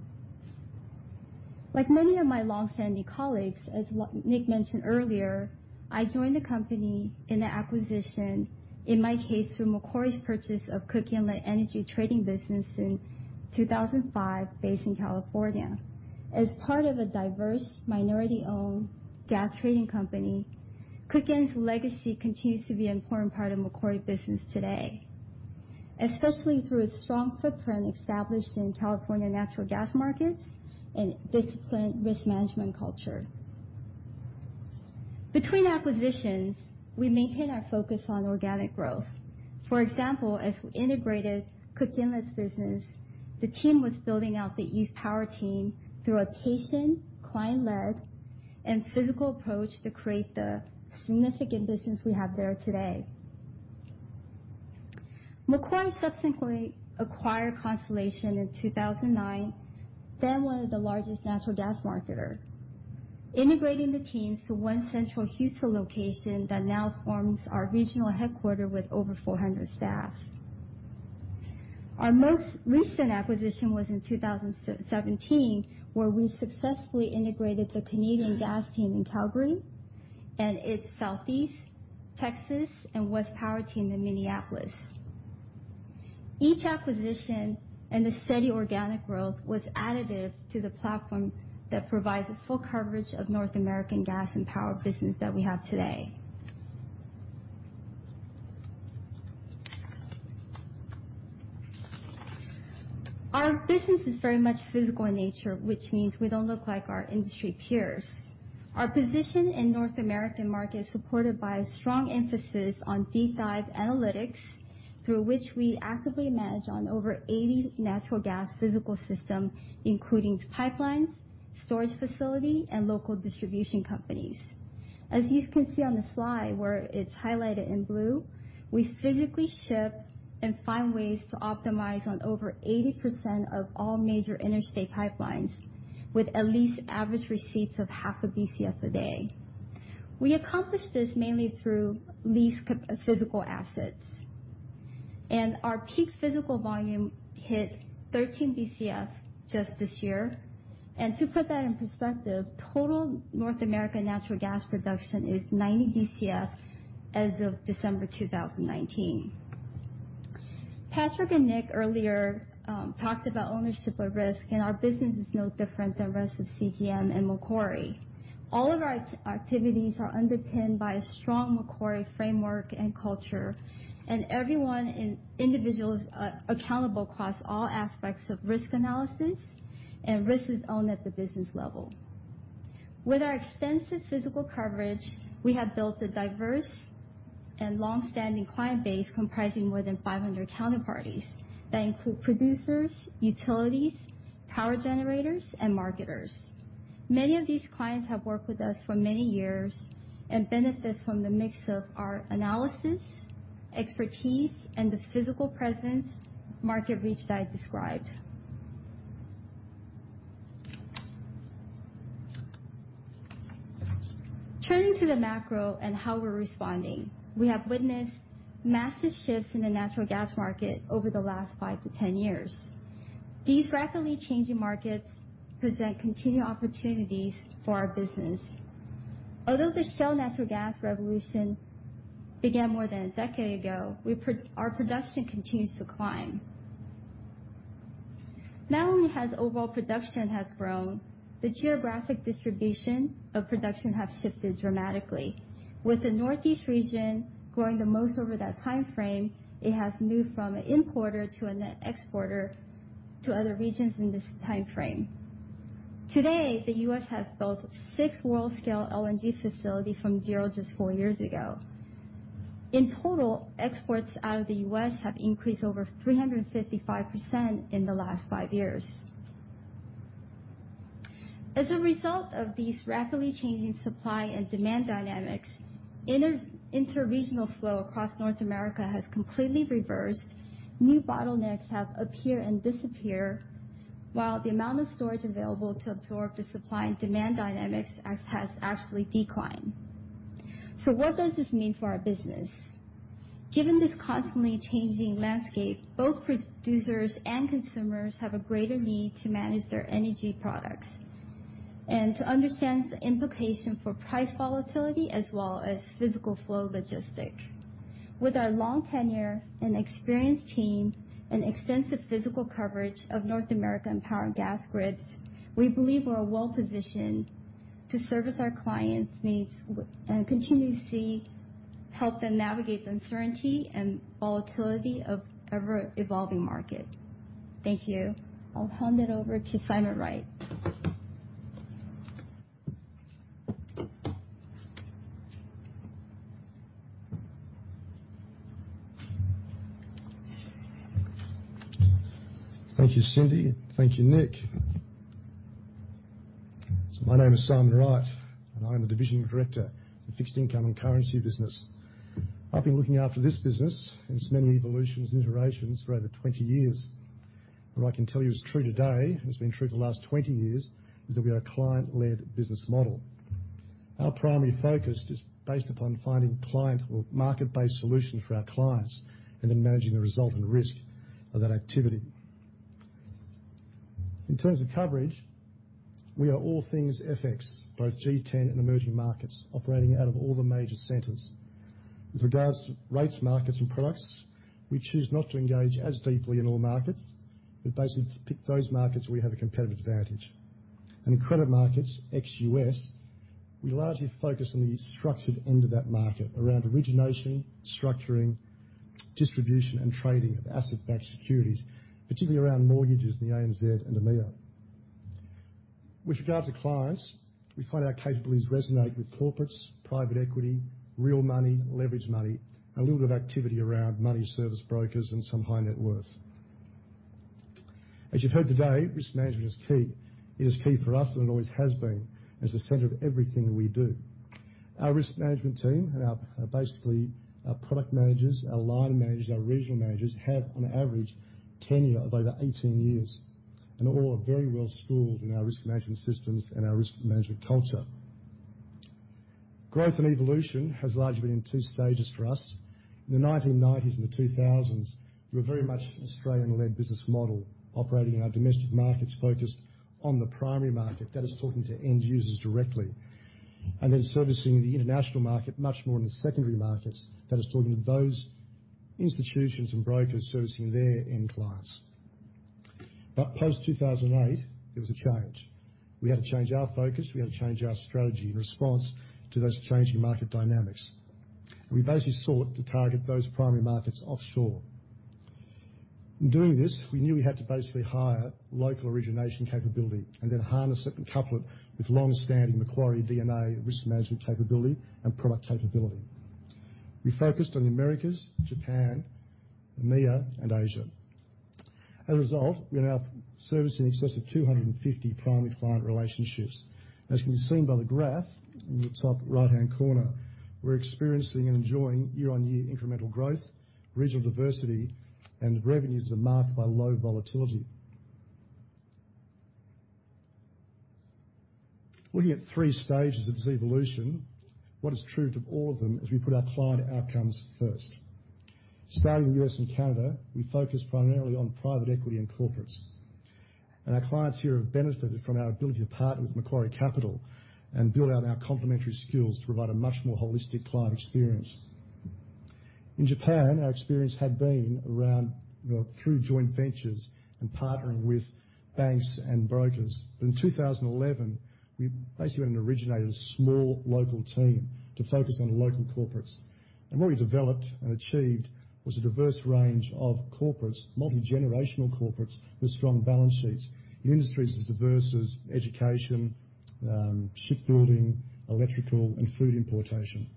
Like many of my long-standing colleagues, as Nick mentioned earlier, I joined the company in the acquisition, in my case, through Macquarie's purchase of Cook Energy Trading Business in 2005, based in California. As part of a diverse, minority-owned gas trading company, Cook Energy's legacy continues to be an important part of Macquarie's business today, especially through its strong footprint established in California natural gas markets and disciplined risk management culture. Between acquisitions, we maintain our focus on organic growth. For example, as we integrated Cook Energy's business, the team was building out the Eve Power team through a patient, client-led, and physical approach to create the significant business we have there today. Macquarie subsequently acquired Constellation in 2009, then one of the largest natural gas marketers, integrating the teams to one central Houston location that now forms our regional headquarters with over 400 staff. Our most recent acquisition was in 2017, where we successfully integrated the Canadian gas team in Calgary and its Southeast Texas and West Power team in Minneapolis. Each acquisition and the steady organic growth was additive to the platform that provides a full coverage of North American gas and power business that we have today. Our business is very much physical in nature, which means we do not look like our industry peers. Our position in the North American market is supported by a strong emphasis on deep-dive analytics, through which we actively manage over 80 natural gas physical systems, including pipelines, storage facilities, and local distribution companies. As you can see on the slide, where it is highlighted in blue, we physically ship and find ways to optimise on over 80% of all major interstate pipelines, with at least average receipts of half a BCF a day. We accomplish this mainly through leased physical assets. Our peak physical volume hit 13 BCF just this year. To put that in perspective, total North American natural gas production is 90 BCF as of December 2019. Patrick and Nick earlier talked about ownership of risk, and our business is no different than the rest of CGM and Macquarie. All of our activities are underpinned by a strong Macquarie framework and culture, and everyone and individuals are accountable across all aspects of risk analysis and risks owned at the business level. With our extensive physical coverage, we have built a diverse and long-standing client base comprising more than 500 counterparties that include producers, utilities, power generators, and marketers. Many of these clients have worked with us for many years and benefit from the mix of our analysis, expertise, and the physical presence, market reach that I described. Turning to the macro and how we're responding, we have witnessed massive shifts in the natural gas market over the last 5 to 10 years. These rapidly changing markets present continued opportunities for our business. Although the shale natural gas revolution began more than a decade ago, our production continues to climb. Not only has overall production grown, the geographic distribution of production has shifted dramatically. With the Northeast region growing the most over that time frame, it has moved from an importer to an exporter to other regions in this time frame. Today, the U.S. has built six world-scale LNG facilities from zero just four years ago. In total, exports out of the U.S. have increased over 355% in the last five years. As a result of these rapidly changing supply and demand dynamics, interregional flow across North America has completely reversed. New bottlenecks have appeared and disappeared, while the amount of storage available to absorb the supply and demand dynamics has actually declined. What does this mean for our business? Given this constantly changing landscape, both producers and consumers have a greater need to manage their energy products and to understand the implications for price volatility as well as physical flow logistics. With our long tenure, an experienced team, and extensive physical coverage of North American power and gas grids, we believe we're well-positioned to service our clients' needs and continue to help them navigate the uncertainty and volatility of an ever-evolving market. Thank you. I'll hand it over to Simon Wright. Thank you, Cindy. Thank you, Nick. My name is Simon Wright, and I'm the division director of the fixed income and currency business. I've been looking after this business and its many evolutions and iterations for over 20 years. What I can tell you is true today, and it's been true for the last 20 years, is that we have a client-led business model. Our primary focus is based upon finding client or market-based solutions for our clients and then managing the resultant risk of that activity. In terms of coverage, we are all things FX, both G10 and emerging markets, operating out of all the major centres. With regards to rates, markets, and products, we choose not to engage as deeply in all markets, but basically to pick those markets where we have a competitive advantage. In credit markets, ex-US, we largely focus on the structured end of that market around origination, structuring, distribution, and trading of asset-backed securities, particularly around mortgages and the ANZ and AMEA. With regards to clients, we find our capabilities resonate with corporates, private equity, real money, leveraged money, and a little bit of activity around money service brokers and some high net worth. As you've heard today, risk management is key. It is key for us, and it always has been, as the centre of everything we do. Our risk management team and basically our product managers, our line managers, our regional managers have, on average, a tenure of over 18 years, and all are very well-schooled in our risk management systems and our risk management culture. Growth and evolution have largely been in two stages for us. In the 1990s and the 2000s, we were very much an Australian-led business model operating in our domestic markets focused on the primary market that is talking to end users directly, and then servicing the international market much more in the secondary markets that is talking to those institutions and brokers servicing their end clients. Post-2008, there was a change. We had to change our focus. We had to change our strategy in response to those changing market dynamics. We basically sought to target those primary markets offshore. In doing this, we knew we had to basically hire local origination capability and then harness it and couple it with long-standing Macquarie DNA risk management capability and product capability. We focused on the Americas, Japan, AMEA, and Asia. As a result, we are now servicing an excess of 250 primary client relationships. As can be seen by the graph in the top right-hand corner, we're experiencing and enjoying year-on-year incremental growth, regional diversity, and revenues that are marked by low volatility. Looking at three stages of this evolution, what is true to all of them is we put our client outcomes first. Starting in the US and Canada, we focused primarily on private equity and corporates. Our clients here have benefited from our ability to partner with Macquarie Capital and build out our complementary skills to provide a much more holistic client experience. In Japan, our experience had been around through joint ventures and partnering with banks and brokers. In 2011, we basically went and originated a small local team to focus on local corporates. What we developed and achieved was a diverse range of corporates, multi-generational corporates with strong balance sheets in industries as diverse as education, shipbuilding, electrical, and food importation.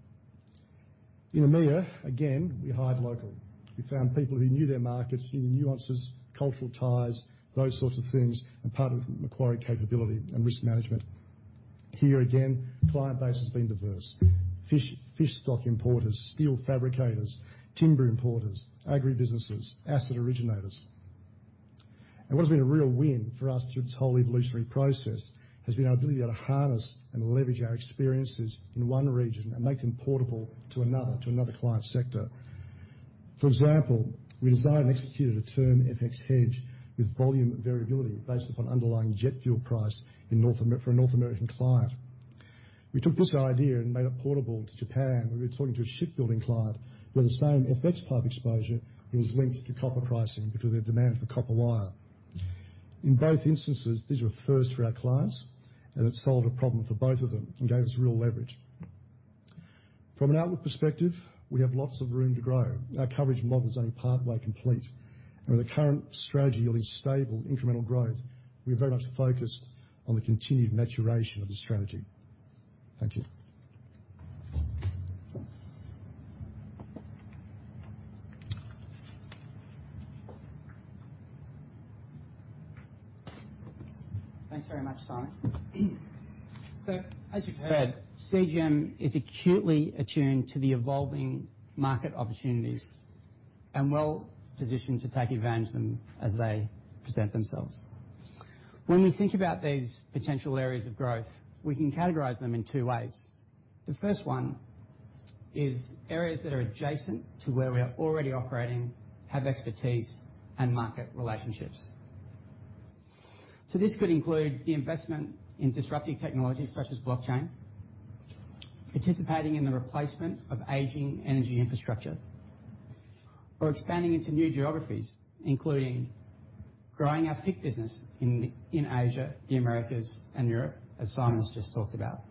In AMEA, again, we hired local. We found people who knew their markets, knew the nuances, cultural ties, those sorts of things, and part of Macquarie capability and risk management. Here again, client base has been diverse: fish stock importers, steel fabricators, timber importers, agri businesses, asset originators. What has been a real win for us through this whole evolutionary process has been our ability to harness and leverage our experiences in one region and make them portable to another client sector. For example, we designed and executed a term FX hedge with volume variability based upon underlying jet fuel price for a North American client. We took this idea and made it portable to Japan, where we were talking to a shipbuilding client where the same FX type exposure was linked to copper pricing because of the demand for copper wire. In both instances, these were first for our clients, and it solved a problem for both of them and gave us real leverage. From an outlook perspective, we have lots of room to grow. Our coverage model is only partway complete. With the current strategy of stable incremental growth, we are very much focused on the continued maturation of the strategy. Thank you. Thanks very much, Simon. As you've heard, CGM is acutely attuned to the evolving market opportunities and well-positioned to take advantage of them as they present themselves. When we think about these potential areas of growth, we can categorise them in two ways. The first one is areas that are adjacent to where we are already operating, have expertise, and market relationships. This could include the investment in disruptive technologies such as blockchain, participating in the replacement of aging energy infrastructure, or expanding into new geographies, including growing our PIC business in Asia, the Americas, and Europe, as Simon has just talked about,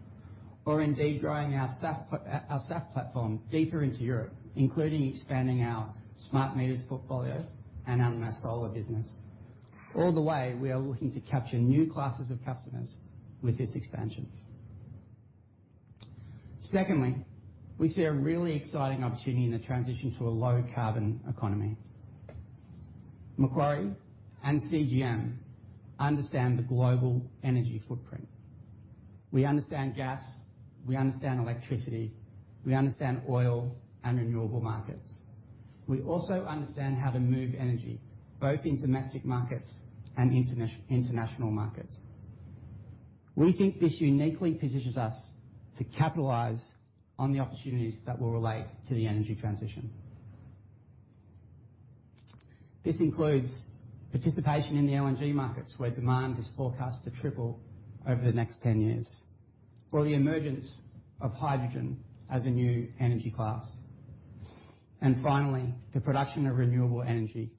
or indeed growing our SAF platform deeper into Europe, including expanding our smart metres portfolio and our solar business. All the way, we are looking to capture new classes of customers with this expansion. Secondly, we see a really exciting opportunity in the transition to a low-carbon economy. Macquarie and CGM understand the global energy footprint. We understand gas. We understand electricity. We understand oil and renewable markets. We also understand how to move energy both in domestic markets and international markets. We think this uniquely positions us to capitalise on the opportunities that will relate to the energy transition. This includes participation in the LNG markets, where demand is forecast to triple over the next 10 years, or the emergence of hydrogen as a new energy class. Finally, the production of renewable energy,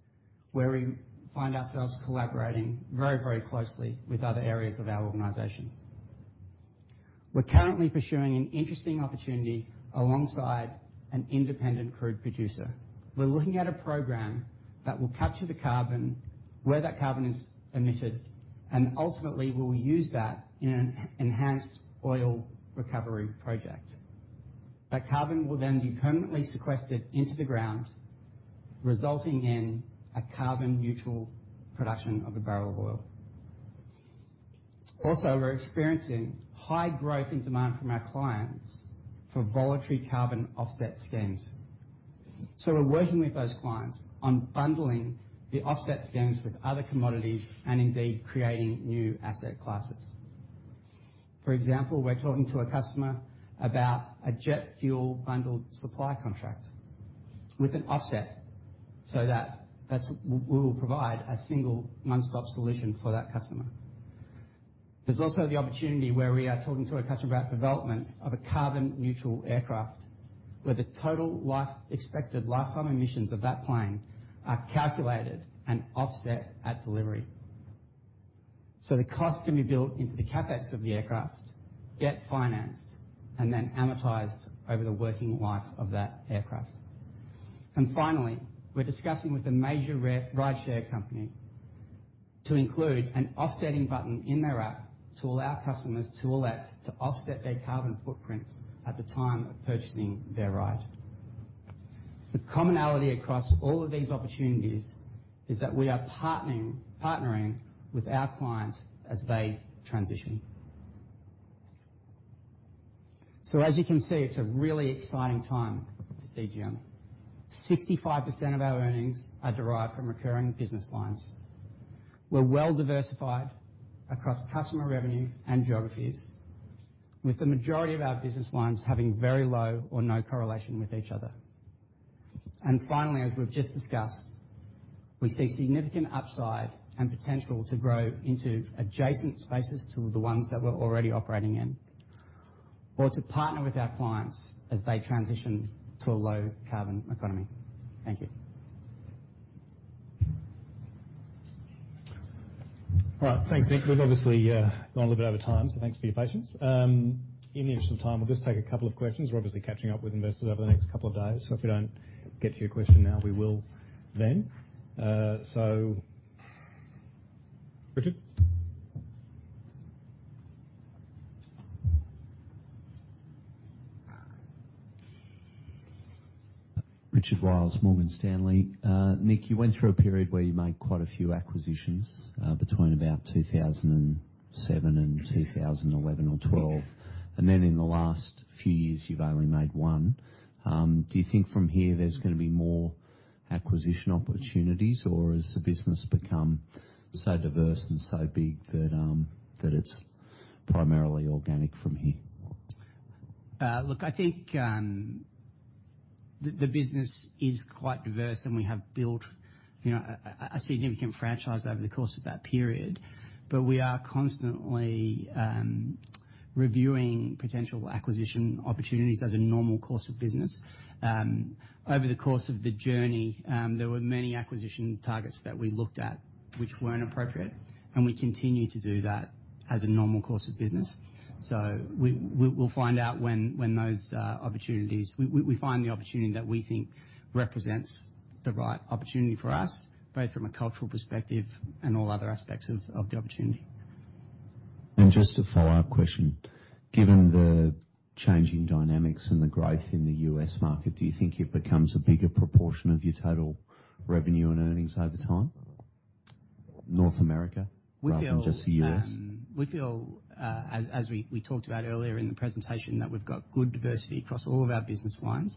where we find ourselves collaborating very, very closely with other areas of our organisation. We're currently pursuing an interesting opportunity alongside an independent crude producer. We're looking at a program that will capture the carbon where that carbon is emitted, and ultimately, we will use that in an enhanced oil recovery project. That carbon will then be permanently sequestered into the ground, resulting in a carbon-neutral production of a barrel of oil. Also, we're experiencing high growth in demand from our clients for voluntary carbon offset schemes. We are working with those clients on bundling the offset schemes with other commodities and indeed creating new asset classes. For example, we're talking to a customer about a jet fuel bundled supply contract with an offset so that we will provide a single one-stop solution for that customer. There is also the opportunity where we are talking to a customer about development of a carbon-neutral aircraft where the total expected lifetime emissions of that plane are calculated and offset at delivery. The costs can be built into the CapEx of the aircraft, get financed, and then amortized over the working life of that aircraft. Finally, we're discussing with a major rideshare company to include an offsetting button in their app to allow customers to elect to offset their carbon footprints at the time of purchasing their ride. The commonality across all of these opportunities is that we are partnering with our clients as they transition. As you can see, it's a really exciting time for CGM. 65% of our earnings are derived from recurring business lines. We're well-diversified across customer revenue and geographies, with the majority of our business lines having very low or no correlation with each other. As we've just discussed, we see significant upside and potential to grow into adjacent spaces to the ones that we're already operating in or to partner with our clients as they transition to a low-carbon economy. Thank you. All right. Thanks, Nick. We've obviously gone a little bit over time, so thanks for your patience. In the interest of time, we'll just take a couple of questions. We're obviously catching up with investors over the next couple of days, so if we don't get to your question now, we will then. So Richard. Nick, you went through a period where you made quite a few acquisitions between about 2007 and 2011 or 2012, and then in the last few years, you've only made one. Do you think from here there's going to be more acquisition opportunities, or has the business become so diverse and so big that it's primarily organic from here? Look, I think the business is quite diverse, and we have built a significant franchise over the course of that period, but we are constantly reviewing potential acquisition opportunities as a normal course of business. Over the course of the journey, there were many acquisition targets that we looked at which were not appropriate, and we continue to do that as a normal course of business. We will find out when those opportunities, we find the opportunity that we think represents the right opportunity for us, both from a cultural perspective and all other aspects of the opportunity. Just a follow-up question. Given the changing dynamics and the growth in the US market, do you think it becomes a bigger proportion of your total revenue and earnings over time? North America rather than just the US? We feel, as we talked about earlier in the presentation, that we've got good diversity across all of our business lines,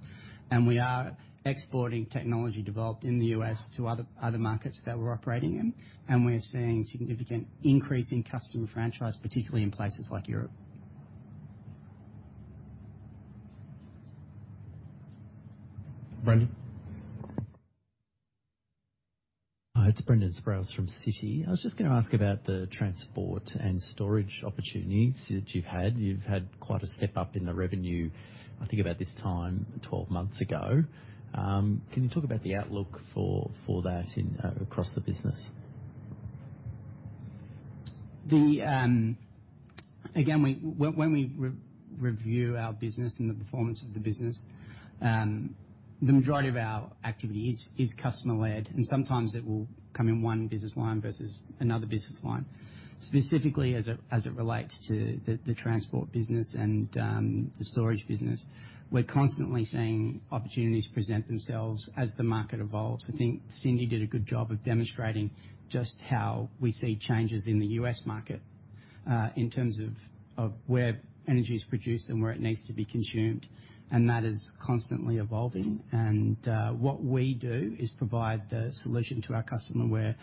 and we are exporting technology developed in the U.S. to other markets that we're operating in, and we're seeing a significant increase in customer franchise, particularly in places like Europe. Brendan. Hi, it's Brendan Sproules from Citi. I was just going to ask about the transport and storage opportunities that you've had. You've had quite a step up in the revenue, I think, about this time 12 months ago. Can you talk about the outlook for that across the business? Again, when we review our business and the performance of the business, the majority of our activity is customer-led, and sometimes it will come in one business line versus another business line. Specifically, as it relates to the transport business and the storage business, we're constantly seeing opportunities present themselves as the market evolves. I think Cindy did a good job of demonstrating just how we see changes in the U.S. market in terms of where energy is produced and where it needs to be consumed, and that is constantly evolving. What we do is provide the solution to our customer where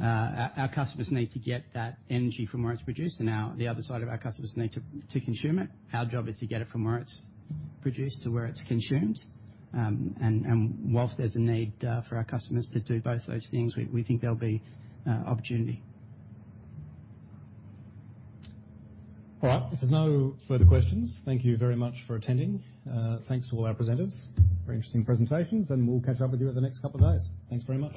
our customers need to get that energy from where it's produced, and the other side of our customers need to consume it. Our job is to get it from where it's produced to where it's consumed. Whilst there's a need for our customers to do both those things, we think there'll be opportunity. All right. If there's no further questions, thank you very much for attending. Thanks to all our presenters. Very interesting presentations, and we'll catch up with you over the next couple of days. Thanks very much.